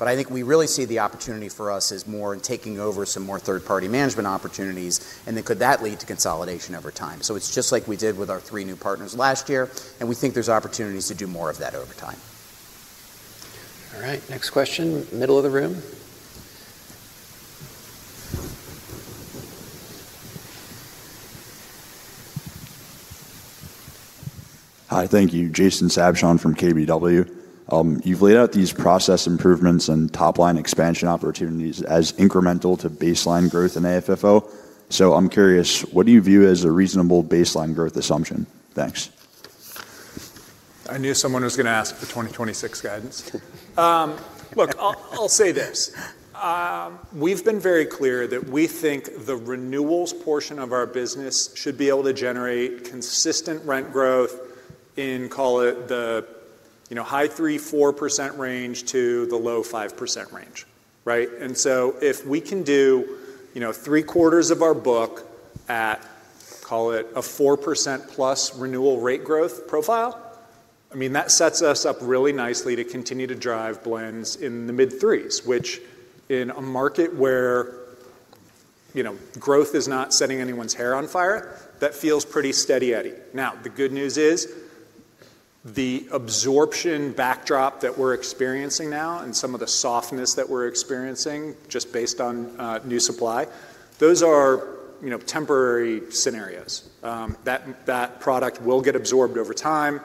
I think we really see the opportunity for us as more in taking over some more third-party management opportunities, and then could that lead to consolidation over time? It is just like we did with our three new partners last year, and we think there's opportunities to do more of that over time. All right. Next question. Middle of the room. Hi. Thank you. Jason Sabshon from KBW. You've laid out these process improvements and top-line expansion opportunities as incremental to baseline growth in AFFO. I'm curious, what do you view as a reasonable baseline growth assumption? Thanks. I knew someone was going to ask for 2026 guidance. Look I'll say this. We've been very clear that we think the renewals portion of our business should be able to generate consistent rent growth in, call it the high 3-4% range to the low 5% range. If we can do three-quarters of our book at, call it a 4% plus renewal rate growth profile, I mean, that sets us up really nicely to continue to drive blends in the mid-threes, which in a market where growth is not setting anyone's hair on fire, that feels pretty steady-edy. Now, the good news is the absorption backdrop that we're experiencing now and some of the softness that we're experiencing just based on new supply, those are temporary scenarios. That product will get absorbed over time.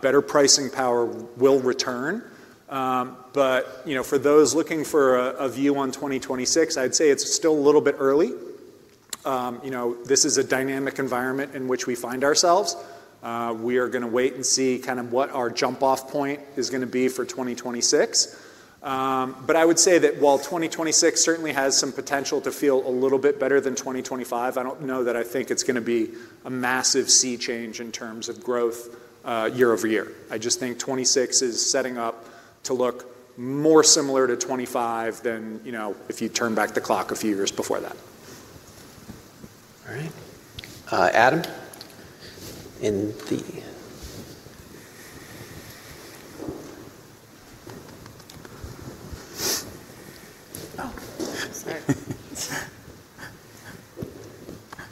Better pricing power will return. For those looking for a view on 2026, I'd say it's still a little bit early. This is a dynamic environment in which we find ourselves. We are going to wait and see kind of what our jump-off point is going to be for 2026. I would say that while 2026 certainly has some potential to feel a little bit better than 2025, I don't know that I think it's going to be a massive sea change in terms of growth year over year. I just think 2026 is setting up to look more similar to 2025 than if you turn back the clock a few years before that. All right. Adam in the Oh.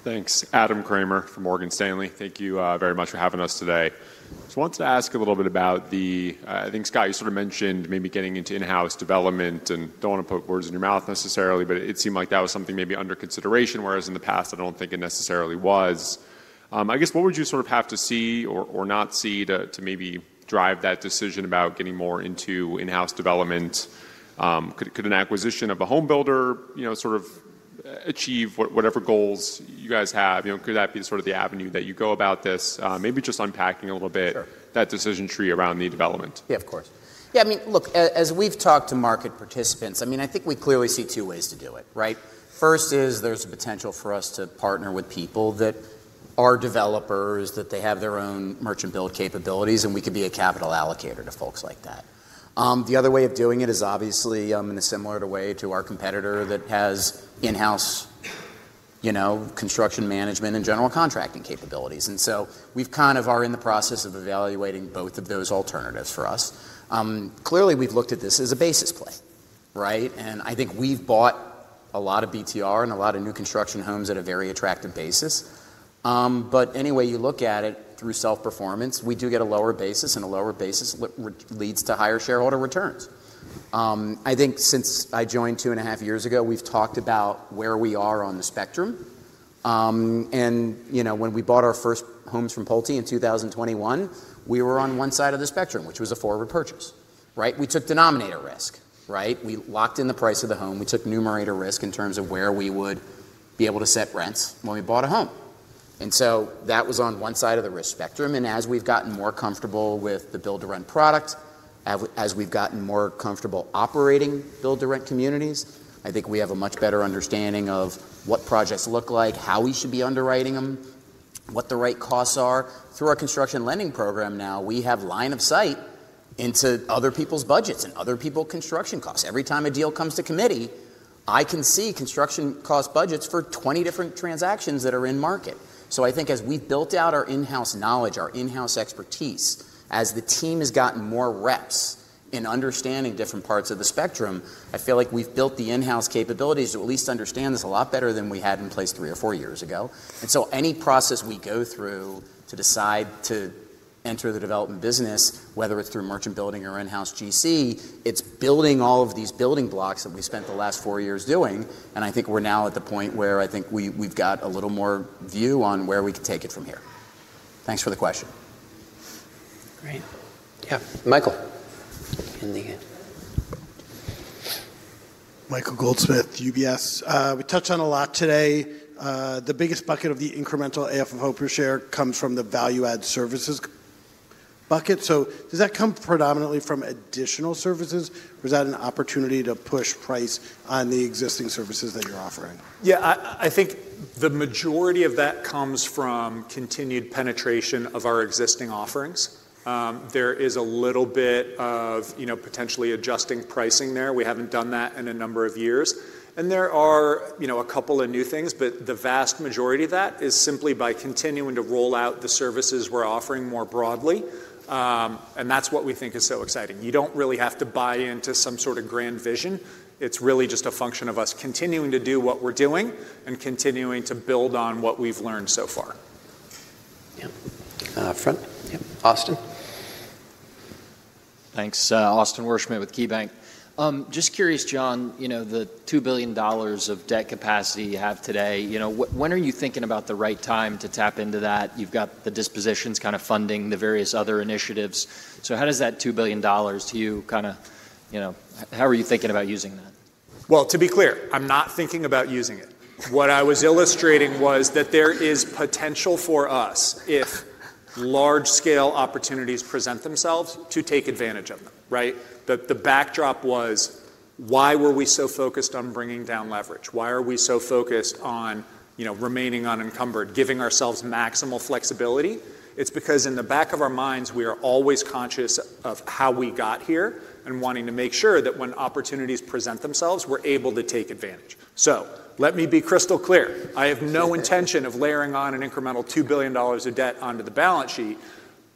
Thanks. Adam Kramer from Morgan Stanley. Thank you very much for having us today. Just wanted to ask a little bit about the, I think, Scott, you sort of mentioned maybe getting into in-house development and do not want to put words in your mouth necessarily, but it seemed like that was something maybe under consideration, whereas in the past, I do not think it necessarily was. I guess, what would you sort of have to see or not see to maybe drive that decision about getting more into in-house development? Could an acquisition of a home builder sort of achieve whatever goals you guys have? Could that be sort of the avenue that you go about this? Maybe just unpacking a little bit that decision tree around the development. Yeah, of course. Yeah. I mean, look, as we've talked to market participants, I mean, I think we clearly see two ways to do it. First is there's a potential for us to partner with people that are developers, that they have their own merchant-built capabilities, and we could be a capital allocator to folks like that. The other way of doing it is obviously in a similar way to our competitor that has in-house construction management and general contracting capabilities. We kind of are in the process of evaluating both of those alternatives for us. Clearly, we've looked at this as a basis play. I think we've bought a lot of BTR and a lot of new construction homes at a very attractive basis. Anyway, you look at it through self-performance, we do get a lower basis, and a lower basis leads to higher shareholder returns. I think since I joined two and a half years ago, we've talked about where we are on the spectrum. When we bought our first homes from Pulte in 2021, we were on one side of the spectrum, which was a forward purchase. We took denominator risk. We locked in the price of the home. We took numerator risk in terms of where we would be able to set rents when we bought a home. That was on one side of the risk spectrum. As we've gotten more comfortable with the build-to-rent product, as we've gotten more comfortable operating build-to-rent communities, I think we have a much better understanding of what projects look like, how we should be underwriting them, what the right costs are. Through our construction lending program now, we have line of sight into other people's budgets and other people's construction costs. Every time a deal comes to committee, I can see construction cost budgets for 20 different transactions that are in market. I think as we've built out our in-house knowledge, our in-house expertise, as the team has gotten more reps in understanding different parts of the spectrum, I feel like we've built the in-house capabilities to at least understand this a lot better than we had in place three or four years ago. Any process we go through to decide to enter the development business, whether it is through merchant building or in-house GC, is building all of these building blocks that we spent the last four years doing. I think we are now at the point where I think we have got a little more view on where we can take it from here. Thanks for the question. Great. Yeah. Michael. In the end. Michael Goldsmith, UBS. We touched on a lot today. The biggest bucket of the incremental AFFO per share comes from the value-add services bucket. Does that come predominantly from additional services, or is that an opportunity to push price on the existing services that you are offering? Yeah. I think the majority of that comes from continued penetration of our existing offerings. There is a little bit of potentially adjusting pricing there. We haven't done that in a number of years. There are a couple of new things, but the vast majority of that is simply by continuing to roll out the services we're offering more broadly. That's what we think is so exciting. You don't really have to buy into some sort of grand vision. It's really just a function of us continuing to do what we're doing and continuing to build on what we've learned so far. Yeah. Front. Austin. Thanks. Austin Wurschmidt with KeyBanc. Just curious, Jon, the $2 billion of debt capacity you have today, when are you thinking about the right time to tap into that? You've got the dispositions kind of funding the various other initiatives. How does that $2 billion to you kind of, how are you thinking about using that? To be clear, I'm not thinking about using it. What I was illustrating was that there is potential for us if large-scale opportunities present themselves to take advantage of them. The backdrop was, why were we so focused on bringing down leverage? Why are we so focused on remaining unencumbered, giving ourselves maximal flexibility? It is because in the back of our minds, we are always conscious of how we got here and wanting to make sure that when opportunities present themselves, we are able to take advantage. Let me be crystal clear. I have no intention of layering on an incremental $2 billion of debt onto the balance sheet.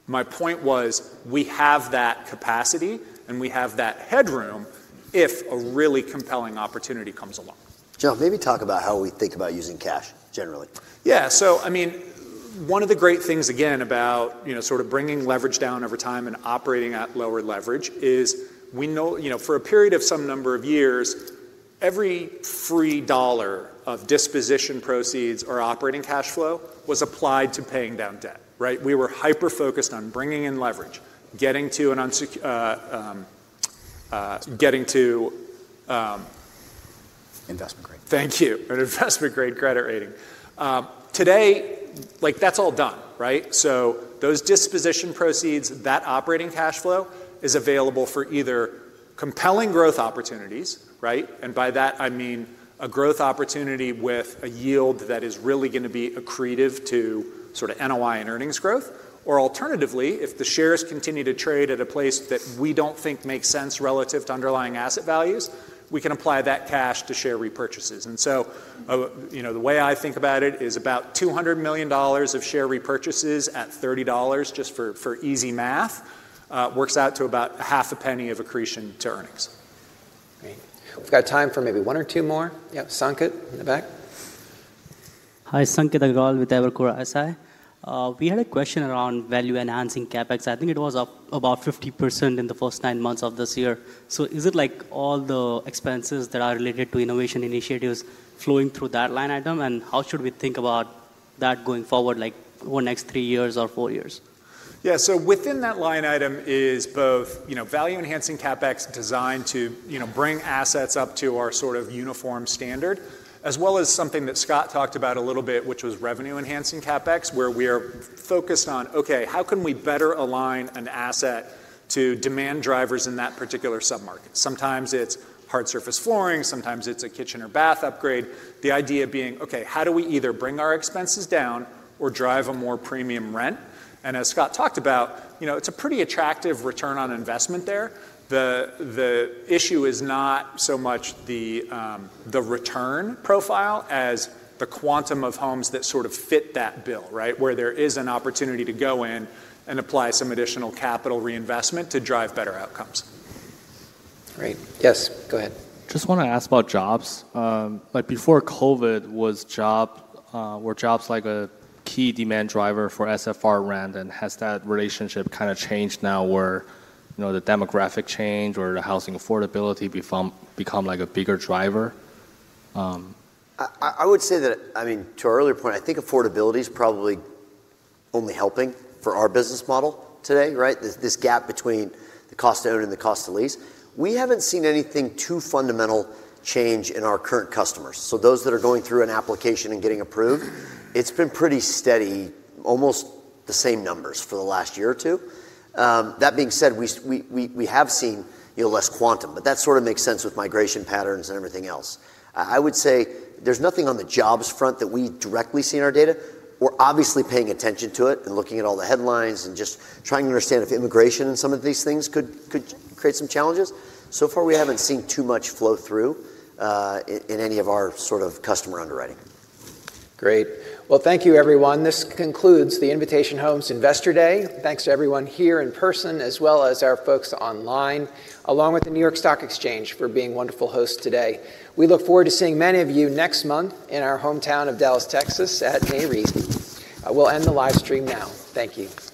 My point was we have that capacity and we have that headroom if a really compelling opportunity comes along. Jon, maybe talk about how we think about using cash generally. Yeah. I mean, one of the great things, again, about sort of bringing leverage down over time and operating at lower leverage is we know for a period of some number of years, every free dollar of disposition proceeds or operating cash flow was applied to paying down debt. We were hyper-focused on bringing in leverage, getting to an investment grade. Thank you. An investment grade credit rating. Today, that's all done. Those disposition proceeds, that operating cash flow is available for either compelling growth opportunities, and by that, I mean a growth opportunity with a yield that is really going to be accretive to sort of NOI and earnings growth, or alternatively, if the shares continue to trade at a place that we do not think makes sense relative to underlying asset values, we can apply that cash to share repurchases. The way I think about it is about $200 million of share repurchases at $30, just for easy math, works out to about half a penny of accretion to earnings. Great. We have time for maybe one or two more. Yeah. Sanket in the back. Hi. Sanket Agrawal with Evercore ISI. We had a question around value-enhancing CapEx. I think it was about 50% in the first nine months of this year. Is it all the expenses that are related to innovation initiatives flowing through that line item? How should we think about that going forward, like over the next three years or four years? Yeah. Within that line item is both value-enhancing CapEx designed to bring assets up to our sort of uniform standard, as well as something that Scott talked about a little bit, which was revenue-enhancing CapEx, where we are focused on, okay, how can we better align an asset to demand drivers in that particular sub-market? Sometimes it is hard surface flooring. Sometimes it is a kitchen or bath upgrade. The idea being, okay, how do we either bring our expenses down or drive a more premium rent? As Scott talked about, it is a pretty attractive return on investment there. The issue is not so much the return profile as the quantum of homes that sort of fit that bill, where there is an opportunity to go in and apply some additional capital reinvestment to drive better outcomes. Great. Yes. Go ahead. Just want to ask about jobs. Before COVID, were jobs like a key demand driver for SFR rent? Has that relationship kind of changed now where the demographic change or the housing affordability become like a bigger driver? I would say that, I mean, to earlier point, I think affordability is probably only helping for our business model today, this gap between the cost to own and the cost to lease. We have not seen anything too fundamental change in our current customers. Those that are going through an application and getting approved, it has been pretty steady, almost the same numbers for the last year or two. That being said, we have seen less quantum, but that sort of makes sense with migration patterns and everything else. I would say there is nothing on the jobs front that we directly see in our data. We're obviously paying attention to it and looking at all the headlines and just trying to understand if immigration and some of these things could create some challenges. So far, we haven't seen too much flow through in any of our sort of customer underwriting. Great. Thank you, everyone. This concludes the Invitation Homes Investor Day. Thanks to everyone here in person, as well as our folks online, along with the New York Stock Exchange for being wonderful hosts today. We look forward to seeing many of you next month in our hometown of Dallas, Texas at May Reese. We'll end the livestream now. Thank you. Thanks.